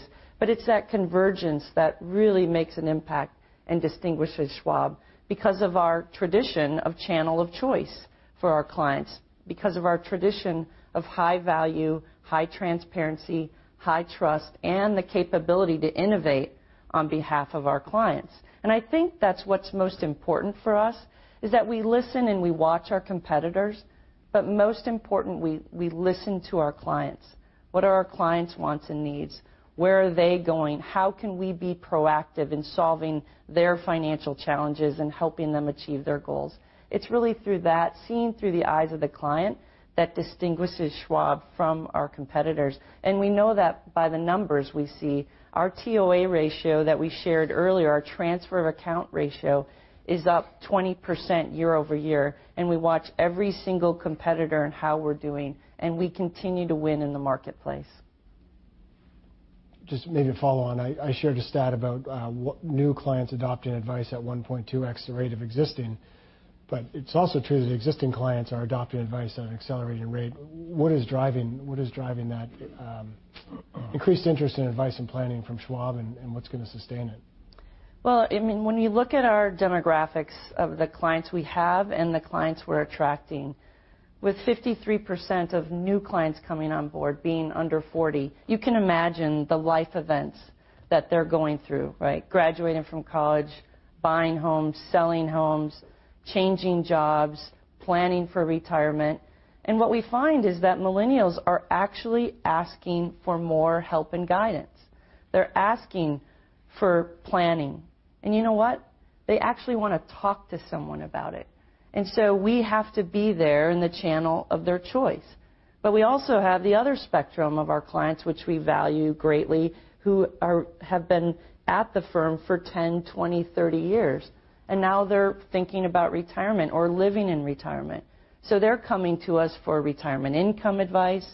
It's that convergence that really makes an impact and distinguishes Schwab because of our tradition of channel of choice for our clients, because of our tradition of high value, high transparency, high trust, and the capability to innovate on behalf of our clients. I think that's what's most important for us is that we listen and we watch our competitors, but most important, we listen to our clients. What are our clients' wants and needs? Where are they going? How can we be proactive in solving their financial challenges and helping them achieve their goals? It's really through that, seeing through the eyes of the client, that distinguishes Schwab from our competitors. We know that by the numbers we see. Our TOA ratio that we shared earlier, our transfer of account ratio, is up 20% year-over-year. We watch every single competitor and how we're doing. We continue to win in the marketplace. Just maybe to follow on, I shared a stat about new clients adopting advice at 1.2x the rate of existing. It's also true that existing clients are adopting advice at an accelerated rate. What is driving that increased interest in advice and planning from Schwab, and what's going to sustain it? Well, when you look at our demographics of the clients we have and the clients we're attracting, with 53% of new clients coming on board being under 40, you can imagine the life events that they're going through, right? Graduating from college, buying homes, selling homes, changing jobs, planning for retirement. What we find is that millennials are actually asking for more help and guidance. They're asking for planning. You know what? They actually want to talk to someone about it. We have to be there in the channel of their choice. We also have the other spectrum of our clients, which we value greatly, who have been at the firm for 10, 20, 30 years. Now they're thinking about retirement or living in retirement. They're coming to us for retirement income advice,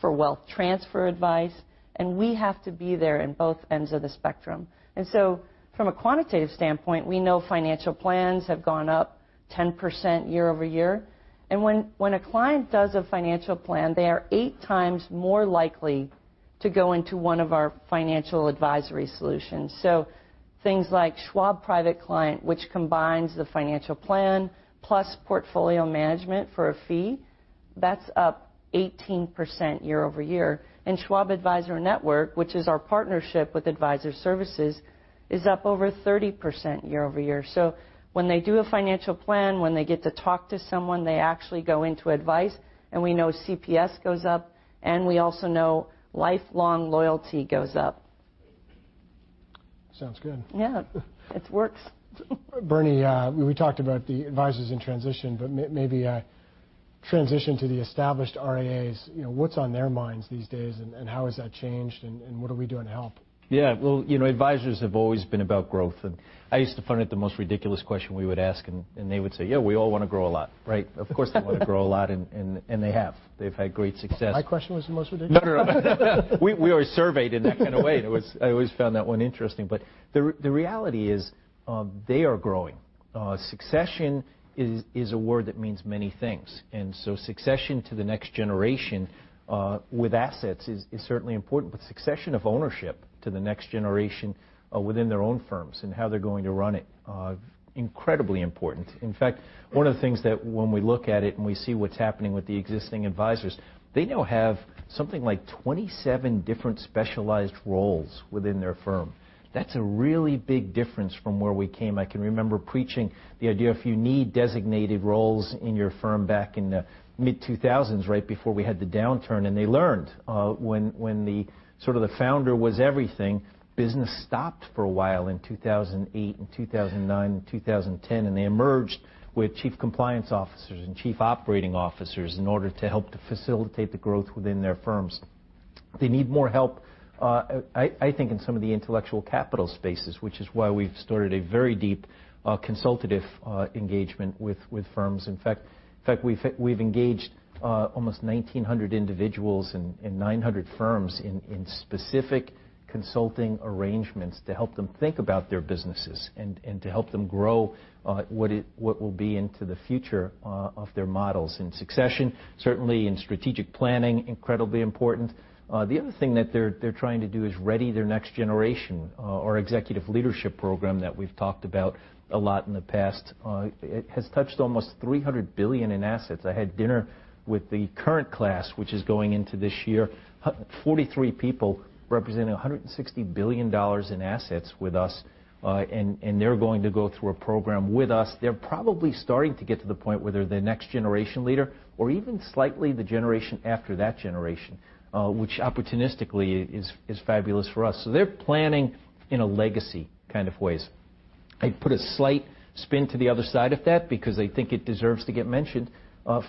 for wealth transfer advice. We have to be there in both ends of the spectrum. From a quantitative standpoint, we know financial plans have gone up 10% year-over-year. When a client does a financial plan, they are eight times more likely to go into one of our financial advisory solutions. Things like Schwab Private Client, which combines the financial plan plus portfolio management for a fee, that's up 18% year-over-year. Schwab Advisor Network, which is our partnership with Advisor Services, is up over 30% year-over-year. When they do a financial plan, when they get to talk to someone, they actually go into advice. We know CPS goes up. We also know lifelong loyalty goes up. Sounds good. Yeah. It works. Bernie, we talked about the advisors in transition, maybe a transition to the established RIAs. What's on their minds these days, and how has that changed, and what are we doing to help? Yeah. Well, advisors have always been about growth. I used to find it the most ridiculous question we would ask, and they would say, Yeah, we all want to grow a lot. Right? Of course, they want to grow a lot, and they have. They've had great success. My question was the most ridiculous? No. We always surveyed in that kind of way, and I always found that one interesting. The reality is they are growing. Succession is a word that means many things. Succession to the next generation with assets is certainly important, but succession of ownership to the next generation within their own firms and how they're going to run it, incredibly important. In fact, one of the things that when we look at it and we see what's happening with the existing advisors, they now have something like 27 different specialized roles within their firm. That's a really big difference from where we came. I can remember preaching the idea if you need designated roles in your firm back in the mid-2000s, right before we had the downturn, and they learned. When the founder was everything, business stopped for a while in 2008 and 2009 and 2010. They emerged with chief compliance officers and chief operating officers in order to help to facilitate the growth within their firms. They need more help, I think, in some of the intellectual capital spaces, which is why we've started a very deep consultative engagement with firms. In fact, we've engaged almost 1,900 individuals and 900 firms in specific consulting arrangements to help them think about their businesses and to help them grow what will be into the future of their models. Succession, certainly in strategic planning, incredibly important. The other thing that they're trying to do is ready their next generation. Our executive leadership program that we've talked about a lot in the past has touched almost $300 billion in assets. I had dinner with the current class, which is going into this year. 43 people representing $160 billion in assets with us, and they're going to go through a program with us. They're probably starting to get to the point where they're the next generation leader or even slightly the generation after that generation, which opportunistically is fabulous for us. They're planning in a legacy kind of ways. I'd put a slight spin to the other side of that because I think it deserves to get mentioned.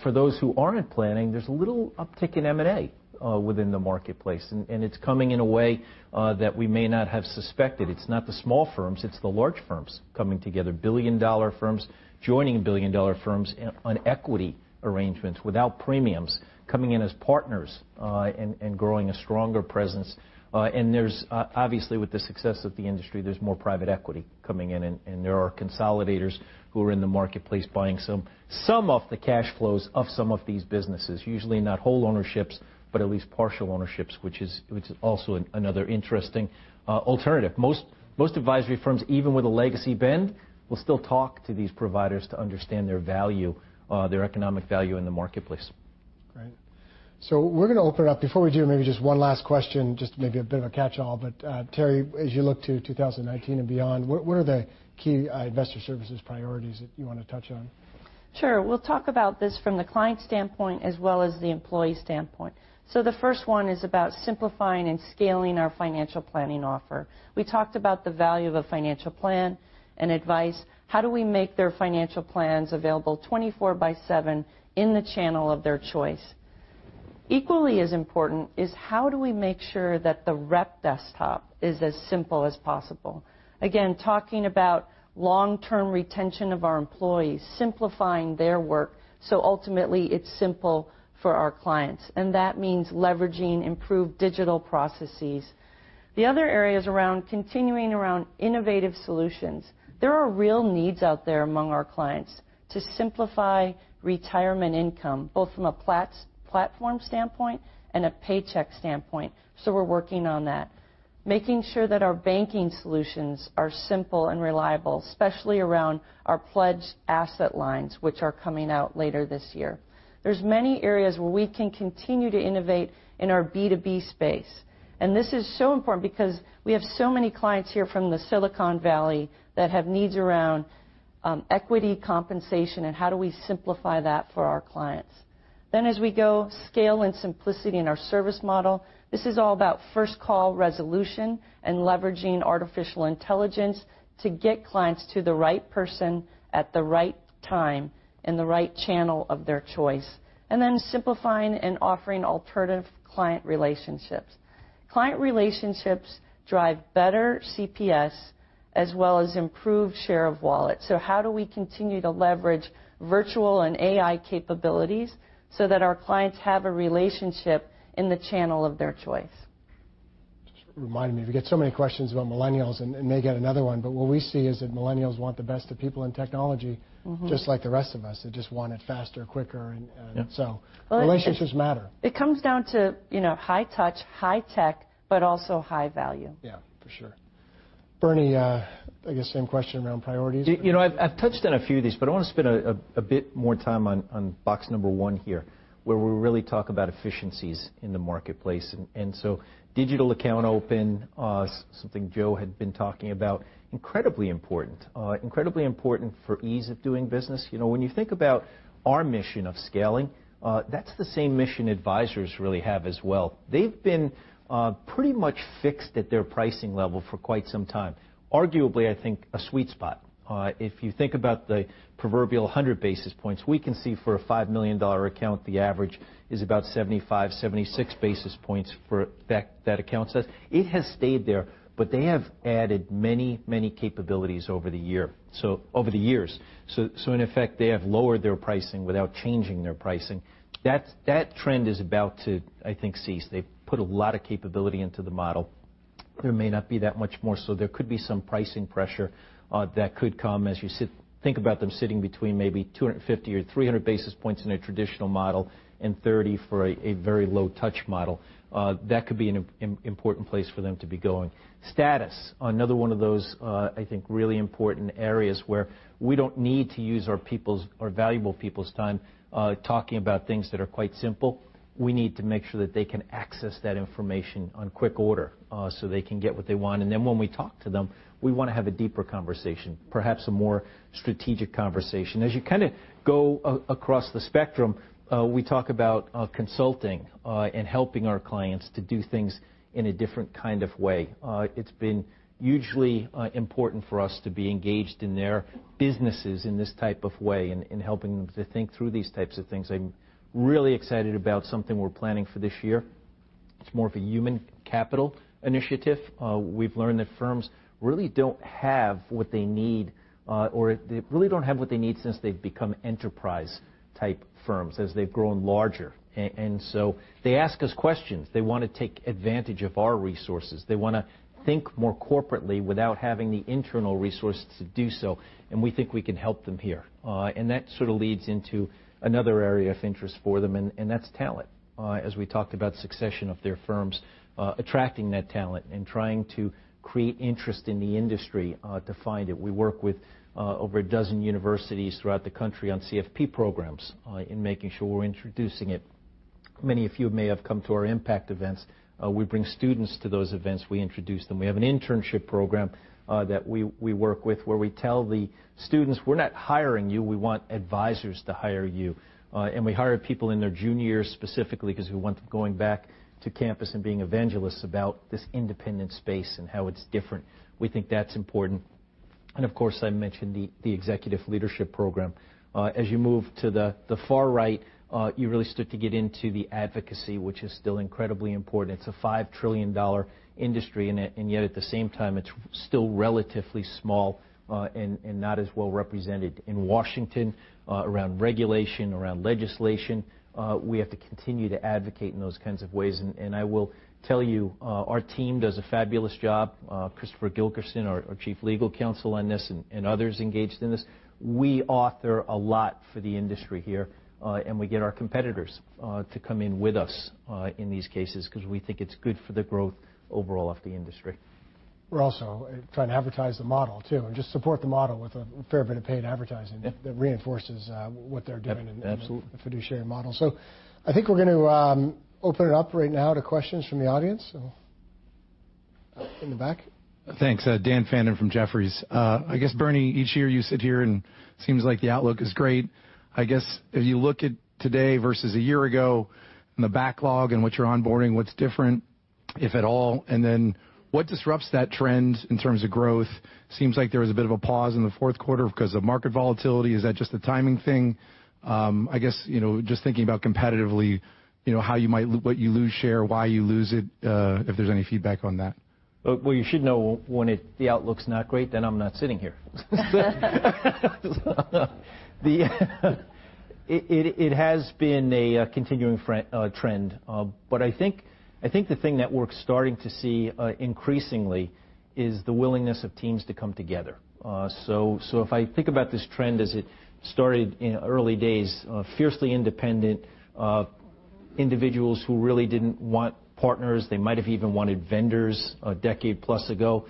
For those who aren't planning, there's a little uptick in M&A within the marketplace, and it's coming in a way that we may not have suspected. It's not the small firms, it's the large firms coming together. Billion-dollar firms joining billion-dollar firms on equity arrangements without premiums, coming in as partners and growing a stronger presence. There's obviously with the success of the industry, there's more private equity coming in, and there are consolidators who are in the marketplace buying some of the cash flows of some of these businesses. Usually not whole ownerships, but at least partial ownerships, which is also another interesting alternative. Most advisory firms, even with a legacy bend, will still talk to these providers to understand their value, their economic value in the marketplace. Great. We're going to open it up. Before we do, maybe just one last question, just maybe a bit of a catchall. Terri, as you look to 2019 and beyond, what are the key Investor Services priorities that you want to touch on? Sure. We'll talk about this from the client standpoint as well as the employee standpoint. The first one is about simplifying and scaling our financial planning offer. We talked about the value of a financial plan and advice. How do we make their financial plans available 24/7 in the channel of their choice? Equally as important is how do we make sure that the rep desktop is as simple as possible. Again, talking about long-term retention of our employees, simplifying their work, so ultimately it's simple for our clients. That means leveraging improved digital processes. The other area is around continuing around innovative solutions. There are real needs out there among our clients to simplify retirement income, both from a platform standpoint and a paycheck standpoint. We're working on that. Making sure that our banking solutions are simple and reliable, especially around our Pledged Asset Line, which are coming out later this year. There's many areas where we can continue to innovate in our B2B space, and this is so important because we have so many clients here from the Silicon Valley that have needs around equity compensation, and how do we simplify that for our clients? As we go scale and simplicity in our service model, this is all about first call resolution and leveraging artificial intelligence to get clients to the right person at the right time in the right channel of their choice. Then simplifying and offering alternative client relationships. Client relationships drive better CPS as well as improved share of wallet. How do we continue to leverage virtual and AI capabilities so that our clients have a relationship in the channel of their choice? Reminded me, we get so many questions about millennials, may get another one, what we see is that millennials want the best of people and technology. Just like the rest of us. They just want it faster, quicker. Yeah. Well. Relationships matter It comes down to high touch, high tech, but also high value. Yeah. For sure. Bernie, I guess same question around priorities. I've touched on a few of these, but I want to spend a bit more time on box number one here, where we really talk about efficiencies in the marketplace. Digital account open, something Joe had been talking about, incredibly important. Incredibly important for ease of doing business. When you think about our mission of scaling, that's the same mission advisors really have as well. They've been pretty much fixed at their pricing level for quite some time. Arguably, I think a sweet spot. If you think about the proverbial 100 basis points, we can see for a $5 million account, the average is about 75, 76 basis points for that account size. It has stayed there, but they have added many capabilities over the years. In effect, they have lowered their pricing without changing their pricing. That trend is about to, I think, cease. They've put a lot of capability into the model. There may not be that much more, so there could be some pricing pressure that could come as you think about them sitting between maybe 250 or 300 basis points in a traditional model and 30 for a very low touch model. That could be an important place for them to be going. Status. Another one of those, I think, really important areas where we don't need to use our valuable people's time talking about things that are quite simple. We need to make sure that they can access that information on quick order so they can get what they want. When we talk to them, we want to have a deeper conversation, perhaps a more strategic conversation. As you go across the spectrum, we talk about consulting and helping our clients to do things in a different kind of way. It's been hugely important for us to be engaged in their businesses in this type of way, in helping them to think through these types of things. I'm really excited about something we're planning for this year. It's more of a human capital initiative. We've learned that firms really don't have what they need since they've become enterprise type firms, as they've grown larger. So they ask us questions. They want to take advantage of our resources. They want to think more corporately without having the internal resources to do so, and we think we can help them here. That sort of leads into another area of interest for them, and that's talent. As we talked about succession of their firms, attracting that talent and trying to create interest in the industry to find it. We work with over a dozen universities throughout the country on CFP programs in making sure we're introducing it. Many of you may have come to our impact events. We bring students to those events. We introduce them. We have an internship program that we work with where we tell the students, We're not hiring you. We want advisors to hire you. We hire people in their junior year specifically because we want them going back to campus and being evangelists about this independent space and how it's different. We think that's important. Of course, I mentioned the executive leadership program. As you move to the far right, you really start to get into the advocacy, which is still incredibly important. It's a $5 trillion industry, yet at the same time, it's still relatively small and not as well represented in Washington around regulation, around legislation. We have to continue to advocate in those kinds of ways. I will tell you, our team does a fabulous job. Christopher Gilkerson, our Chief Legal Counsel on this, and others engaged in this. We author a lot for the industry here, we get our competitors to come in with us in these cases because we think it's good for the growth overall of the industry. We're also trying to advertise the model too, and just support the model with a fair bit of paid advertising. Yep that reinforces what they're doing. Absolutely in the fiduciary model. I think we're going to open it up right now to questions from the audience. In the back. Thanks. Daniel Fannon from Jefferies. I guess, Bernie, each year you sit here and seems like the outlook is great. I guess if you look at today versus a year ago and the backlog and what you're onboarding, what's different, if at all? What disrupts that trend in terms of growth? Seems like there was a bit of a pause in the fourth quarter because of market volatility. Is that just a timing thing? I guess, just thinking about competitively, what you lose share, why you lose it, if there's any feedback on that. You should know when the outlook's not great, then I'm not sitting here. It has been a continuing trend. I think the thing that we're starting to see increasingly is the willingness of teams to come together. If I think about this trend as it started in early days, fiercely independent individuals who really didn't want partners. They might have even wanted vendors a decade plus ago.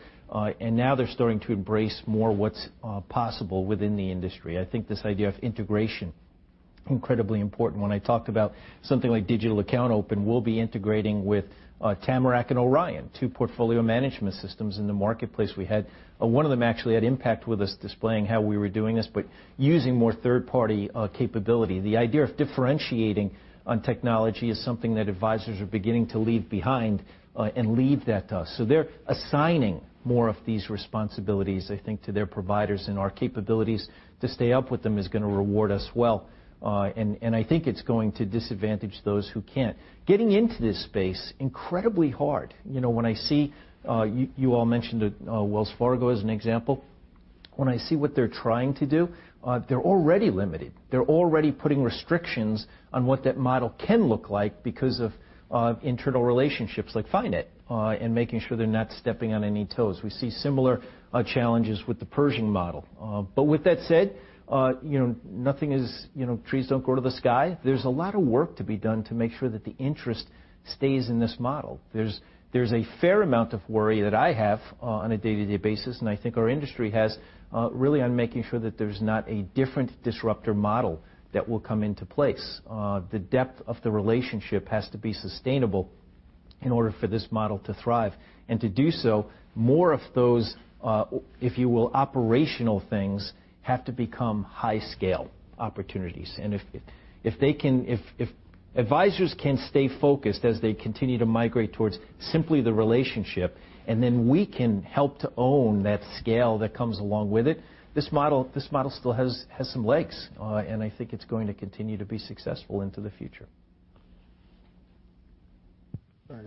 Now they're starting to embrace more what's possible within the industry. I think this idea of integration, incredibly important. When I talk about something like digital account open, we'll be integrating with Tamarac and Orion, two portfolio management systems in the marketplace we had. One of them actually had impact with us displaying how we were doing this, but using more third-party capability. The idea of differentiating on technology is something that advisors are beginning to leave behind and leave that to us. They're assigning more of these responsibilities, I think, to their providers, and our capabilities to stay up with them is going to reward us well. I think it's going to disadvantage those who can't. Getting into this space, incredibly hard. You all mentioned Wells Fargo as an example. When I see what they're trying to do, they're already limited. They're already putting restrictions on what that model can look like because of internal relationships like FiNet and making sure they're not stepping on any toes. We see similar challenges with the Pershing model. With that said, trees don't grow to the sky. There's a lot of work to be done to make sure that the interest stays in this model. There's a fair amount of worry that I have on a day-to-day basis, and I think our industry has, really on making sure that there's not a different disruptor model that will come into place. The depth of the relationship has to be sustainable in order for this model to thrive. To do so, more of those, if you will, operational things have to become high scale opportunities. If advisors can stay focused as they continue to migrate towards simply the relationship, we can help to own that scale that comes along with it, this model still has some legs, and I think it's going to continue to be successful into the future. All right.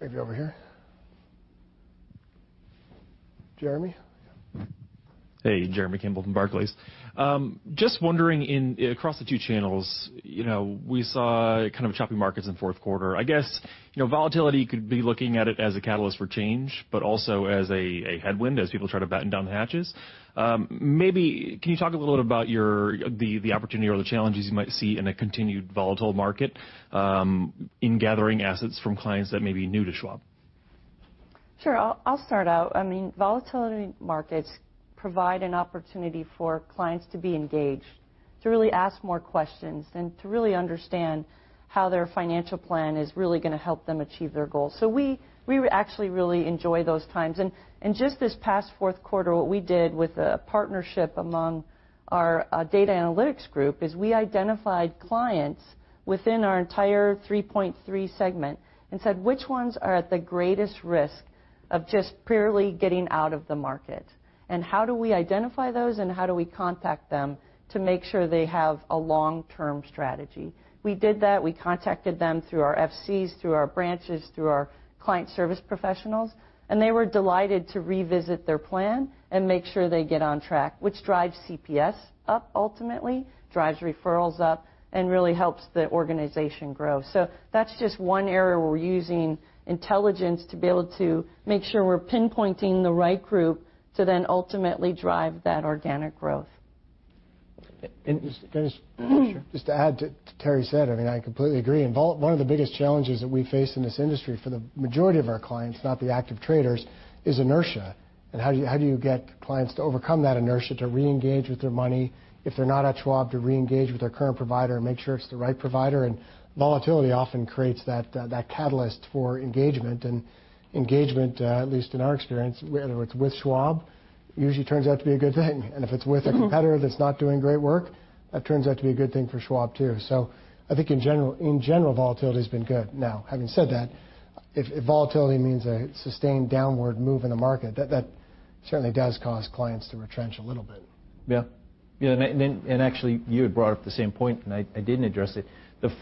Maybe over here. Jeremy? Hey, Jeremy Campbell from Barclays. Just wondering, across the two channels, we saw kind of choppy markets in fourth quarter. I guess, volatility could be looking at it as a catalyst for change, but also as a headwind as people try to batten down the hatches. Maybe can you talk a little bit about the opportunity or the challenges you might see in a continued volatile market, in gathering assets from clients that may be new to Schwab? Sure. I'll start out. Volatility markets provide an opportunity for clients to be engaged, to really ask more questions, and to really understand how their financial plan is really going to help them achieve their goals. We actually really enjoy those times. Just this past fourth quarter, what we did with a partnership among our data analytics group is we identified clients within our entire 3.3 segment and said, Which ones are at the greatest risk of just purely getting out of the market? How do we identify those, and how do we contact them to make sure they have a long-term strategy? We did that. We contacted them through our FCs, through our branches, through our client service professionals. They were delighted to revisit their plan and make sure they get on track, which drives CPS up ultimately, drives referrals up, and really helps the organization grow. That's just one area where we're using intelligence to be able to make sure we're pinpointing the right group to then ultimately drive that organic growth. Just- Sure. Just to add to what Terri Kallsen said, I completely agree. One of the biggest challenges that we face in this industry for the majority of our clients, not the active traders, is inertia. How do you get clients to overcome that inertia to reengage with their money? If they're not at Schwab, to reengage with their current provider and make sure it's the right provider? Volatility often creates that catalyst for engagement. Engagement, at least in our experience, whether it's with Schwab, usually turns out to be a good thing. If it's with a competitor that's not doing great work, that turns out to be a good thing for Schwab, too. I think in general, volatility's been good. Now, having said that, if volatility means a sustained downward move in the market, that certainly does cause clients to retrench a little bit. Yeah. Actually, you had brought up the same point, and I didn't address it.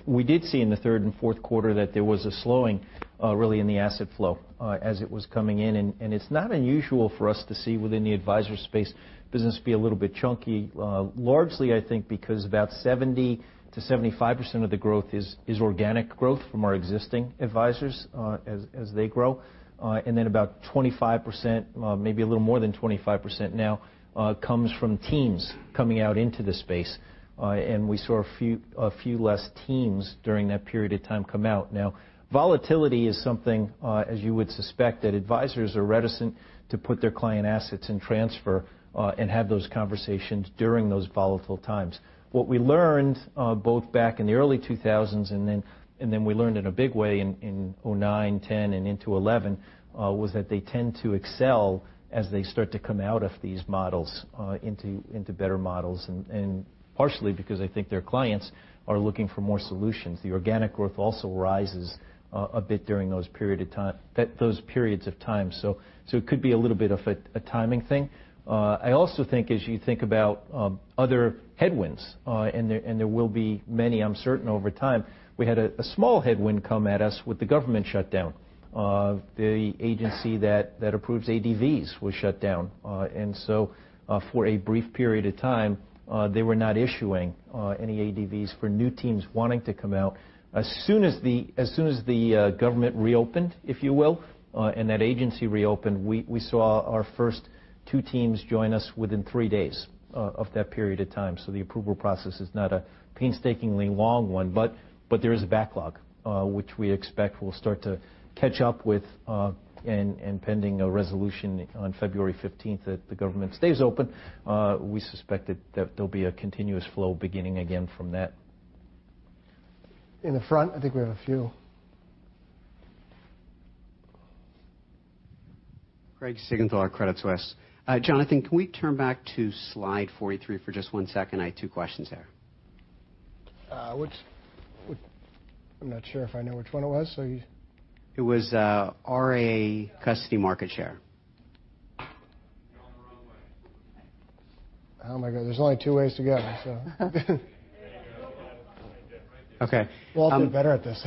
We did see in the third and fourth quarter that there was a slowing, really in the asset flow as it was coming in. It's not unusual for us to see within the advisor space business be a little bit chunky. Largely, I think because about 70%-75% of the growth is organic growth from our existing advisors as they grow. Then about 25%, maybe a little more than 25% now, comes from teams coming out into the space. We saw a few less teams during that period of time come out. Now, volatility is something, as you would suspect, that advisors are reticent to put their client assets in transfer and have those conversations during those volatile times. What we learned, both back in the early 2000s and then we learned in a big way in 2009, 2010, and into 2011, was that they tend to excel as they start to come out of these models into better models. Partially because I think their clients are looking for more solutions. The organic growth also rises a bit during those periods of time. It could be a little bit of a timing thing. I also think as you think about other headwinds, and there will be many, I'm certain, over time. We had a small headwind come at us with the government shutdown. The agency that approves ADVs was shut down. For a brief period of time, they were not issuing any ADVs for new teams wanting to come out. As soon as the government reopened, if you will, and that agency reopened, we saw our first two teams join us within three days of that period of time. The approval process is not a painstakingly long one, but there is a backlog, which we expect will start to catch up with, and pending a resolution on February 15th that the government stays open. We suspect that there will be a continuous flow beginning again from that. In the front, I think we have a few. Craig Siegenthaler, Credit Suisse. Jonathan, can we turn back to slide 43 for just one second? I had two questions there. Which? I'm not sure if I know which one it was. It was RIA custody market share. You're going the wrong way. How am I going? There's only two ways to go, so. There you go. You got it. Right there. Okay. We'll all get better at this.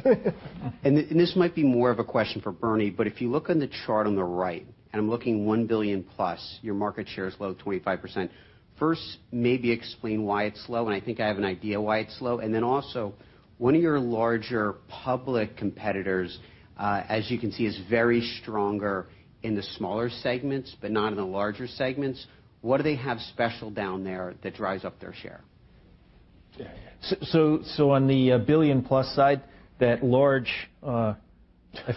This might be more of a question for Bernie, but if you look on the chart on the right, I'm looking 1 billion plus, your market share is low at 25%. First, maybe explain why it's low, I think I have an idea why it's low. Also, one of your larger public competitors, as you can see, is very stronger in the smaller segments, but not in the larger segments. What do they have special down there that drives up their share? On the billion-plus side, that large, I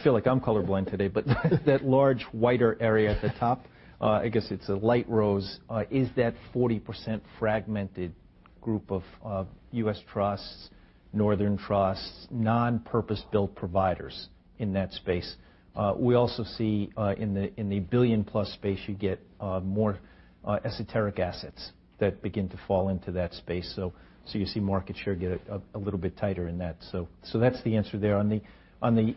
feel like I'm colorblind today, but that large whiter area at the top, I guess it's a light rose, is that 40% fragmented group of U.S. trusts, Northern Trust, non-purpose-built providers in that space. We also see in the billion-plus space, you get more esoteric assets that begin to fall into that space. You see market share get a little bit tighter in that. That's the answer there. On the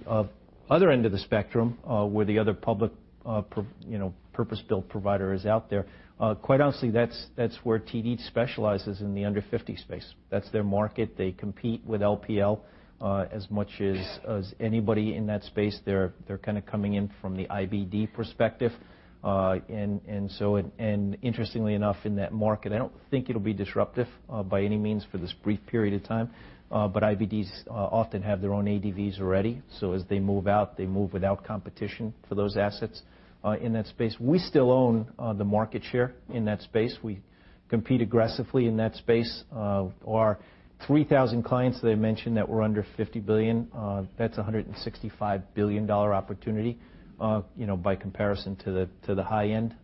other end of the spectrum, where the other public purpose-built provider is out there, quite honestly, that's where TD specializes in the under 50 space. That's their market. They compete with LPL as much as anybody in that space. They're coming in from the IBD perspective. Interestingly enough, in that market, I don't think it'll be disruptive by any means for this brief period of time. IBDs often have their own ADVs already, as they move out, they move without competition for those assets in that space. We still own the market share in that space. We compete aggressively in that space. Our 3,000 clients, they mentioned that we're under $50 billion. That's a $165 billion opportunity, by comparison to the high end.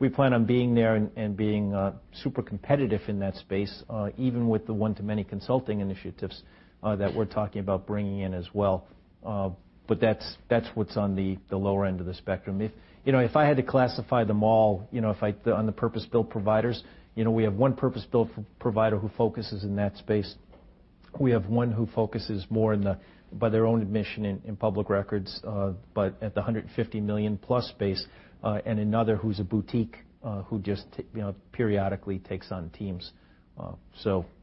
We plan on being there and being super competitive in that space, even with the one-to-many consulting initiatives that we're talking about bringing in as well. That's what's on the lower end of the spectrum. If I had to classify them all, on the purpose-built providers, we have one purpose-built provider who focuses in that space. We have one who focuses more in the, by their own admission in public records, but at the $150 million-plus space, and another who's a boutique who just periodically takes on teams.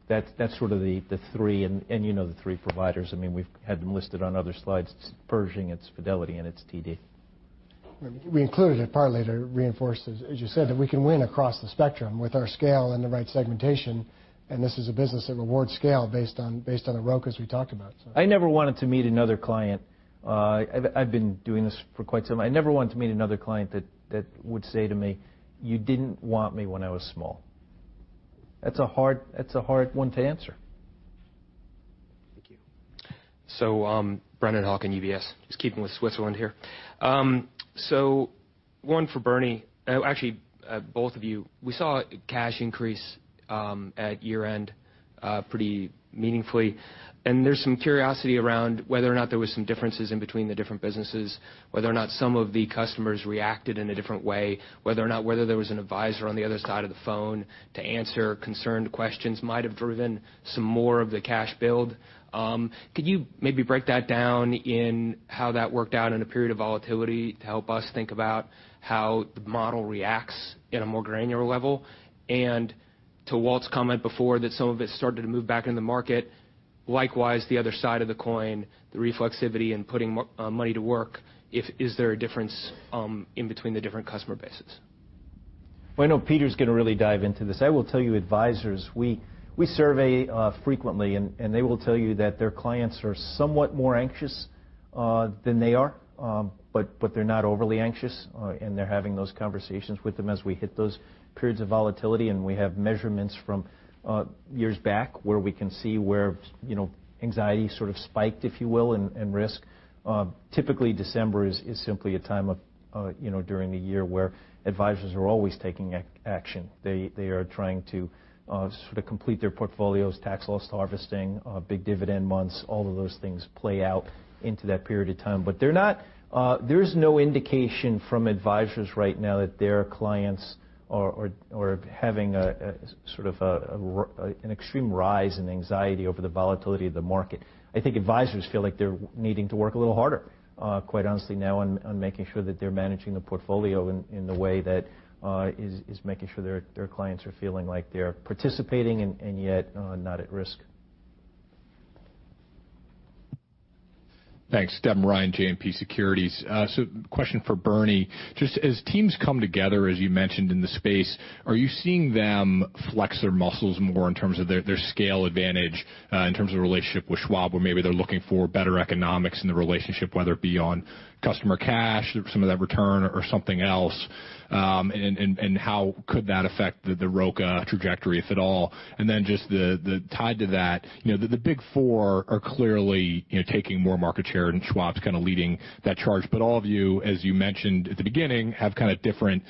That's sort of the three, you know the three providers. We've had them listed on other slides. It's Pershing, it's Fidelity, and it's TD. We included it partly to reinforce, as you said, that we can win across the spectrum with our scale and the right segmentation, and this is a business that rewards scale based on the ROCA we talked about. I never wanted to meet another client. I've been doing this for quite some time. I never wanted to meet another client that would say to me, You didn't want me when I was small. That's a hard one to answer. Thank you. Brennan Hawken, UBS, just keeping with Switzerland here. One for Bernie, actually both of you. We saw a cash increase at year-end pretty meaningfully, and there's some curiosity around whether or not there was some differences in between the different businesses, whether or not some of the customers reacted in a different way, whether there was an advisor on the other side of the phone to answer concerned questions might have driven some more of the cash build. Could you maybe break that down in how that worked out in a period of volatility to help us think about how the model reacts at a more granular level? To Walt's comment before that some of it started to move back into the market, likewise, the other side of the coin, the reflexivity and putting money to work, is there a difference in between the different customer bases? I know Peter's going to really dive into this. I will tell you, advisors, we survey frequently, and they will tell you that their clients are somewhat more anxious than they are. They're not overly anxious, and they're having those conversations with them as we hit those periods of volatility, and we have measurements from years back where we can see where anxiety sort of spiked, if you will, and risk. Typically, December is simply a time during the year where advisors are always taking action. They are trying to sort of complete their portfolios, tax-loss harvesting, big dividend months, all of those things play out into that period of time. There's no indication from advisors right now that their clients are having a sort of an extreme rise in anxiety over the volatility of the market. I think advisors feel like they're needing to work a little harder, quite honestly, now on making sure that they're managing the portfolio in the way that is making sure their clients are feeling like they're participating and yet not at risk. Thanks. Devin Ryan, JMP Securities. Question for Bernie. Just as teams come together, as you mentioned in the space, are you seeing them flex their muscles more in terms of their scale advantage, in terms of the relationship with Schwab, where maybe they're looking for better economics in the relationship, whether it be on customer cash, some of that return or something else? How could that affect the ROCA trajectory, if at all? Just tied to that, the Big Four are clearly taking more market share and Schwab's kind of leading that charge. All of you, as you mentioned at the beginning, have kind of different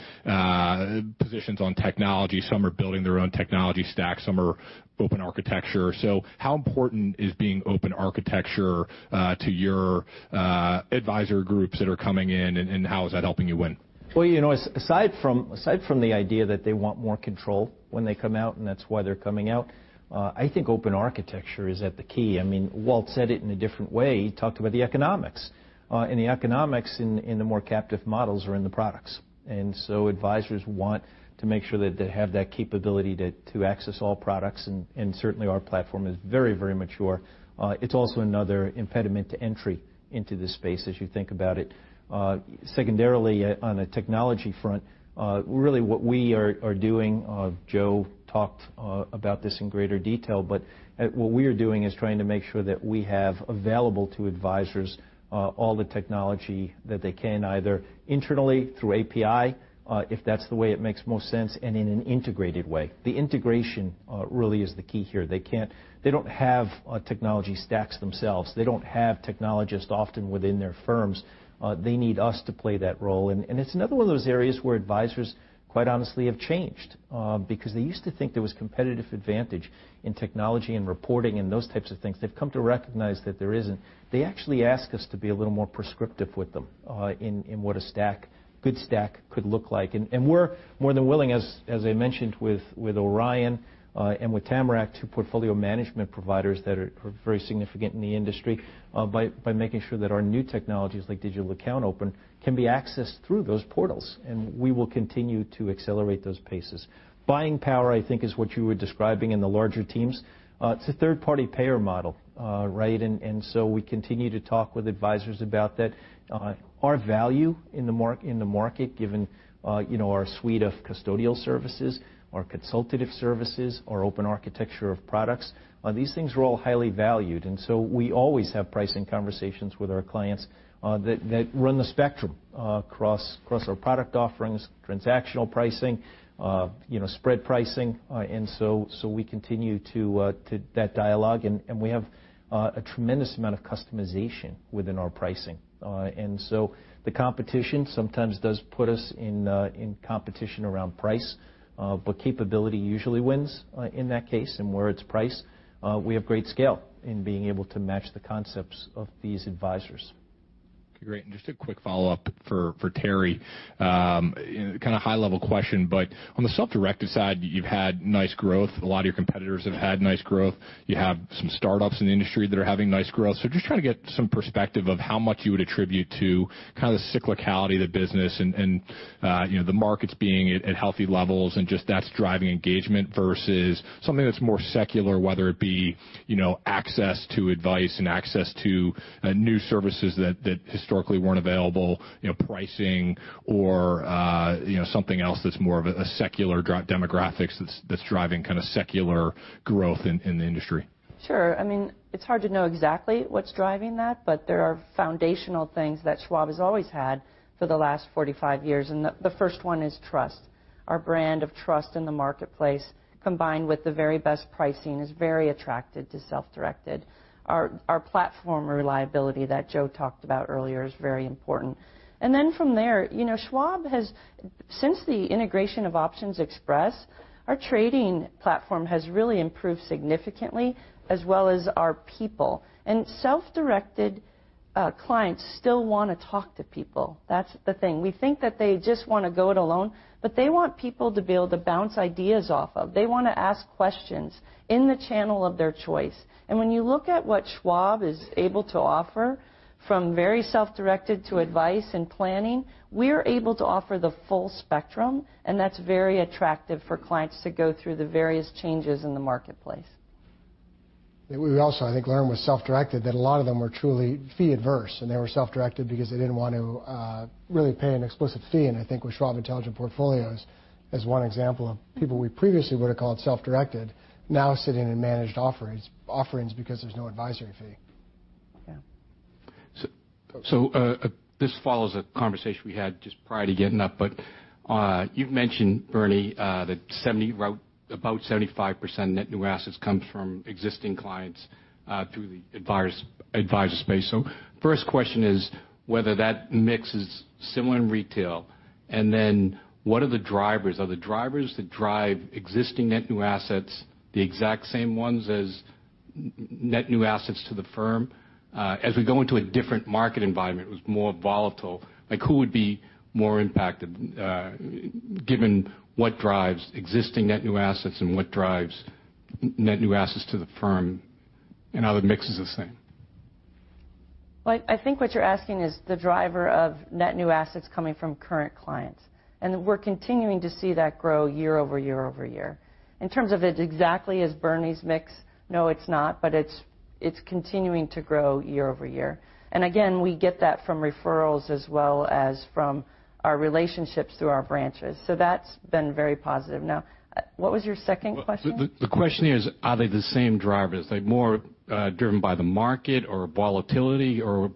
positions on technology. Some are building their own technology stack, some are open architecture. How important is being open architecture to your advisor groups that are coming in, and how is that helping you win? Well, aside from the idea that they want more control when they come out, and that's why they're coming out, I think open architecture is at the key. Walt said it in a different way. He talked about the economics, the economics in the more captive models are in the products. Advisors want to make sure that they have that capability to access all products, and certainly, our platform is very mature. It's also another impediment to entry into this space as you think about it. Secondarily, on a technology front, really what we are doing, Joe talked about this in greater detail, but what we are doing is trying to make sure that we have available to advisors all the technology that they can, either internally through API, if that's the way it makes most sense, and in an integrated way. The integration really is the key here. They don't have technology stacks themselves. They don't have technologists often within their firms. They need us to play that role. It's another one of those areas where advisors quite honestly have changed. They used to think there was competitive advantage in technology and reporting and those types of things. They've come to recognize that there isn't. They actually ask us to be a little more prescriptive with them in what a good stack could look like. We're more than willing, as I mentioned with Orion and with Tamarac, two portfolio management providers that are very significant in the industry, by making sure that our new technologies like digital account open can be accessed through those portals. We will continue to accelerate those paces. Buying power, I think, is what you were describing in the larger teams. It's a third-party payer model, right? We continue to talk with advisors about that. Our value in the market, given our suite of custodial services, our consultative services, our open architecture of products, these things are all highly valued. We always have pricing conversations with our clients that run the spectrum across our product offerings, transactional pricing, spread pricing. We continue that dialogue, and we have a tremendous amount of customization within our pricing. The competition sometimes does put us in competition around price. Capability usually wins in that case, and where it's price, we have great scale in being able to match the concepts of these advisors. Great. Just a quick follow-up for Terry. Kind of high-level question, on the self-directed side, you've had nice growth. A lot of your competitors have had nice growth. You have some startups in the industry that are having nice growth. Just trying to get some perspective of how much you would attribute to kind of the cyclicality of the business and the markets being at healthy levels and just that's driving engagement versus something that's more secular, whether it be access to advice and access to new services that historically weren't available, pricing or something else that's more of a secular demographics that's driving kind of secular growth in the industry. Sure. It's hard to know exactly what's driving that, there are foundational things that Schwab has always had for the last 45 years, and the first one is trust. Our brand of trust in the marketplace, combined with the very best pricing, is very attractive to self-directed. Our platform reliability that Joe talked about earlier is very important. From there, Schwab has, since the integration of OptionsXpress, our trading platform has really improved significantly as well as our people. Self-directed clients still want to talk to people. That's the thing. We think that they just want to go it alone, they want people to be able to bounce ideas off of. They want to ask questions in the channel of their choice. When you look at what Schwab is able to offer, from very self-directed to advice and planning, we're able to offer the full spectrum, that's very attractive for clients to go through the various changes in the marketplace. We also, I think, learned with self-directed that a lot of them were truly fee-averse, they were self-directed because they didn't want to really pay an explicit fee. I think with Schwab Intelligent Portfolios as one example of people we previously would have called self-directed now sitting in managed offerings because there's no advisory fee. Yeah. This follows a conversation we had just prior to getting up, but you've mentioned, Bernie, that about 75% net new assets comes from existing clients through the advisor space. First question is whether that mix is similar in retail, what are the drivers? Are the drivers that drive existing net new assets the exact same ones as net new assets to the firm? As we go into a different market environment, it was more volatile, who would be more impacted, given what drives existing net new assets and what drives net new assets to the firm, are the mixes the same? I think what you're asking is the driver of net new assets coming from current clients, we're continuing to see that grow year over year over year. In terms of it exactly as Bernie's mix, no, it's not, it's continuing to grow year over year. Again, we get that from referrals as well as from our relationships through our branches. That's been very positive. Now, what was your second question? The question is, are they the same drivers? Are they more driven by the market or volatility, or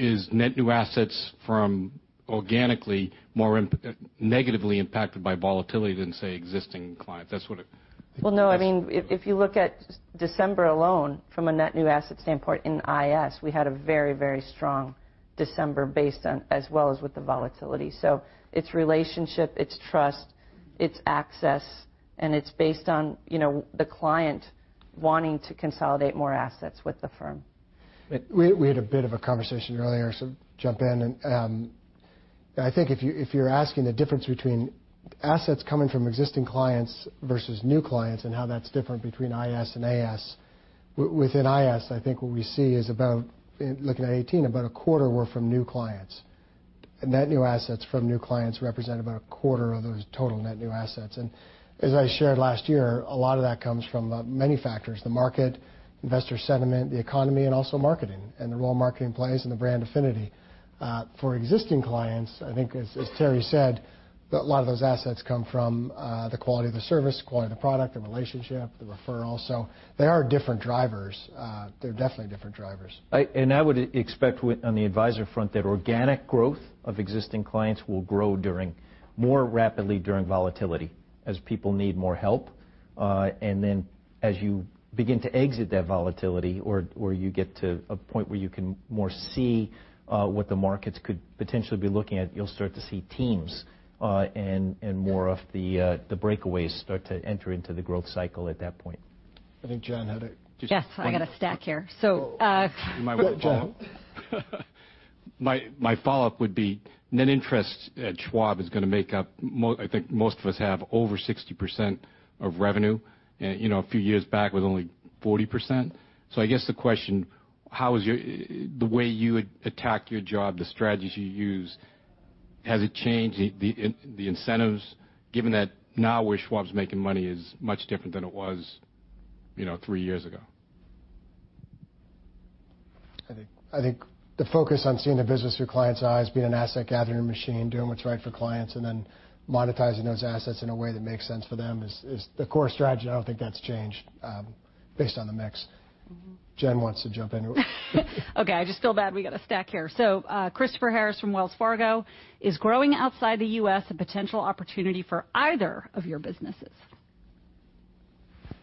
is net new assets from organically more negatively impacted by volatility than, say, existing clients? Well, no. If you look at December alone from a net new asset standpoint in IS, we had a very strong December based on as well as with the volatility. It's relationship, it's trust, it's access, and it's based on the client wanting to consolidate more assets with the firm. We had a bit of a conversation earlier, jump in. I think if you're asking the difference between assets coming from existing clients versus new clients and how that's different between IS and AS, within IS, I think what we see is about, looking at 2018, about a quarter were from new clients. Net new assets from new clients represent about a quarter of those total net new assets. As I shared last year, a lot of that comes from many factors, the market, investor sentiment, the economy, and also marketing and the role marketing plays and the brand affinity. For existing clients, I think as Terri said, a lot of those assets come from the quality of the service, quality of the product, the relationship, the referrals. They are different drivers. They're definitely different drivers. I would expect on the advisor front that organic growth of existing clients will grow more rapidly during volatility as people need more help. Then as you begin to exit that volatility or you get to a point where you can more see what the markets could potentially be looking at, you'll start to see teams and more of the breakaways start to enter into the growth cycle at that point. I think John had. Yes, I got a stack here. You might want to follow up. My follow-up would be net interest at Schwab is going to make up, I think most of us have over 60% of revenue. A few years back, it was only 40%. I guess the question, the way you attack your job, the strategies you use, has it changed the incentives given that now where Schwab's making money is much different than it was three years ago? I think the focus on seeing the business through clients' eyes, being an asset-gathering machine, doing what's right for clients, and then monetizing those assets in a way that makes sense for them is the core strategy. I don't think that's changed based on the mix. Jen wants to jump in. Okay. I just feel bad we got a stack here. Christopher Harris from Wells Fargo, Is growing outside the U.S. a potential opportunity for either of your businesses?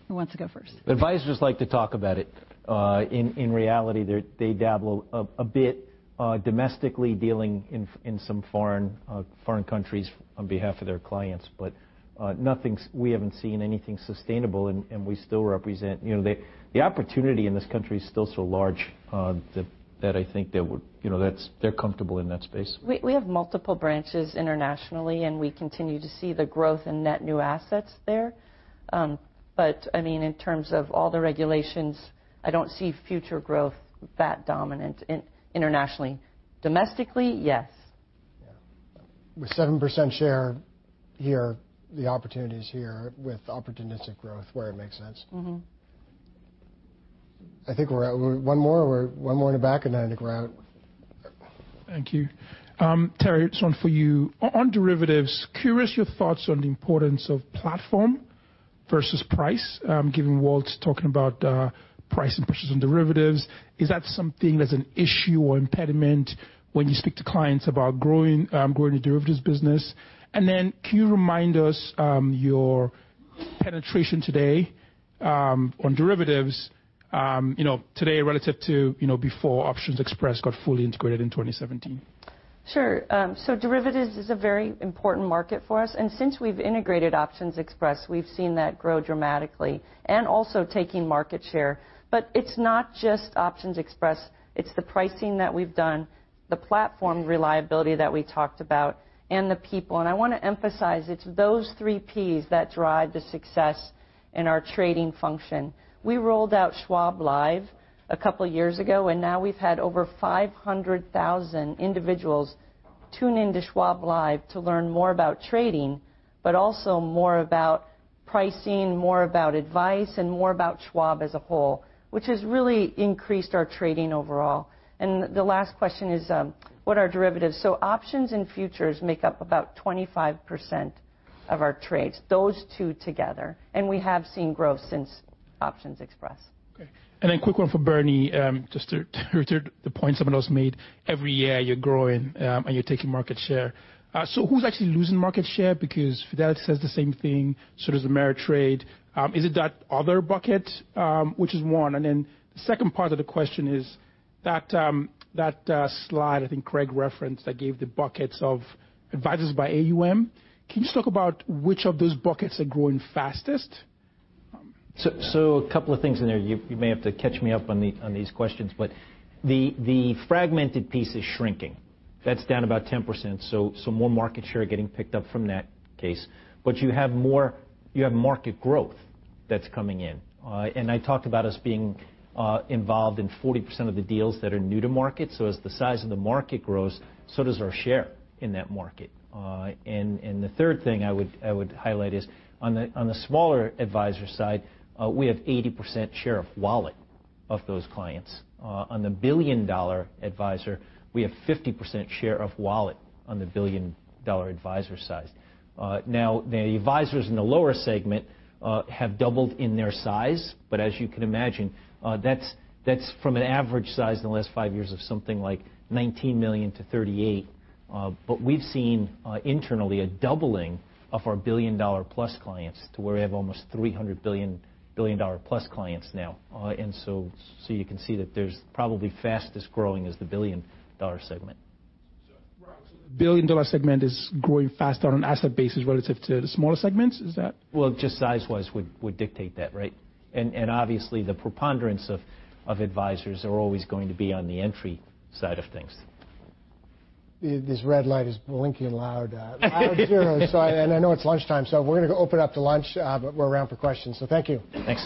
Who wants to go first? Advisors like to talk about it. In reality, they dabble a bit domestically dealing in some foreign countries on behalf of their clients, but we haven't seen anything sustainable, and we still represent. The opportunity in this country is still so large that I think they're comfortable in that space. We have multiple branches internationally, and we continue to see the growth in net new assets there. In terms of all the regulations, I don't see future growth that dominant internationally. Domestically, yes. Yeah. With 7% share here, the opportunity's here with opportunistic growth where it makes sense. I think we're at one more. One more in the back and then in the ground. Thank you. Terri, this one for you. On derivatives, curious your thoughts on the importance of platform versus price, given Walt's talking about price and pressures on derivatives. Is that something that's an issue or impediment when you speak to clients about growing the derivatives business? Then can you remind us your penetration today on derivatives, today relative to before OptionsXpress got fully integrated in 2017? Sure. Derivatives is a very important market for us. Since we've integrated OptionsXpress, we've seen that grow dramatically and also taking market share. It's not just OptionsXpress, it's the pricing that we've done, the platform reliability that we talked about, and the people. I want to emphasize, it's those three Ps that drive the success in our trading function. We rolled out Schwab Network a couple of years ago, now we've had over 500,000 individuals tune into Schwab Network to learn more about trading, but also more about pricing, more about advice, and more about Schwab as a whole, which has really increased our trading overall. The last question is, what are derivatives? Options and futures make up about 25% of our trades, those two together, and we have seen growth since OptionsXpress. Okay. Quick one for Bernie, just to return to the point someone else made. Every year you're growing, and you're taking market share. Who's actually losing market share? Fidelity says the same thing, so does Ameritrade. Is it that other bucket, which is one? The second part of the question is that slide I think Craig referenced that gave the buckets of advisors by AUM. Can you just talk about which of those buckets are growing fastest? A couple of things in there. You may have to catch me up on these questions. The fragmented piece is shrinking. That's down about 10%, so more market share getting picked up from that case. You have market growth that's coming in. I talked about us being involved in 40% of the deals that are new to market. As the size of the market grows, so does our share in that market. The third thing I would highlight is on the smaller advisor side, we have 80% share of wallet of those clients. On the billion-dollar advisor, we have 50% share of wallet on the billion-dollar advisor size. The advisors in the lower segment have doubled in their size, but as you can imagine, that's from an average size in the last five years of something like $19 million to $38 million. We've seen internally a doubling of our billion-dollar-plus clients to where we have almost 300 billion-dollar-plus clients now. You can see that there's probably fastest-growing is the billion-dollar segment. The billion-dollar segment is growing faster on an asset basis relative to the smaller segments? Well, just size-wise would dictate that, right? Obviously, the preponderance of advisors are always going to be on the entry side of things. This red light is blinking loud and clear. I know it's lunchtime, we're going to open up to lunch. We're around for questions, thank you. Thanks.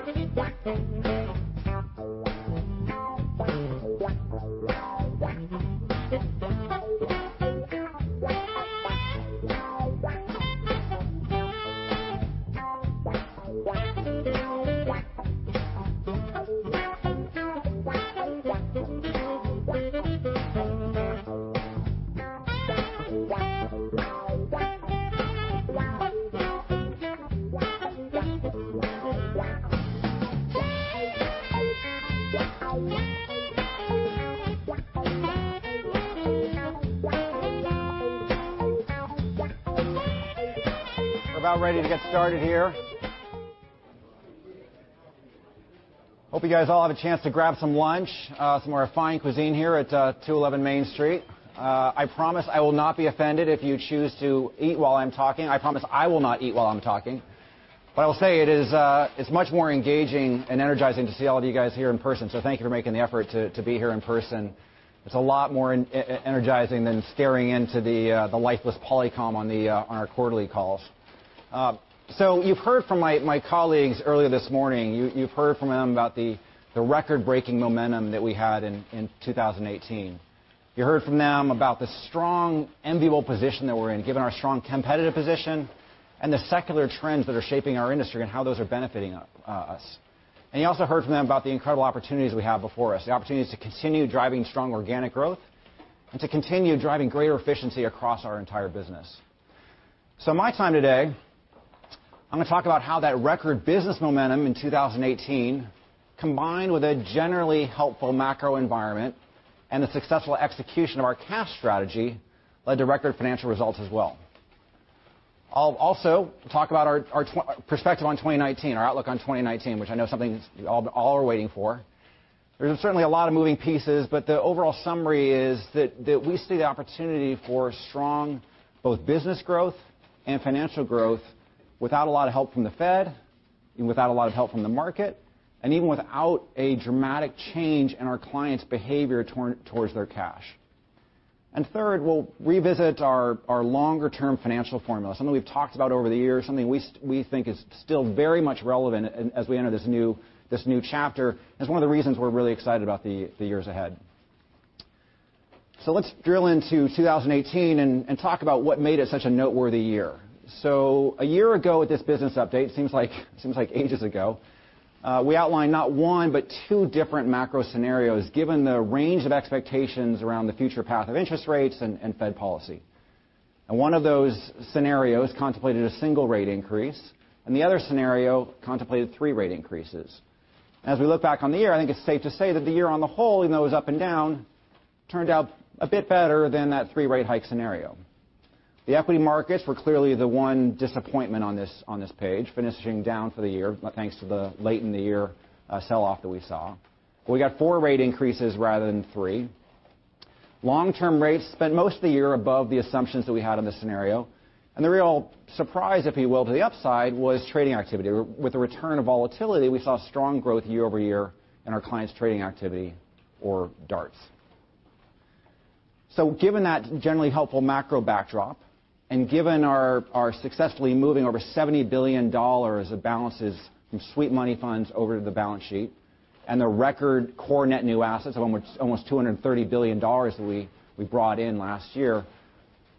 We're about ready to get started here. Hope you guys all have a chance to grab some lunch, some more fine cuisine here at 211 Main Street. I promise I will not be offended if you choose to eat while I'm talking. I promise I will not eat while I'm talking. I will say it's much more engaging and energizing to see all of you guys here in person, thank you for making the effort to be here in person. It's a lot more energizing than staring into the lifeless Polycom on our quarterly calls. You've heard from my colleagues earlier this morning. You've heard from them about the record-breaking momentum that we had in 2018. You heard from them about the strong, enviable position that we're in, given our strong competitive position and the secular trends that are shaping our industry and how those are benefiting us. You also heard from them about the incredible opportunities we have before us, the opportunities to continue driving strong organic growth and to continue driving greater efficiency across our entire business. My time today, I'm going to talk about how that record business momentum in 2018, combined with a generally helpful macro environment and the successful execution of our cash strategy, led to record financial results as well. I'll also talk about our perspective on 2019, our outlook on 2019, which I know something all are waiting for. There's certainly a lot of moving pieces, but the overall summary is that we see the opportunity for strong both business growth and financial growth without a lot of help from the Fed, without a lot of help from the market, and even without a dramatic change in our clients' behavior towards their cash. Third, we'll revisit our longer-term financial formula, something we've talked about over the years, something we think is still very much relevant as we enter this new chapter, and it's one of the reasons we're really excited about the years ahead. Let's drill into 2018 and talk about what made it such a noteworthy year. A year ago at this business update, seems like ages ago, we outlined not one but two different macro scenarios given the range of expectations around the future path of interest rates and Fed policy. One of those scenarios contemplated a single rate increase, the other scenario contemplated three rate increases. As we look back on the year, I think it's safe to say that the year on the whole, even though it was up and down, turned out a bit better than that three-rate hike scenario. The equity markets were clearly the one disappointment on this page, finishing down for the year, thanks to the late in the year sell-off that we saw. We got four rate increases rather than three. Long-term rates spent most of the year above the assumptions that we had in this scenario. The real surprise, if you will, to the upside was trading activity. With the return of volatility, we saw strong growth year-over-year in our clients' trading activity or DARTs. Given that generally helpful macro backdrop and given our successfully moving over $70 billion of balances from sweep money funds over to the balance sheet and the record core net new assets of almost $230 billion that we brought in last year,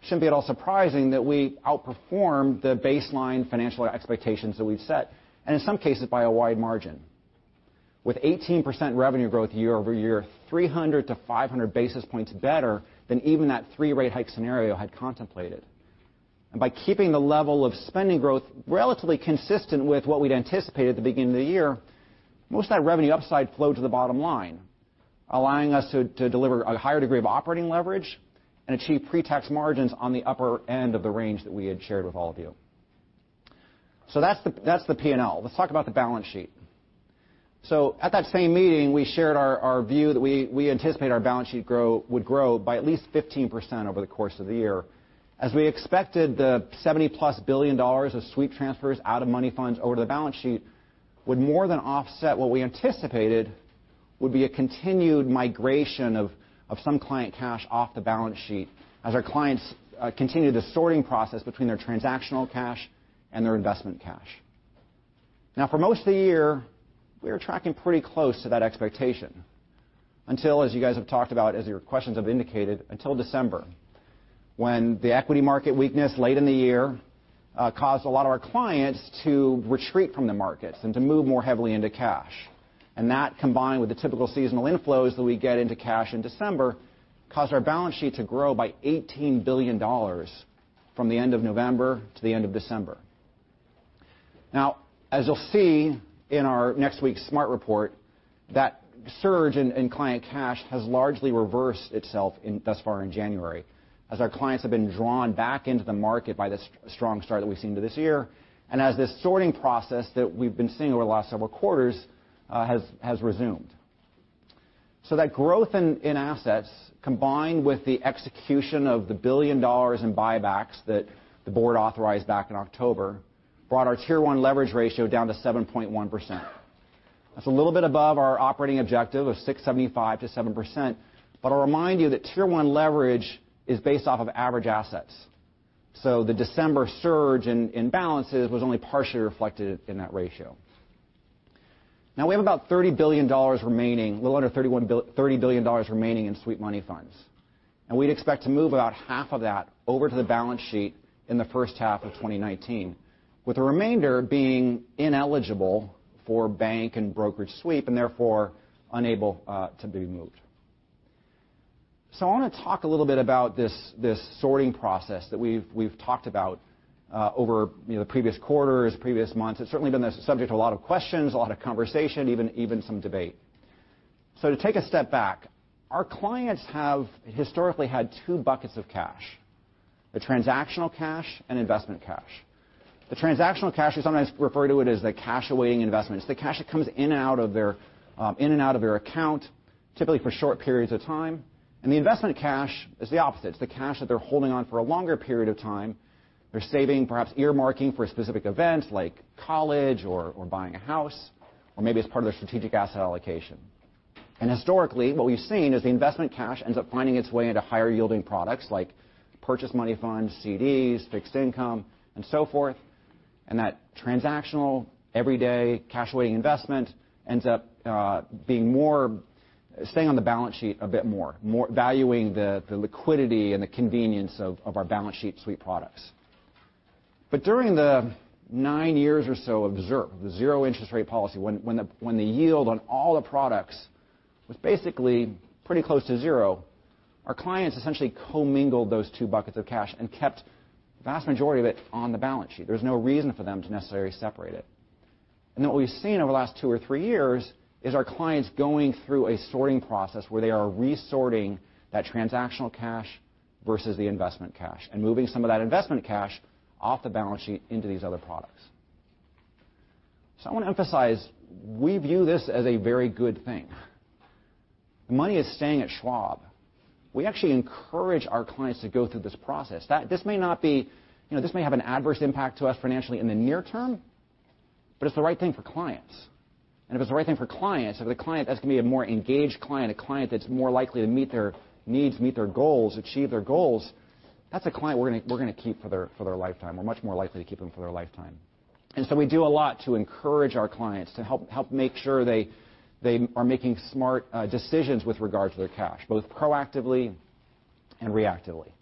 shouldn't be at all surprising that we outperformed the baseline financial expectations that we've set, and in some cases, by a wide margin. With 18% revenue growth year-over-year, 300 to 500 basis points better than even that three-rate hike scenario had contemplated. By keeping the level of spending growth relatively consistent with what we'd anticipated at the beginning of the year, most of that revenue upside flowed to the bottom line, allowing us to deliver a higher degree of operating leverage and achieve pre-tax margins on the upper end of the range that we had shared with all of you. That's the P&L. Let's talk about the balance sheet. At that same meeting, we shared our view that we anticipate our balance sheet would grow by at least 15% over the course of the year. As we expected, the $70-plus billion of sweep transfers out of money funds over to the balance sheet would more than offset what we anticipated would be a continued migration of some client cash off the balance sheet as our clients continue the sorting process between their transactional cash and their investment cash. For most of the year, we were tracking pretty close to that expectation until, as you guys have talked about, as your questions have indicated, until December, when the equity market weakness late in the year caused a lot of our clients to retreat from the markets and to move more heavily into cash. That, combined with the typical seasonal inflows that we get into cash in December, caused our balance sheet to grow by $18 billion from the end of November to the end of December. As you'll see in our next week's smart report, that surge in client cash has largely reversed itself thus far in January, as our clients have been drawn back into the market by the strong start that we've seen to this year, and as this sorting process that we've been seeing over the last several quarters has resumed. That growth in assets, combined with the execution of the $1 billion in buybacks that the board authorized back in October, brought our Tier 1 leverage ratio down to 7.1%. That's a little bit above our operating objective of 6.75%-7%, but I'll remind you that Tier 1 leverage is based off of average assets, so the December surge in balances was only partially reflected in that ratio. We have about $30 billion remaining, a little under $30 billion remaining in sweep money funds. We'd expect to move about half of that over to the balance sheet in the first half of 2019, with the remainder being ineligible for bank and brokerage sweep, and therefore unable to be moved. I want to talk a little bit about this sorting process that we've talked about over the previous quarters, previous months. It's certainly been the subject of a lot of questions, a lot of conversation, even some debate. To take a step back, our clients have historically had two buckets of cash, the transactional cash and investment cash. The transactional cash, we sometimes refer to it as the cash awaiting investments. The cash that comes in and out of their account, typically for short periods of time. The investment cash is the opposite. It's the cash that they're holding on for a longer period of time. They're saving, perhaps earmarking for a specific event like college or buying a house, or maybe it's part of their strategic asset allocation. Historically, what we've seen is the investment cash ends up finding its way into higher yielding products like purchase money funds, CDs, fixed income, and so forth, and that transactional everyday cash awaiting investment ends up staying on the balance sheet a bit more, valuing the liquidity and the convenience of our balance sheet sweep products. During the nine years or so of ZIRP, the zero interest rate policy, when the yield on all the products was basically pretty close to zero, our clients essentially commingled those two buckets of cash and kept the vast majority of it on the balance sheet. There was no reason for them to necessarily separate it. What we've seen over the last two or three years is our clients going through a sorting process where they are resorting that transactional cash versus the investment cash and moving some of that investment cash off the balance sheet into these other products. I want to emphasize, we view this as a very good thing. The money is staying at Schwab. We actually encourage our clients to go through this process. This may have an adverse impact to us financially in the near term, but it's the right thing for clients. If it's the right thing for clients, if the client is going to be a more engaged client, a client that's more likely to meet their needs, meet their goals, achieve their goals, that's a client we're going to keep for their lifetime, or much more likely to keep them for their lifetime. We do a lot to encourage our clients to help make sure they are making smart decisions with regard to their cash, both proactively and reactively.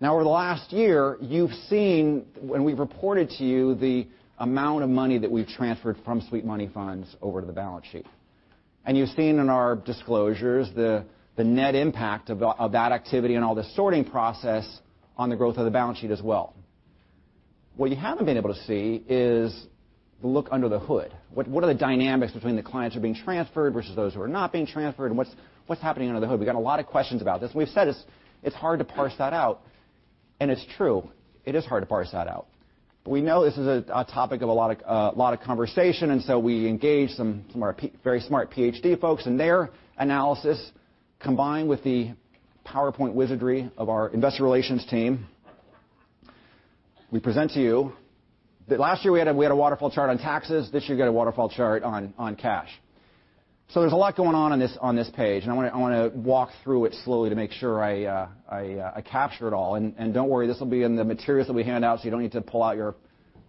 Over the last year, you've seen when we've reported to you the amount of money that we've transferred from sweep money funds over to the balance sheet. You've seen in our disclosures the net impact of that activity and all the sorting process on the growth of the balance sheet as well. What you haven't been able to see is the look under the hood. What are the dynamics between the clients who are being transferred versus those who are not being transferred, and what's happening under the hood? We've got a lot of questions about this. We've said it's hard to parse that out, and it's true. It is hard to parse that out. We know this is a topic of a lot of conversation, we engaged some of our very smart Ph.D. folks, and their analysis, combined with the PowerPoint wizardry of our investor relations team, we present to you. Last year, we had a waterfall chart on taxes. This year, you get a waterfall chart on cash. There's a lot going on this page, and I want to walk through it slowly to make sure I capture it all. Don't worry, this will be in the materials that we hand out, so you don't need to pull out your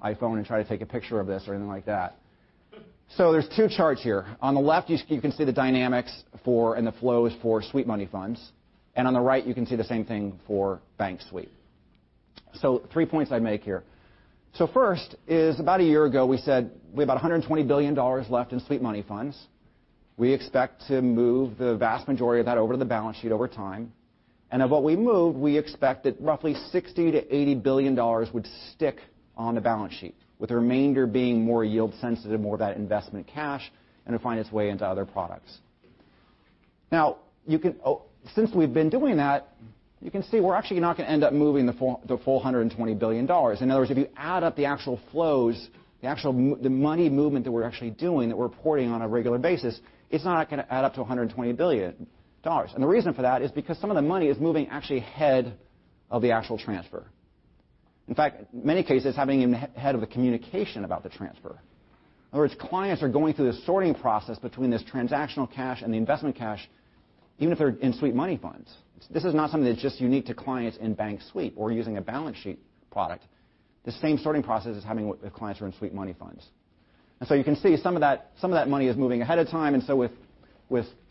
iPhone and try to take a picture of this or anything like that. There's two charts here. On the left, you can see the dynamics for and the flows for sweep money funds, and on the right, you can see the same thing for bank sweep. Three points I'd make here. First is about a year ago, we said we have about $120 billion left in sweep money funds. We expect to move the vast majority of that over to the balance sheet over time. Of what we moved, we expect that roughly $60 billion-$80 billion would stick on the balance sheet, with the remainder being more yield sensitive, more of that investment cash, and it'll find its way into other products. Since we've been doing that, you can see we're actually not going to end up moving the full $120 billion. In other words, if you add up the actual flows, the money movement that we're actually doing, that we're reporting on a regular basis, it's not going to add up to $120 billion. The reason for that is because some of the money is moving actually ahead of the actual transfer. In fact, many cases, happening ahead of the communication about the transfer. In other words, clients are going through this sorting process between this transactional cash and the investment cash. Even if they're in sweep money funds. This is not something that's just unique to clients in bank sweep or using a balance sheet product. The same sorting process is happening with clients who are in sweep money funds. You can see some of that money is moving ahead of time, and so with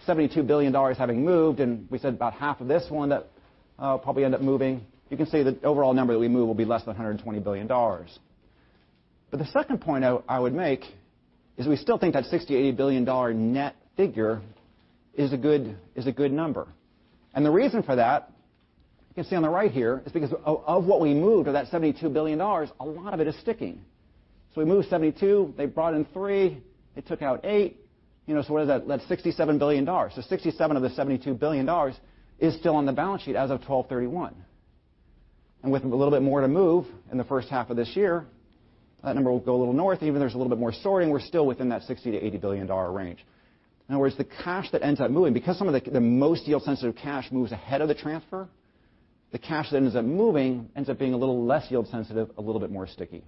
$72 billion having moved, and we said about half of this one that probably end up moving, you can see the overall number that we move will be less than $120 billion. The second point I would make is we still think that $60 billion-$80 billion net figure is a good number. The reason for that, you can see on the right here, is because of what we moved, of that $72 billion, a lot of it is sticking. We moved 72, they brought in three, they took out eight. What is that? That's $67 billion. $67 billion of the $72 billion is still on the balance sheet as of 12/31. With a little bit more to move in the first half of this year, that number will go a little north. Even there's a little bit more sorting, we're still within that $60 billion-$80 billion range. In other words, the cash that ends up moving, because some of the most yield-sensitive cash moves ahead of the transfer, the cash that ends up moving ends up being a little less yield sensitive, a little bit more sticky.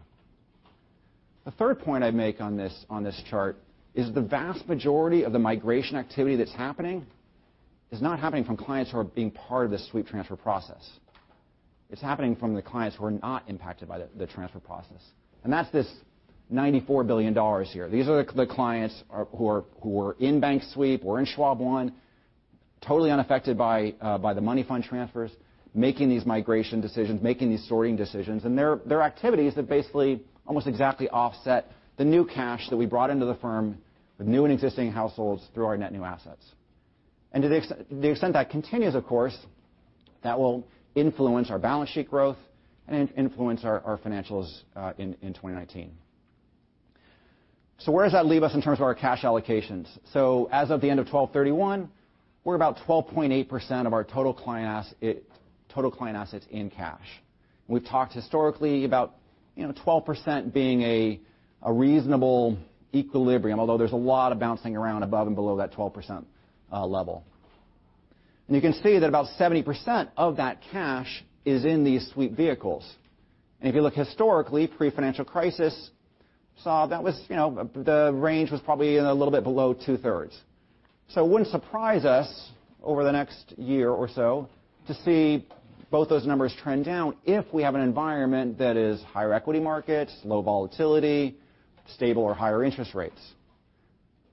The third point I'd make on this chart is the vast majority of the migration activity that's happening is not happening from clients who are being part of the sweep transfer process. It's happening from the clients who are not impacted by the transfer process, and that's this $94 billion here. These are the clients who are in bank sweep, who are in Schwab One, totally unaffected by the money fund transfers, making these migration decisions, making these sorting decisions. They're activities that basically almost exactly offset the new cash that we brought into the firm with new and existing households through our net new assets. To the extent that continues, of course, that will influence our balance sheet growth and influence our financials in 2019. Where does that leave us in terms of our cash allocations? As of the end of 12/31, we're about 12.8% of our total client assets in cash. We've talked historically about 12% being a reasonable equilibrium, although there's a lot of bouncing around above and below that 12% level. You can see that about 70% of that cash is in these sweep vehicles. If you look historically, pre-financial crisis, the range was probably a little bit below two-thirds. It wouldn't surprise us over the next year or so to see both those numbers trend down if we have an environment that is higher equity markets, low volatility, stable or higher interest rates.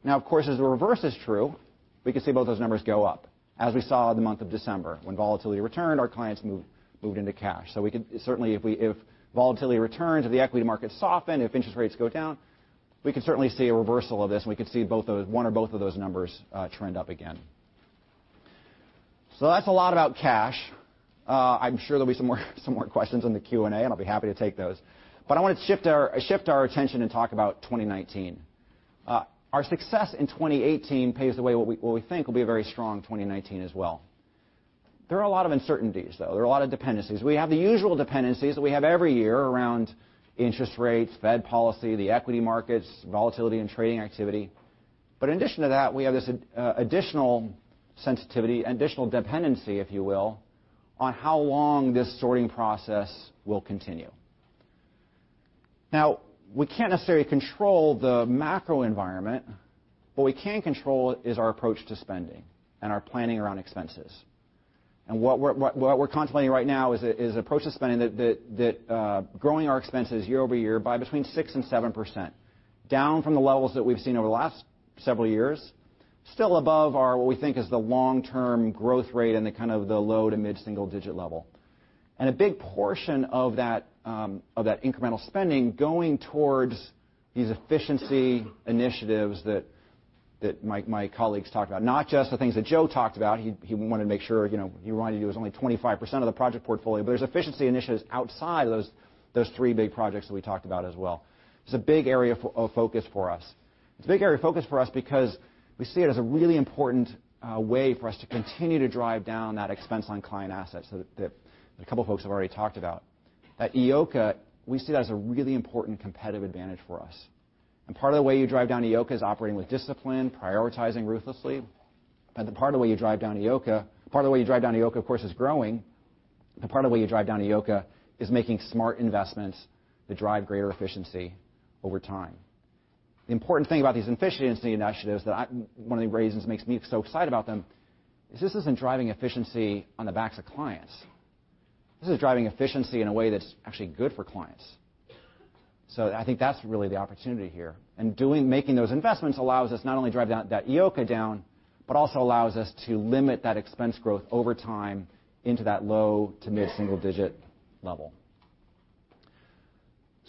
Of course, as the reverse is true, we could see both those numbers go up, as we saw the month of December. When volatility returned, our clients moved into cash. Certainly, if volatility returns, if the equity markets soften, if interest rates go down, we could certainly see a reversal of this, and we could see one or both of those numbers trend up again. That's a lot about cash. I'm sure there'll be some more questions in the Q&A, and I'll be happy to take those. I want to shift our attention and talk about 2019. Our success in 2018 paves the way what we think will be a very strong 2019 as well. There are a lot of uncertainties, though. There are a lot of dependencies. We have the usual dependencies that we have every year around interest rates, Fed policy, the equity markets, volatility and trading activity. In addition to that, we have this additional sensitivity, additional dependency, if you will, on how long this sorting process will continue. We can't necessarily control the macro environment, but we can control is our approach to spending and our planning around expenses. What we're contemplating right now is approach to spending that growing our expenses year-over-year by between 6%-7%, down from the levels that we've seen over the last several years. Still above what we think is the long-term growth rate in the low to mid-single digit level. A big portion of that incremental spending going towards these efficiency initiatives that my colleagues talked about, not just the things that Joe talked about. He wanted to make sure, he reminded you it was only 25% of the project portfolio, but there's efficiency initiatives outside those three big projects that we talked about as well. It's a big area of focus for us. It's a big area of focus for us because we see it as a really important way for us to continue to drive down that expense on client assets that a couple of folks have already talked about. At EOCA, we see that as a really important competitive advantage for us. Part of the way you drive down EOCA is operating with discipline, prioritizing ruthlessly. Part of the way you drive down EOCA, of course, is growing. Part of the way you drive down EOCA is making smart investments that drive greater efficiency over time. The important thing about these efficiency initiatives, one of the reasons makes me so excited about them, is this isn't driving efficiency on the backs of clients. This is driving efficiency in a way that's actually good for clients. I think that's really the opportunity here. Making those investments allows us not only to drive that EOCA down, but also allows us to limit that expense growth over time into that low to mid-single digit level.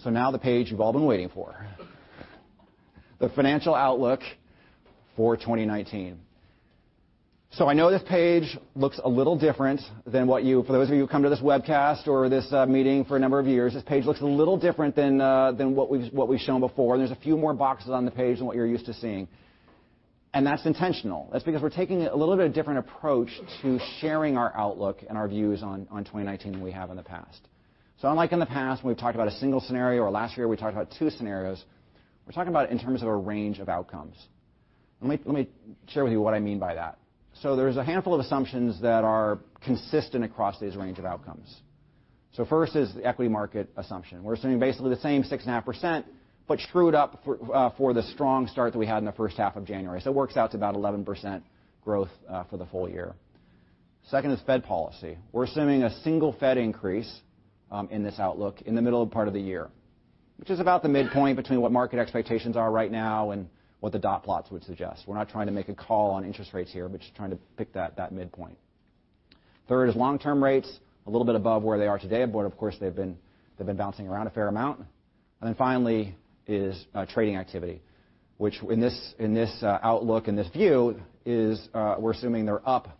Now the page you've all been waiting for, the financial outlook for 2019. I know this page looks a little different than what you, for those of you who come to this webcast or this meeting for a number of years, this page looks a little different than what we've shown before. There's a few more boxes on the page than what you're used to seeing, and that's intentional. That's because we're taking a little bit of a different approach to sharing our outlook and our views on 2019 than we have in the past. Unlike in the past, when we've talked about a single scenario, or last year, we talked about two scenarios, we're talking about in terms of a range of outcomes. Let me share with you what I mean by that. There's a handful of assumptions that are consistent across these range of outcomes. So first is the equity market assumption. We're assuming basically the same 6.5%, but screwed up for the strong start that we had in the first half of January. It works out to about 11% growth for the full year. Second, Fed policy. We're assuming a single Fed increase in this outlook in the middle part of the year, which is about the midpoint between what market expectations are right now and what the dot plots would suggest. We're not trying to make a call on interest rates here, we're just trying to pick that midpoint. Third, long-term rates, a little bit above where they are today, but of course, they've been bouncing around a fair amount. Finally, trading activity, which in this outlook, in this view, we're assuming they're up,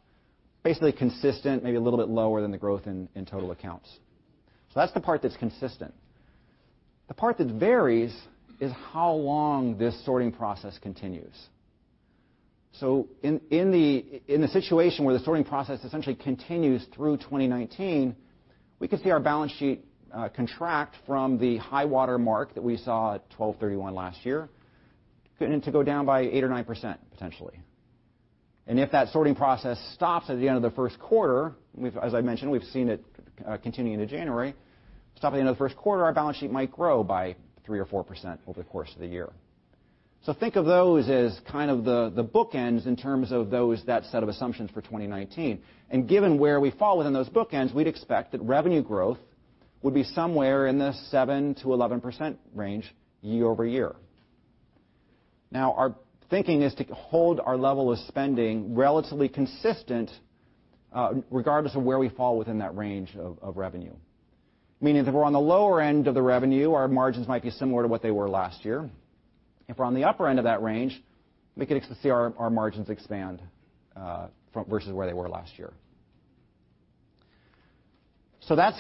basically consistent, maybe a little bit lower than the growth in total accounts. That's the part that's consistent. The part that varies is how long this sorting process continues. In the situation where the sorting process essentially continues through 2019, we could see our balance sheet contract from the high water mark that we saw at 12/31 last year, to go down by 8% or 9%, potentially. If that sorting process stops at the end of the first quarter, as I mentioned, we've seen it continue into January. Stopping in the first quarter, our balance sheet might grow by 3% or 4% over the course of the year. Think of those as kind of the bookends in terms of that set of assumptions for 2019. Given where we fall within those bookends, we'd expect that revenue growth would be somewhere in the 7%-11% range year-over-year. Our thinking is to hold our level of spending relatively consistent regardless of where we fall within that range of revenue. Meaning that we're on the lower end of the revenue, our margins might be similar to what they were last year. If we're on the upper end of that range, we could see our margins expand versus where they were last year. That's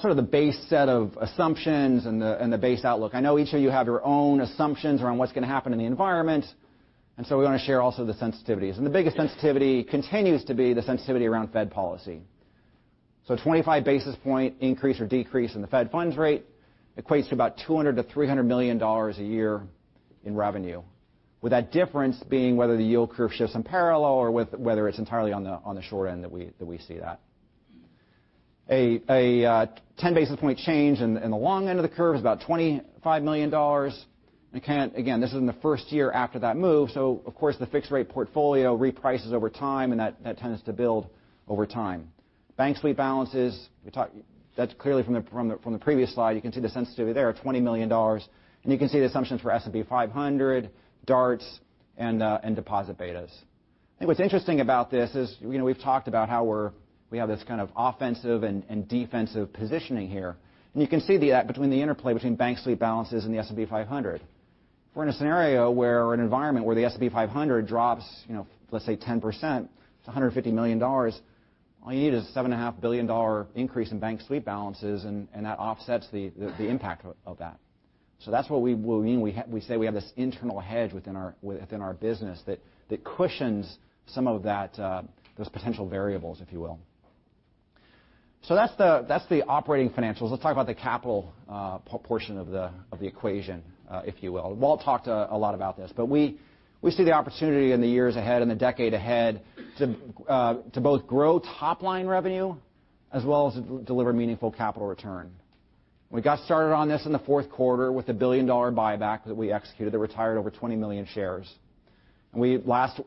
sort of the base set of assumptions and the base outlook. I know each of you have your own assumptions around what's going to happen in the environment, we want to share also the sensitivities. The biggest sensitivity continues to be the sensitivity around Fed policy. 25 basis point increase or decrease in the Fed funds rate equates to about $200 million-$300 million a year in revenue, with that difference being whether the yield curve shifts in parallel or whether it's entirely on the short end that we see that. A 10 basis point change in the long end of the curve is about $25 million. Again, this is in the first year after that move, of course, the fixed-rate portfolio reprices over time, that tends to build over time. Bank sweep balances, that's clearly from the previous slide. You can see the sensitivity there, $20 million. You can see the assumptions for S&P 500, DARTs, and deposit betas. I think what's interesting about this is we've talked about how we have this kind of offensive and defensive positioning here. You can see that between the interplay between bank sweep balances and the S&P 500. If we're in a scenario where an environment where the S&P 500 drops, let's say, 10%, it's $150 million. All you need is a $7.5 billion increase in bank sweep balances. That offsets the impact of that. That's what we mean. We say we have this internal hedge within our business that cushions some of those potential variables, if you will. That's the operating financials. Let's talk about the capital portion of the equation, if you will. Walt talked a lot about this. We see the opportunity in the years ahead, in the decade ahead to both grow top-line revenue as well as deliver meaningful capital return. We got started on this in the fourth quarter with a billion-dollar buyback that we executed that retired over 20 million shares. Last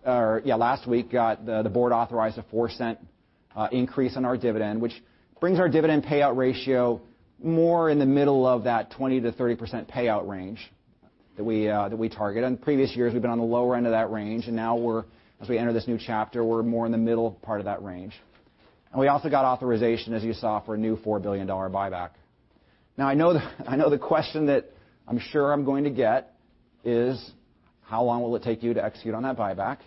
week, the board authorized a $0.04 increase in our dividend, which brings our dividend payout ratio more in the middle of that 20%-30% payout range that we target. In previous years, we've been on the lower end of that range. Now as we enter this new chapter, we're more in the middle part of that range. We also got authorization, as you saw, for a new $4 billion buyback. I know the question that I'm sure I'm going to get is, how long will it take you to execute on that buyback?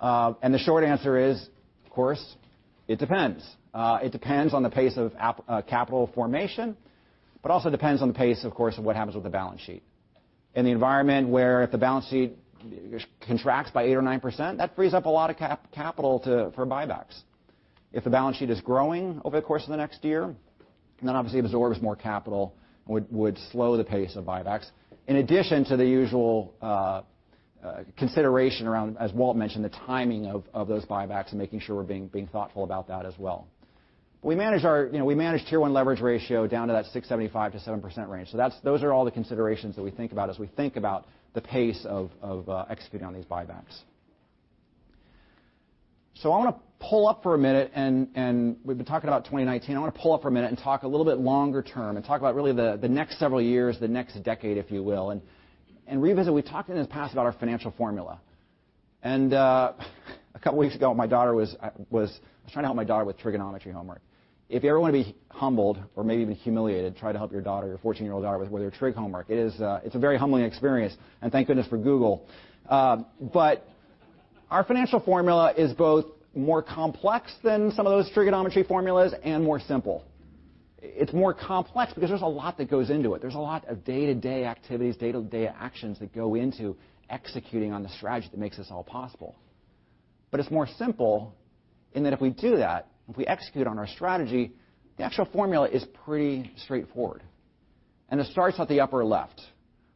The short answer is, of course, it depends. It depends on the pace of capital formation. Also depends on the pace, of course, of what happens with the balance sheet. In the environment where if the balance sheet contracts by 8%-9%, that frees up a lot of capital for buybacks. If the balance sheet is growing over the course of the next year, then obviously absorbs more capital, would slow the pace of buybacks. In addition to the usual consideration around, as Walt mentioned, the timing of those buybacks and making sure we're being thoughtful about that as well. We managed our Tier 1 leverage ratio down to that 6.75%-7% range. Those are all the considerations that we think about as we think about the pace of executing on these buybacks. I want to pull up for a minute. We've been talking about 2019. I want to pull up for a minute and talk a little bit longer term and talk about really the next several years, the next decade, if you will. Revisit, we've talked in the past about our financial formula. A couple of weeks ago, I was trying to help my daughter with trigonometry homework. If you ever want to be humbled or maybe even humiliated, try to help your daughter, your 14-year-old daughter with her trig homework. It's a very humbling experience. Thank goodness for Google. Our financial formula is both more complex than some of those trigonometry formulas and more simple. It's more complex because there's a lot that goes into it. There's a lot of day-to-day activities, day-to-day actions that go into executing on the strategy that makes this all possible. It's more simple in that if we do that, if we execute on our strategy, the actual formula is pretty straightforward. It starts at the upper left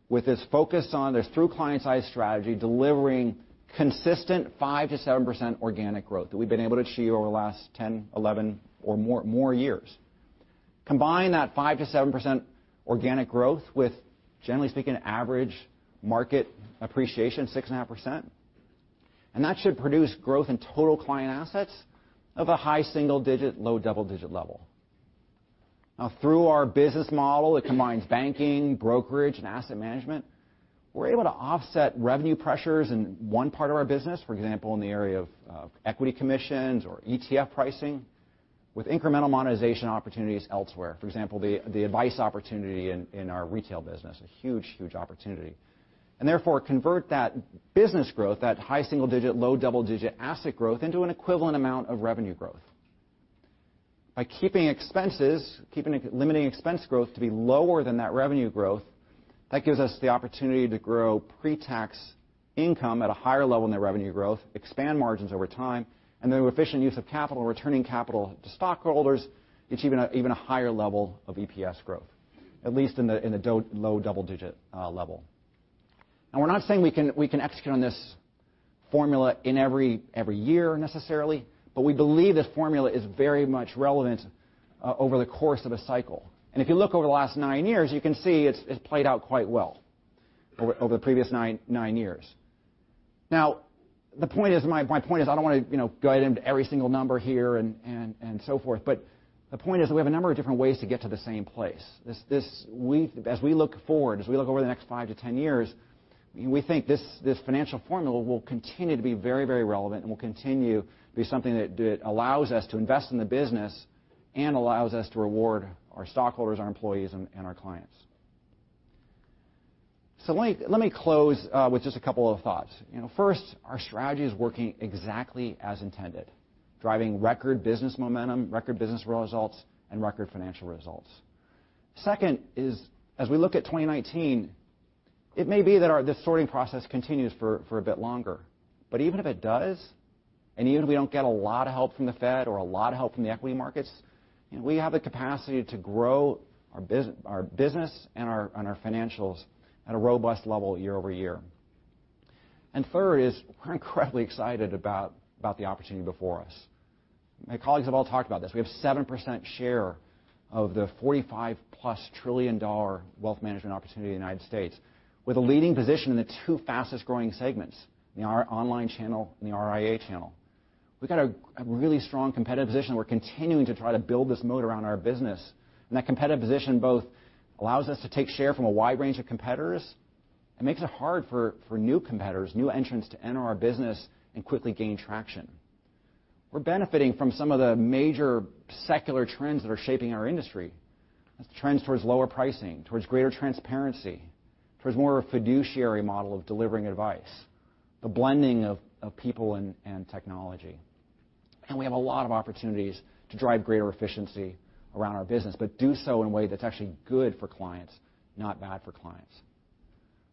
with this focus on this through client's eyes strategy, delivering consistent 5%-7% organic growth that we've been able to achieve over the last 10, 11, or more years. Combine that 5%-7% organic growth with, generally speaking, average market appreciation, 6.5%, that should produce growth in total client assets of a high single digit, low double-digit level. Through our business model, it combines banking, brokerage, and asset management. We're able to offset revenue pressures in one part of our business, for example, in the area of equity commissions or ETF pricing, with incremental monetization opportunities elsewhere. For example, the advice opportunity in our retail business, a huge opportunity. Therefore, convert that business growth, that high single digit, low double-digit asset growth, into an equivalent amount of revenue growth. By keeping expenses, limiting expense growth to be lower than that revenue growth, that gives us the opportunity to grow pre-tax income at a higher level net revenue growth, expand margins over time, and through efficient use of capital, returning capital to stockholders, it's even a higher level of EPS growth, at least in the low double-digit level. We're not saying we can execute on this formula in every year necessarily, but we believe this formula is very much relevant over the course of a cycle. If you look over the last nine years, you can see it's played out quite well over the previous nine years. My point is, I don't want to go ahead into every single number here and so forth, but the point is, we have a number of different ways to get to the same place. As we look forward, as we look over the next five to 10 years, we think this financial formula will continue to be very relevant and will continue to be something that allows us to invest in the business and allows us to reward our stockholders, our employees, and our clients. Let me close with just a couple of thoughts. First, our strategy is working exactly as intended, driving record business momentum, record business results, and record financial results. Second is, as we look at 2019, it may be that this sorting process continues for a bit longer. Even if it does, and even if we don't get a lot of help from the Fed or a lot of help from the equity markets, we have the capacity to grow our business and our financials at a robust level year-over-year. Third is, we're incredibly excited about the opportunity before us. My colleagues have all talked about this. We have 7% share of the $45-plus trillion wealth management opportunity in the U.S., with a leading position in the two fastest-growing segments, in our online channel and the RIA channel. We've got a really strong competitive position. We're continuing to try to build this moat around our business, and that competitive position both allows us to take share from a wide range of competitors and makes it hard for new competitors, new entrants, to enter our business and quickly gain traction. We're benefiting from some of the major secular trends that are shaping our industry. That's trends towards lower pricing, towards greater transparency, towards more of a fiduciary model of delivering advice, the blending of people and technology. We have a lot of opportunities to drive greater efficiency around our business, but do so in a way that's actually good for clients, not bad for clients.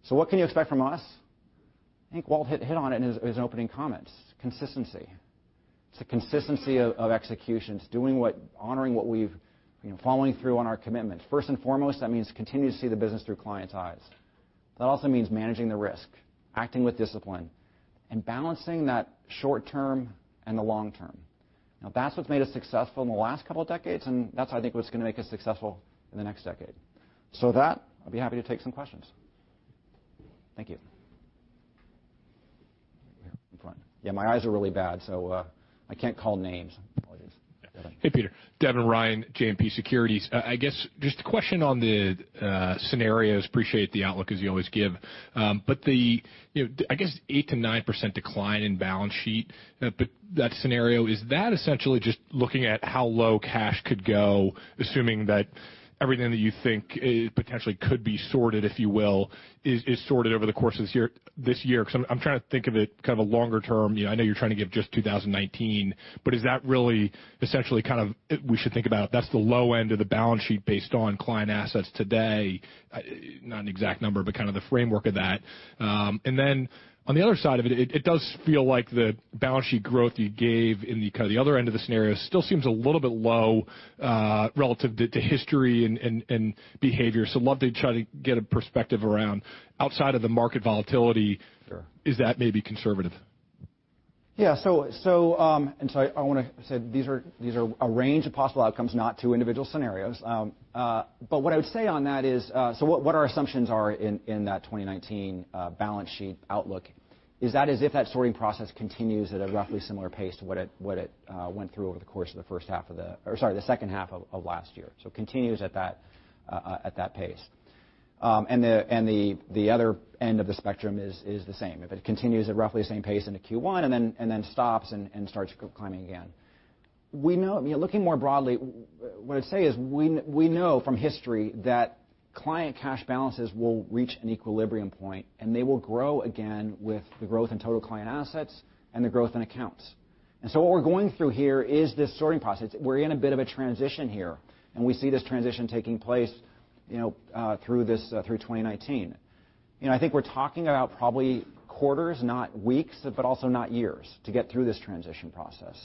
What can you expect from us? I think Walt hit on it in his opening comments. Consistency. It's a consistency of executions, following through on our commitment. First and foremost, that means continue to see the business through clients' eyes. That also means managing the risk, acting with discipline, and balancing that short-term and the long-term. That's what's made us successful in the last couple of decades, and that's, I think, what's going to make us successful in the next decade. With that, I'll be happy to take some questions. Thank you. Here in front. My eyes are really bad, so I can't call names. Apologies. Hey, Peter. Devin Ryan, JMP Securities. I guess, just a question on the scenarios. Appreciate the outlook as you always give. The, I guess, 8%-9% decline in balance sheet, that scenario, is that essentially just looking at how low cash could go, assuming that everything that you think potentially could be sorted, if you will, is sorted over the course of this year? Because I'm trying to think of it kind of a longer term. I know you're trying to give just 2019. But is that really essentially kind of we should think about that's the low end of the balance sheet based on client assets today? Not an exact number, but kind of the framework of that. On the other side of it does feel like the balance sheet growth you gave in the other end of the scenario still seems a little bit low, relative to history and behavior. Love to try to get a perspective around outside of the market volatility. Sure is that maybe conservative? Yeah. I want to say these are a range of possible outcomes, not two individual scenarios. What I would say on that is, what our assumptions are in that 2019 balance sheet outlook is that as if that sorting process continues at a roughly similar pace to what it went through over the course of the second half of last year. Continues at that pace. The other end of the spectrum is the same. If it continues at roughly the same pace into Q1 and then stops and starts climbing again. Looking more broadly, what I'd say is we know from history that client cash balances will reach an equilibrium point, and they will grow again with the growth in total client assets and the growth in accounts. What we're going through here is this sorting process. We're in a bit of a transition here, and we see this transition taking place through 2019. I think we're talking about probably quarters, not weeks, but also not years to get through this transition process.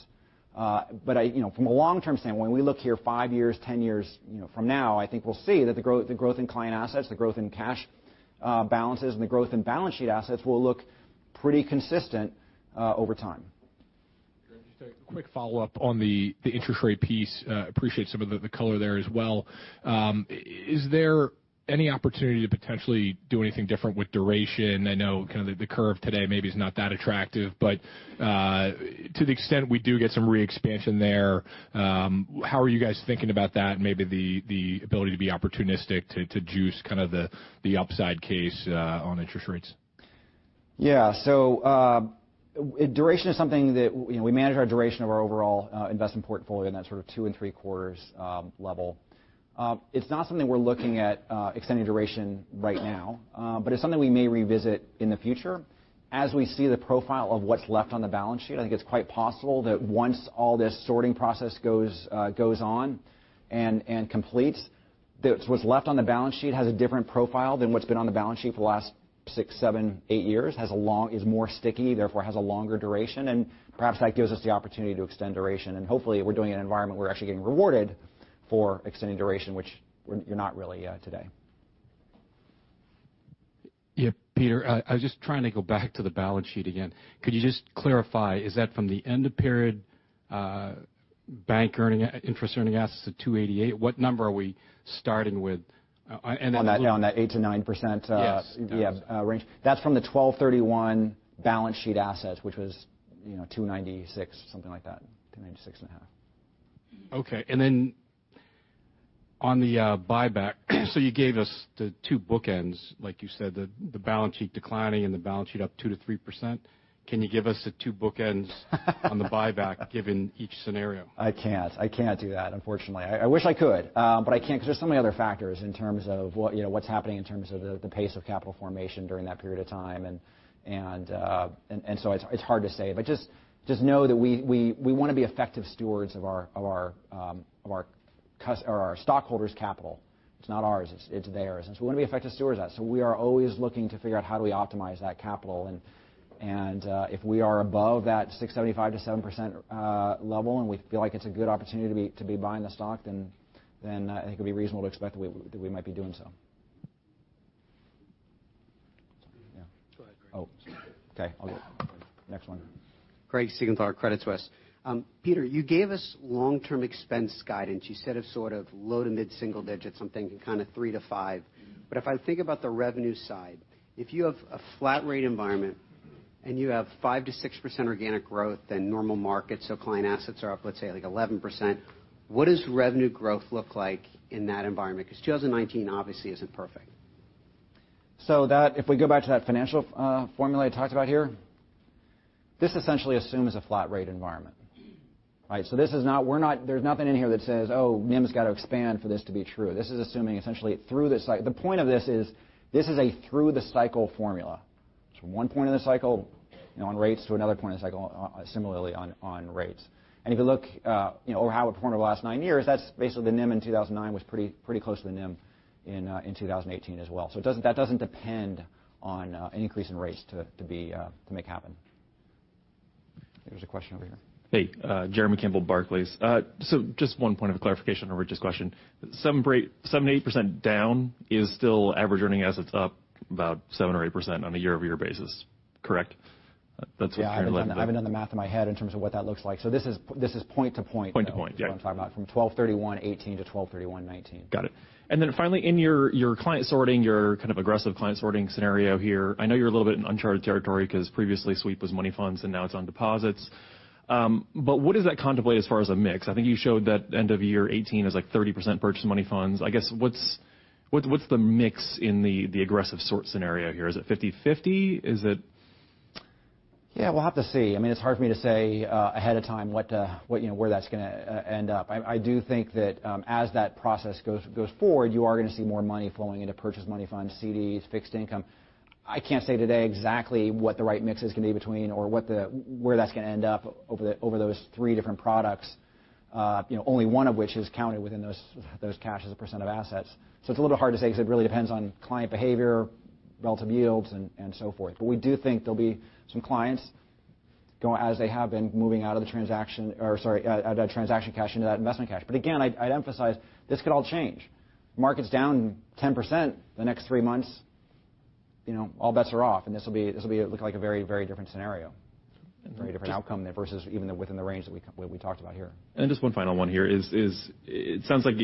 From a long-term standpoint, when we look here five years, 10 years from now, I think we'll see that the growth in client assets, the growth in cash balances, and the growth in balance sheet assets will look pretty consistent over time. Just a quick follow-up on the interest rate piece. Appreciate some of the color there as well. Is there any opportunity to potentially do anything different with duration? I know the curve today maybe is not that attractive, but to the extent we do get some re-expansion there, how are you guys thinking about that and maybe the ability to be opportunistic to juice the upside case on interest rates? Yeah. Duration is something that we manage our duration of our overall investment portfolio in that sort of two and three-quarters level. It's not something we're looking at extending duration right now, but it's something we may revisit in the future as we see the profile of what's left on the balance sheet. I think it's quite possible that once all this sorting process goes on and completes, what's left on the balance sheet has a different profile than what's been on the balance sheet for the last six, seven, eight years. Is more sticky, therefore has a longer duration, and perhaps that gives us the opportunity to extend duration. Hopefully, we're doing it in an environment we're actually getting rewarded for extending duration, which you're not really today. Yeah. Peter, I was just trying to go back to the balance sheet again. Could you just clarify, is that from the end of period bank interest earning assets at $288? What number are we starting with? On that 8-9%. Yes range. That is from the 12/31 balance sheet assets, which was $296, something like that, $296 and a half. Okay. Then on the buyback, so you gave us the two bookends, like you said, the balance sheet declining and the balance sheet up 2%-3%. Can you give us the two bookends on the buyback given each scenario? I can't do that, unfortunately. I wish I could, but I can't because there's so many other factors in terms of what's happening in terms of the pace of capital formation during that period of time. So it's hard to say. Just know that we want to be effective stewards of our stockholders' capital. It's not ours, it's theirs. So we want to be effective stewards of that. We are always looking to figure out how do we optimize that capital. If we are above that 675 to 7% level and we feel like it's a good opportunity to be buying the stock, then I think it'd be reasonable to expect that we might be doing so. Yeah. Go ahead, Craig. Oh. Okay. I'll go. Next one. Craig Siegenthaler, Credit Suisse. Peter, you gave us long-term expense guidance. You said a sort of low to mid-single digits, I'm thinking kind of 3%-5%. If I think about the revenue side, if you have a flat rate environment and you have 5%-6% organic growth than normal markets, so client assets are up, let's say like 11%, what does revenue growth look like in that environment? 2019 obviously isn't perfect. That, if we go back to that financial formula I talked about here, this essentially assumes a flat rate environment. Right? There's nothing in here that says, oh, NIM's got to expand for this to be true. The point of this is this is a through the cycle formula. It's from one point in the cycle on rates to another point in the cycle similarly on rates. If you look over how we've performed over the last nine years, that's basically the NIM in 2009 was pretty close to the NIM in 2018 as well. That doesn't depend on an increase in rates to make happen. I think there was a question over here. Hey. Jeremy Campbell, Barclays. Just one point of clarification on Rich's question. 78% down is still average earning assets up about 7% or 8% on a year-over-year basis, correct? That's what you're- Yeah. I haven't done the math in my head in terms of what that looks like. This is point to point though. Point to point. Yeah. That's what I'm talking about. From 12/31/18 to 12/31/19. Got it. Finally in your client sorting, your kind of aggressive client sorting scenario here, I know you're a little bit in uncharted territory because previously sweep was money funds and now it's on deposits. What does that contemplate as far as a mix? I think you showed that end of year 2018 is like 30% purchase money funds. I guess, what's the mix in the aggressive sort scenario here? Is it 50/50? Is it? Yeah, we'll have to see. It's hard for me to say ahead of time where that's going to end up. I do think that as that process goes forward, you are going to see more money flowing into purchase money funds, CDs, fixed income. I can't say today exactly what the right mix is going to be between or where that's going to end up over those three different products. Only one of which is counted within those cash as a percent of assets. It's a little hard to say because it really depends on client behavior, relative yields, and so forth. We do think there'll be some clients, as they have been, moving out of that transaction cash into that investment cash. Again, I'd emphasize this could all change. Market's down 10% the next three months, all bets are off and this will look like a very different scenario, a very different outcome versus even within the range that we talked about here. Just one final one here is it sounds like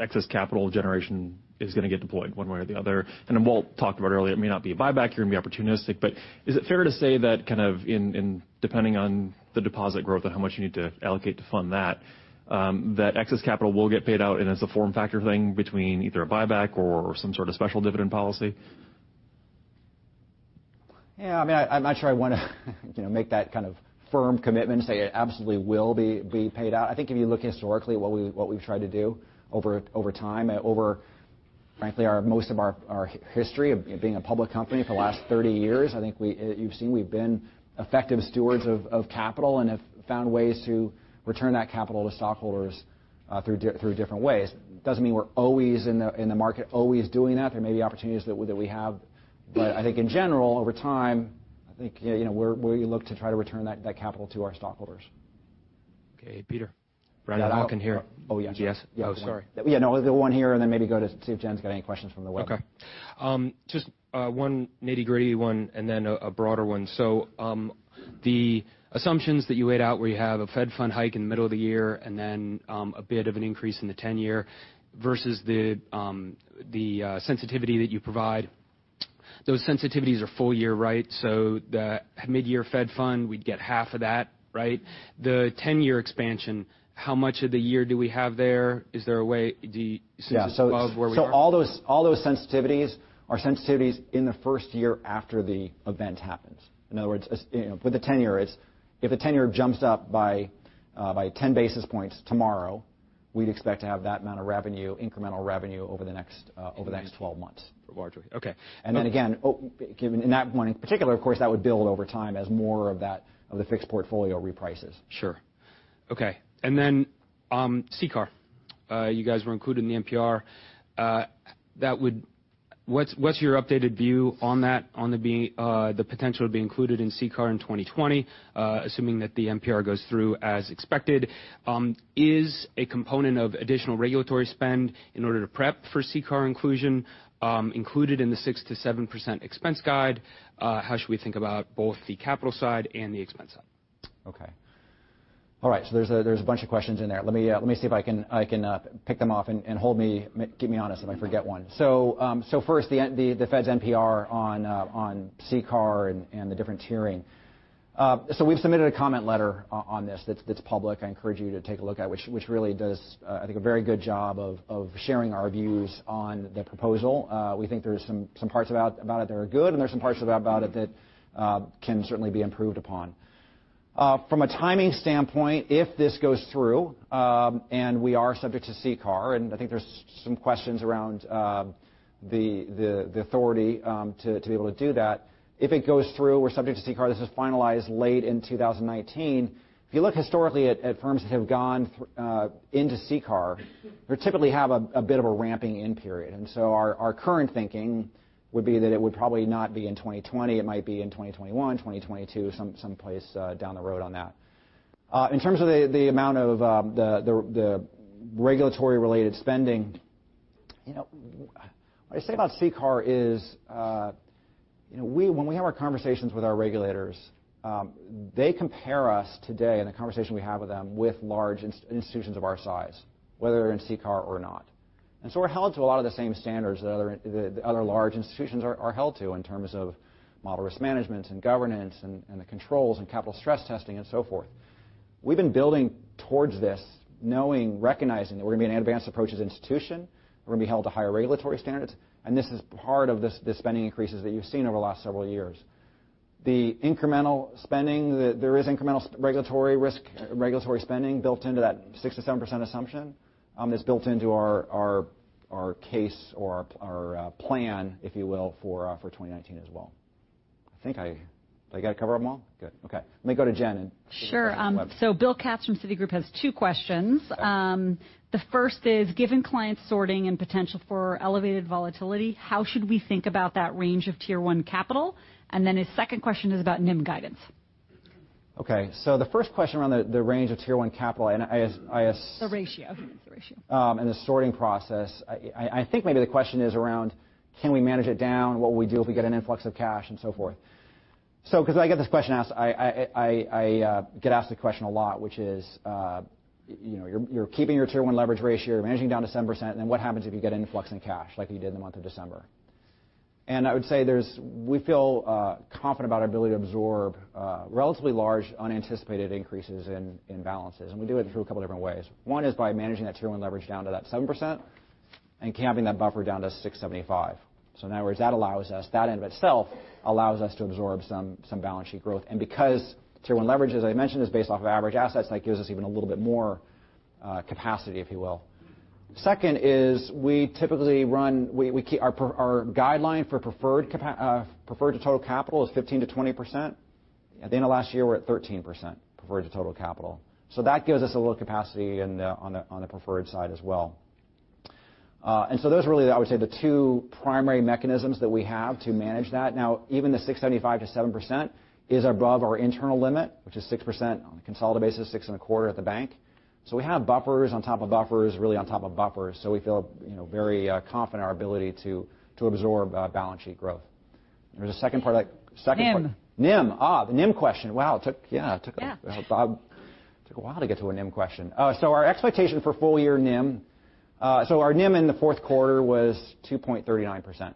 excess capital generation is going to get deployed one way or the other. Walt talked about it earlier, it may not be a buyback, you're going to be opportunistic. Is it fair to say that kind of depending on the deposit growth and how much you need to allocate to fund that excess capital will get paid out and it's a form factor thing between either a buyback or some sort of special dividend policy? Yeah. I'm not sure I want to make that kind of firm commitment and say it absolutely will be paid out. I think if you look historically what we've tried to do over time, over frankly most of our history of being a public company for the last 30 years, I think you've seen we've been effective stewards of capital and have found ways to return that capital to stockholders through different ways. Doesn't mean we're always in the market, always doing that. There may be opportunities that we have. I think in general, over time, I think we look to try to return that capital to our stockholders. Okay. Peter. Brian, I can hear. Oh, yeah. Yes. Oh, sorry. Yeah, no. The one here, and then maybe go to see if Jen's got any questions from the web. Okay. Just one nitty-gritty one and then a broader one. The assumptions that you laid out where you have a Fed fund hike in the middle of the year and then a bit of an increase in the 10-year versus the sensitivity that you provide, those sensitivities are full-year, right? The mid-year Fed fund, we'd get half of that. The 10-year expansion, how much of the year do we have there? Is there a way since it's above where we are? All those sensitivities are sensitivities in the first year after the event happens. In other words, with the 10-year, if the 10-year jumps up by 10 basis points tomorrow, we'd expect to have that amount of incremental revenue over the next 12 months. Largely. Okay. Again, in that one in particular, of course, that would build over time as more of the fixed portfolio reprices. Sure. Okay. CCAR. You guys were included in the NPR. What's your updated view on the potential to be included in CCAR in 2020, assuming that the NPR goes through as expected? Is a component of additional regulatory spend in order to prep for CCAR inclusion included in the 6%-7% expense guide? How should we think about both the capital side and the expense side? Okay. All right. There's a bunch of questions in there. Let me see if I can pick them off, and hold me, keep me honest if I forget one. First, the Fed's NPR on CCAR and the different tiering. We've submitted a comment letter on this that's public, I encourage you to take a look at, which really does, I think, a very good job of sharing our views on the proposal. We think there's some parts about it that are good, and there's some parts about it that can certainly be improved upon. From a timing standpoint, if this goes through, and we are subject to CCAR, and I think there's some questions around the authority to be able to do that. If it goes through, we're subject to CCAR, this is finalized late in 2019. If you look historically at firms that have gone into CCAR, they typically have a bit of a ramping in period. Our current thinking would be that it would probably not be in 2020. It might be in 2021, 2022, some place down the road on that. In terms of the amount of the regulatory-related spending, what I say about CCAR is when we have our conversations with our regulators, they compare us today in the conversation we have with them with large institutions of our size, whether in CCAR or not. We're held to a lot of the same standards that other large institutions are held to in terms of model risk management and governance and the controls and capital stress testing and so forth. We've been building towards this, knowing, recognizing that we're going to be an advanced approaches institution, we're going to be held to higher regulatory standards, and this is part of the spending increases that you've seen over the last several years. The incremental spending, there is incremental regulatory risk, regulatory spending built into that 6%-7% assumption, is built into our case or our plan, if you will, for 2019 as well. I think I did I cover them all? Good. Okay. Let me go to Jen and- Sure. Bill Katz from Citigroup has two questions. Okay. The first is, given client sorting and potential for elevated volatility, how should we think about that range of Tier 1 capital? His second question is about NIM guidance. Okay. The first question around the range of Tier 1 capital. The ratio. The sorting process. I think maybe the question is around can we manage it down? What will we do if we get an influx of cash and so forth? Because I get asked the question a lot, which is you're keeping your Tier 1 leverage ratio, you're managing down to 7%, what happens if you get influx in cash like you did in the month of December? I would say we feel confident about our ability to absorb relatively large unanticipated increases in balances, and we do it through a couple different ways. One is by managing that Tier 1 leverage down to that 7% and capping that buffer down to 675. In other words, that in of itself allows us to absorb some balance sheet growth. Because Tier 1 leverage, as I mentioned, is based off of average assets, that gives us even a little bit more capacity, if you will. Second is we typically run, our guideline for preferred to total capital is 15%-20%. At the end of last year, we're at 13% preferred to total capital. That gives us a little capacity on the preferred side as well. Those are really, I would say, the two primary mechanisms that we have to manage that. Even the 6.75%-7% is above our internal limit, which is 6% on a consolidated basis, 6.25% at the bank. We have buffers on top of buffers, really on top of buffers. We feel very confident in our ability to absorb balance sheet growth. There was a second part of that. NIM. NIM. The NIM question. Yeah. Yeah. Took a while to get to a NIM question. Our expectation for full-year NIM. Our NIM in the fourth quarter was 2.39%.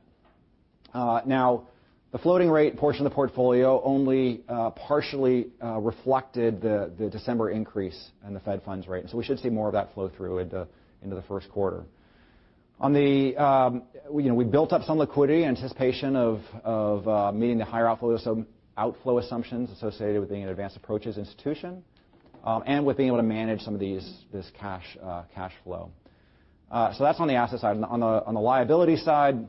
The floating rate portion of the portfolio only partially reflected the December increase in the Fed funds rate. We should see more of that flow through into the first quarter. We built up some liquidity in anticipation of meeting the higher outflow assumptions associated with being an advanced approaches institution, and with being able to manage some of this cash flow. That's on the asset side. On the liability side,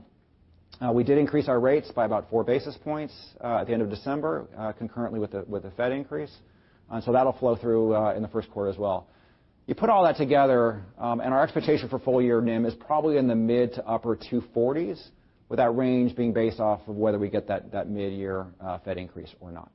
we did increase our rates by about four basis points at the end of December concurrently with the Fed increase. That'll flow through in the first quarter as well. You put all that together. Our expectation for full-year NIM is probably in the mid to upper 240s, with that range being based off of whether we get that mid-year Fed increase or not.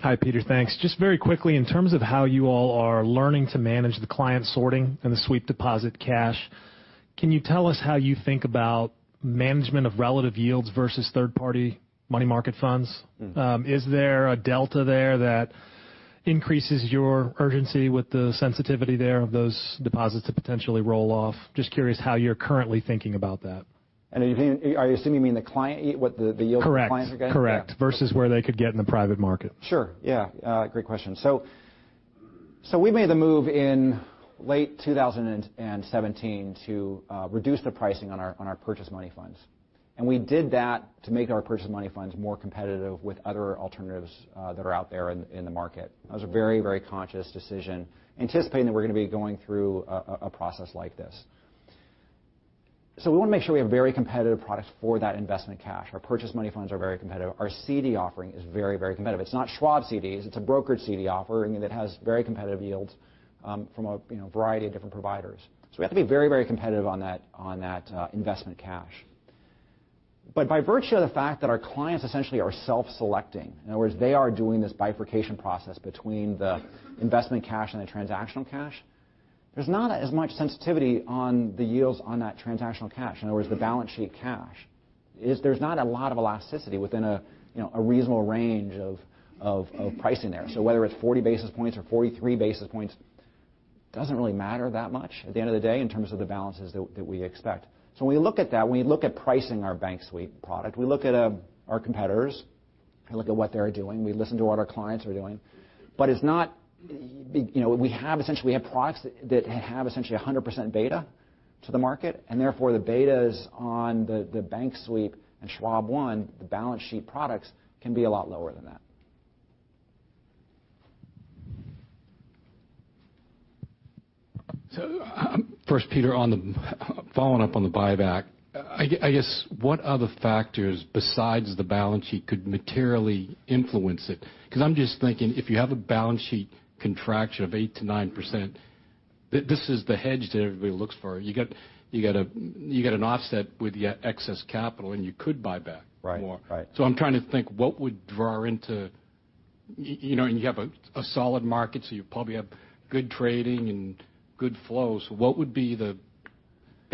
Hi, Peter. Thanks. Just very quickly, in terms of how you all are learning to manage the client sorting and the sweep deposit cash, can you tell us how you think about management of relative yields versus third-party money market funds? Is there a delta there that increases your urgency with the sensitivity there of those deposits to potentially roll off? Just curious how you're currently thinking about that. Are you assuming me and the client, what the yield the clients are getting? Correct. Versus where they could get in the private market. Sure. Yeah. Great question. We made the move in late 2017 to reduce the pricing on our purchase money funds. We did that to make our purchase money funds more competitive with other alternatives that are out there in the market. That was a very conscious decision, anticipating that we're going to be going through a process like this. We want to make sure we have very competitive products for that investment cash. Our purchase money funds are very competitive. Our CD offering is very competitive. It's not Schwab CDs. It's a brokerage CD offering that has very competitive yields from a variety of different providers. We have to be very competitive on that investment cash. By virtue of the fact that our clients essentially are self-selecting, in other words, they are doing this bifurcation process between the investment cash and the transactional cash, there's not as much sensitivity on the yields on that transactional cash. In other words, the balance sheet cash. There's not a lot of elasticity within a reasonable range of pricing there. Whether it's 40 basis points or 43 basis points, doesn't really matter that much at the end of the day in terms of the balances that we expect. When we look at that, when we look at pricing our bank sweep product, we look at our competitors. We look at what they're doing, we listen to what our clients are doing, we have products that have essentially 100% beta to the market, and therefore the betas on the bank sweep and Schwab One, the balance sheet products, can be a lot lower than that. First, Peter, following up on the buyback, I guess what other factors besides the balance sheet could materially influence it? Because I'm just thinking if you have a balance sheet contraction of 8%-9%, this is the hedge that everybody looks for. You get an offset with excess capital, and you could buy back more. Right. I'm trying to think what would draw into and you have a solid market, so you probably have good trading and good flows. What would be the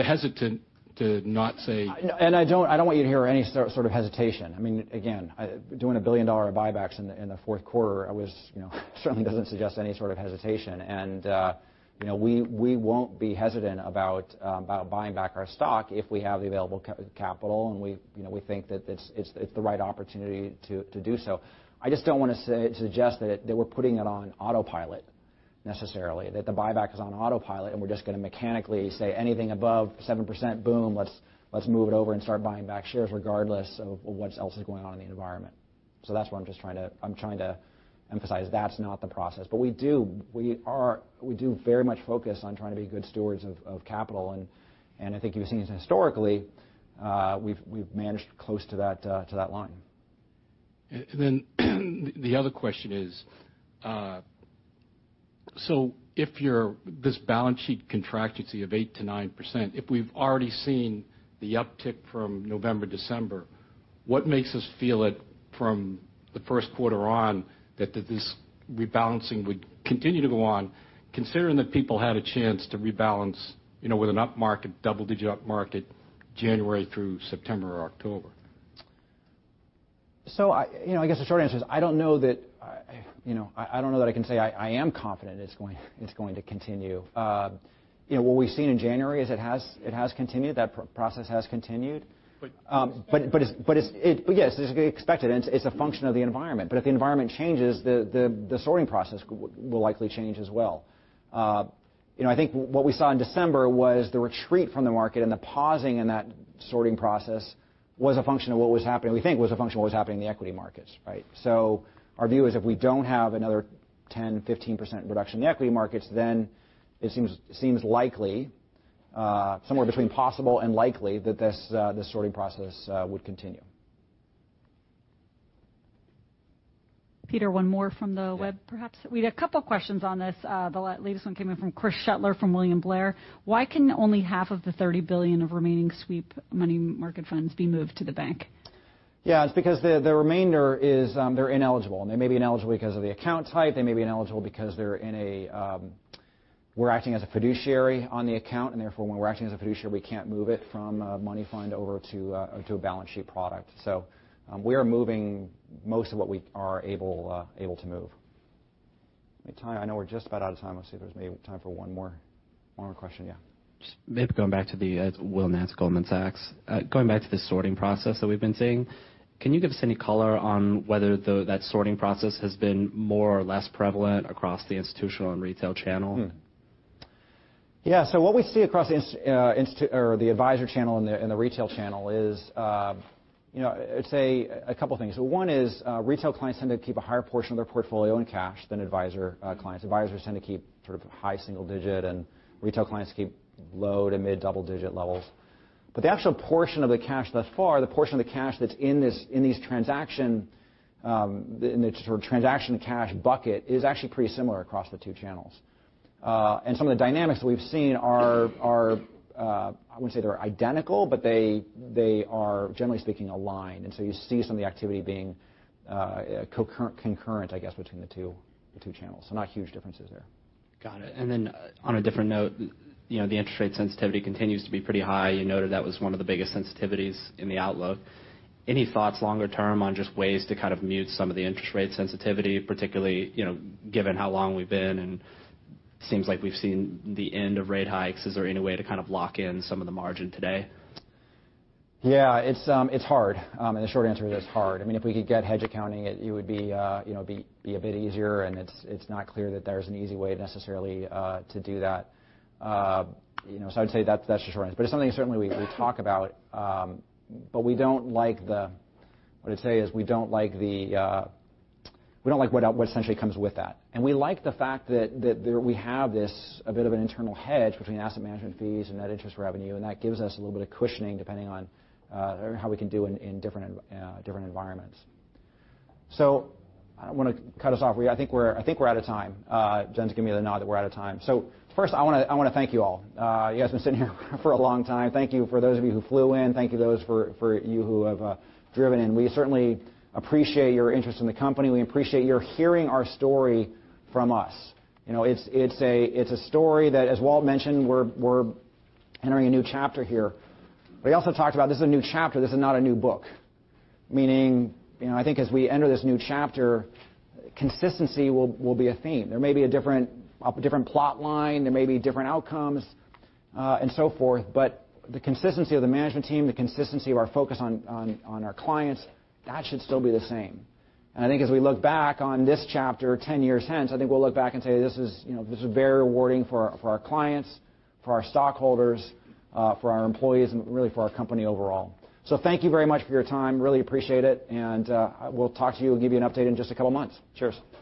hesitant to not say- I don't want you to hear any sort of hesitation. Again, doing a billion-dollar buybacks in the fourth quarter certainly doesn't suggest any sort of hesitation, and we won't be hesitant about buying back our stock if we have the available capital, and we think that it's the right opportunity to do so. I just don't want to suggest that we're putting it on autopilot necessarily, that the buyback is on autopilot, and we're just going to mechanically say anything above 7%, boom, let's move it over and start buying back shares regardless of what else is going on in the environment. That's what I'm just trying to emphasize. That's not the process. We do very much focus on trying to be good stewards of capital, and I think you've seen us historically, we've managed close to that line. The other question is, if this balance sheet contractility of 8%-9%, if we've already seen the uptick from November, December, what makes us feel it from the first quarter on that this rebalancing would continue to go on considering that people had a chance to rebalance with an upmarket, double-digit upmarket January through September or October? I guess the short answer is, I don't know that I can say I am confident it's going to continue. What we've seen in January is it has continued. That process has continued. But- Yes, as you expected, it's a function of the environment. If the environment changes, the sorting process will likely change as well. I think what we saw in December was the retreat from the market and the pausing in that sorting process was a function of what was happening, we think was a function of what was happening in the equity markets. Right? Our view is if we don't have another 10%, 15% reduction in the equity markets, then it seems likely, somewhere between possible and likely that this sorting process would continue. Peter, one more from the web, perhaps. We had a couple questions on this. The latest one came in from Chris Shutler from William Blair. Why can only half of the $30 billion of remaining sweep money market funds be moved to the bank? It's because the remainder is they're ineligible. They may be ineligible because of the account type. They may be ineligible because we're acting as a fiduciary on the account, and therefore, when we're acting as a fiduciary, we can't move it from a money fund over to a balance sheet product. We are moving most of what we are able to move. I know we're just about out of time. Let's see if there's maybe time for one more question. Yeah. Maybe going back to the Will Nance, Goldman Sachs. Going back to the sorting process that we've been seeing, can you give us any color on whether that sorting process has been more or less prevalent across the institutional and retail channel? What we see across the advisor channel and the retail channel is-I'd say a couple things. One is retail clients tend to keep a higher portion of their portfolio in cash than advisor clients. Advisors tend to keep sort of high single-digit, and retail clients keep low to mid double-digit levels. The actual portion of the cash thus far, the portion of the cash that's in this sort of transaction cash bucket, is actually pretty similar across the two channels. Some of the dynamics that we've seen are, I wouldn't say they're identical, but they are generally speaking aligned. You see some of the activity being concurrent, I guess, between the two channels. Not huge differences there. Got it. On a different note, the interest rate sensitivity continues to be pretty high. You noted that was one of the biggest sensitivities in the outlook. Any thoughts longer term on just ways to kind of mute some of the interest rate sensitivity, particularly given how long we've been, and seems like we've seen the end of rate hikes. Is there any way to kind of lock in some of the margin today? Yeah, it's hard. The short answer is it's hard. If we could get hedge accounting, it would be a bit easier, and it's not clear that there's an easy way necessarily to do that. I'd say that's the short answer. It's something certainly we talk about. We don't like what essentially comes with that. We like the fact that we have this, a bit of an internal hedge between asset management fees and net interest revenue, and that gives us a little bit of cushioning depending on how we can do in different environments. I don't want to cut us off. I think we're out of time. Jen's giving me the nod that we're out of time. First, I want to thank you all. You guys have been sitting here for a long time. Thank you for those of you who flew in. Thank you to those of you who have driven in. We certainly appreciate your interest in the company. We appreciate your hearing our story from us. It's a story that, as Walt mentioned, we're entering a new chapter here. He also talked about this is a new chapter, this is not a new book. Meaning, I think as we enter this new chapter, consistency will be a theme. There may be a different plot line, there may be different outcomes, and so forth, but the consistency of the management team, the consistency of our focus on our clients, that should still be the same. I think as we look back on this chapter 10 years hence, I think we'll look back and say, "This was very rewarding for our clients, for our stockholders, for our employees, and really for our company overall." Thank you very much for your time. Really appreciate it, and we'll talk to you and give you an update in just a couple of months. Cheers.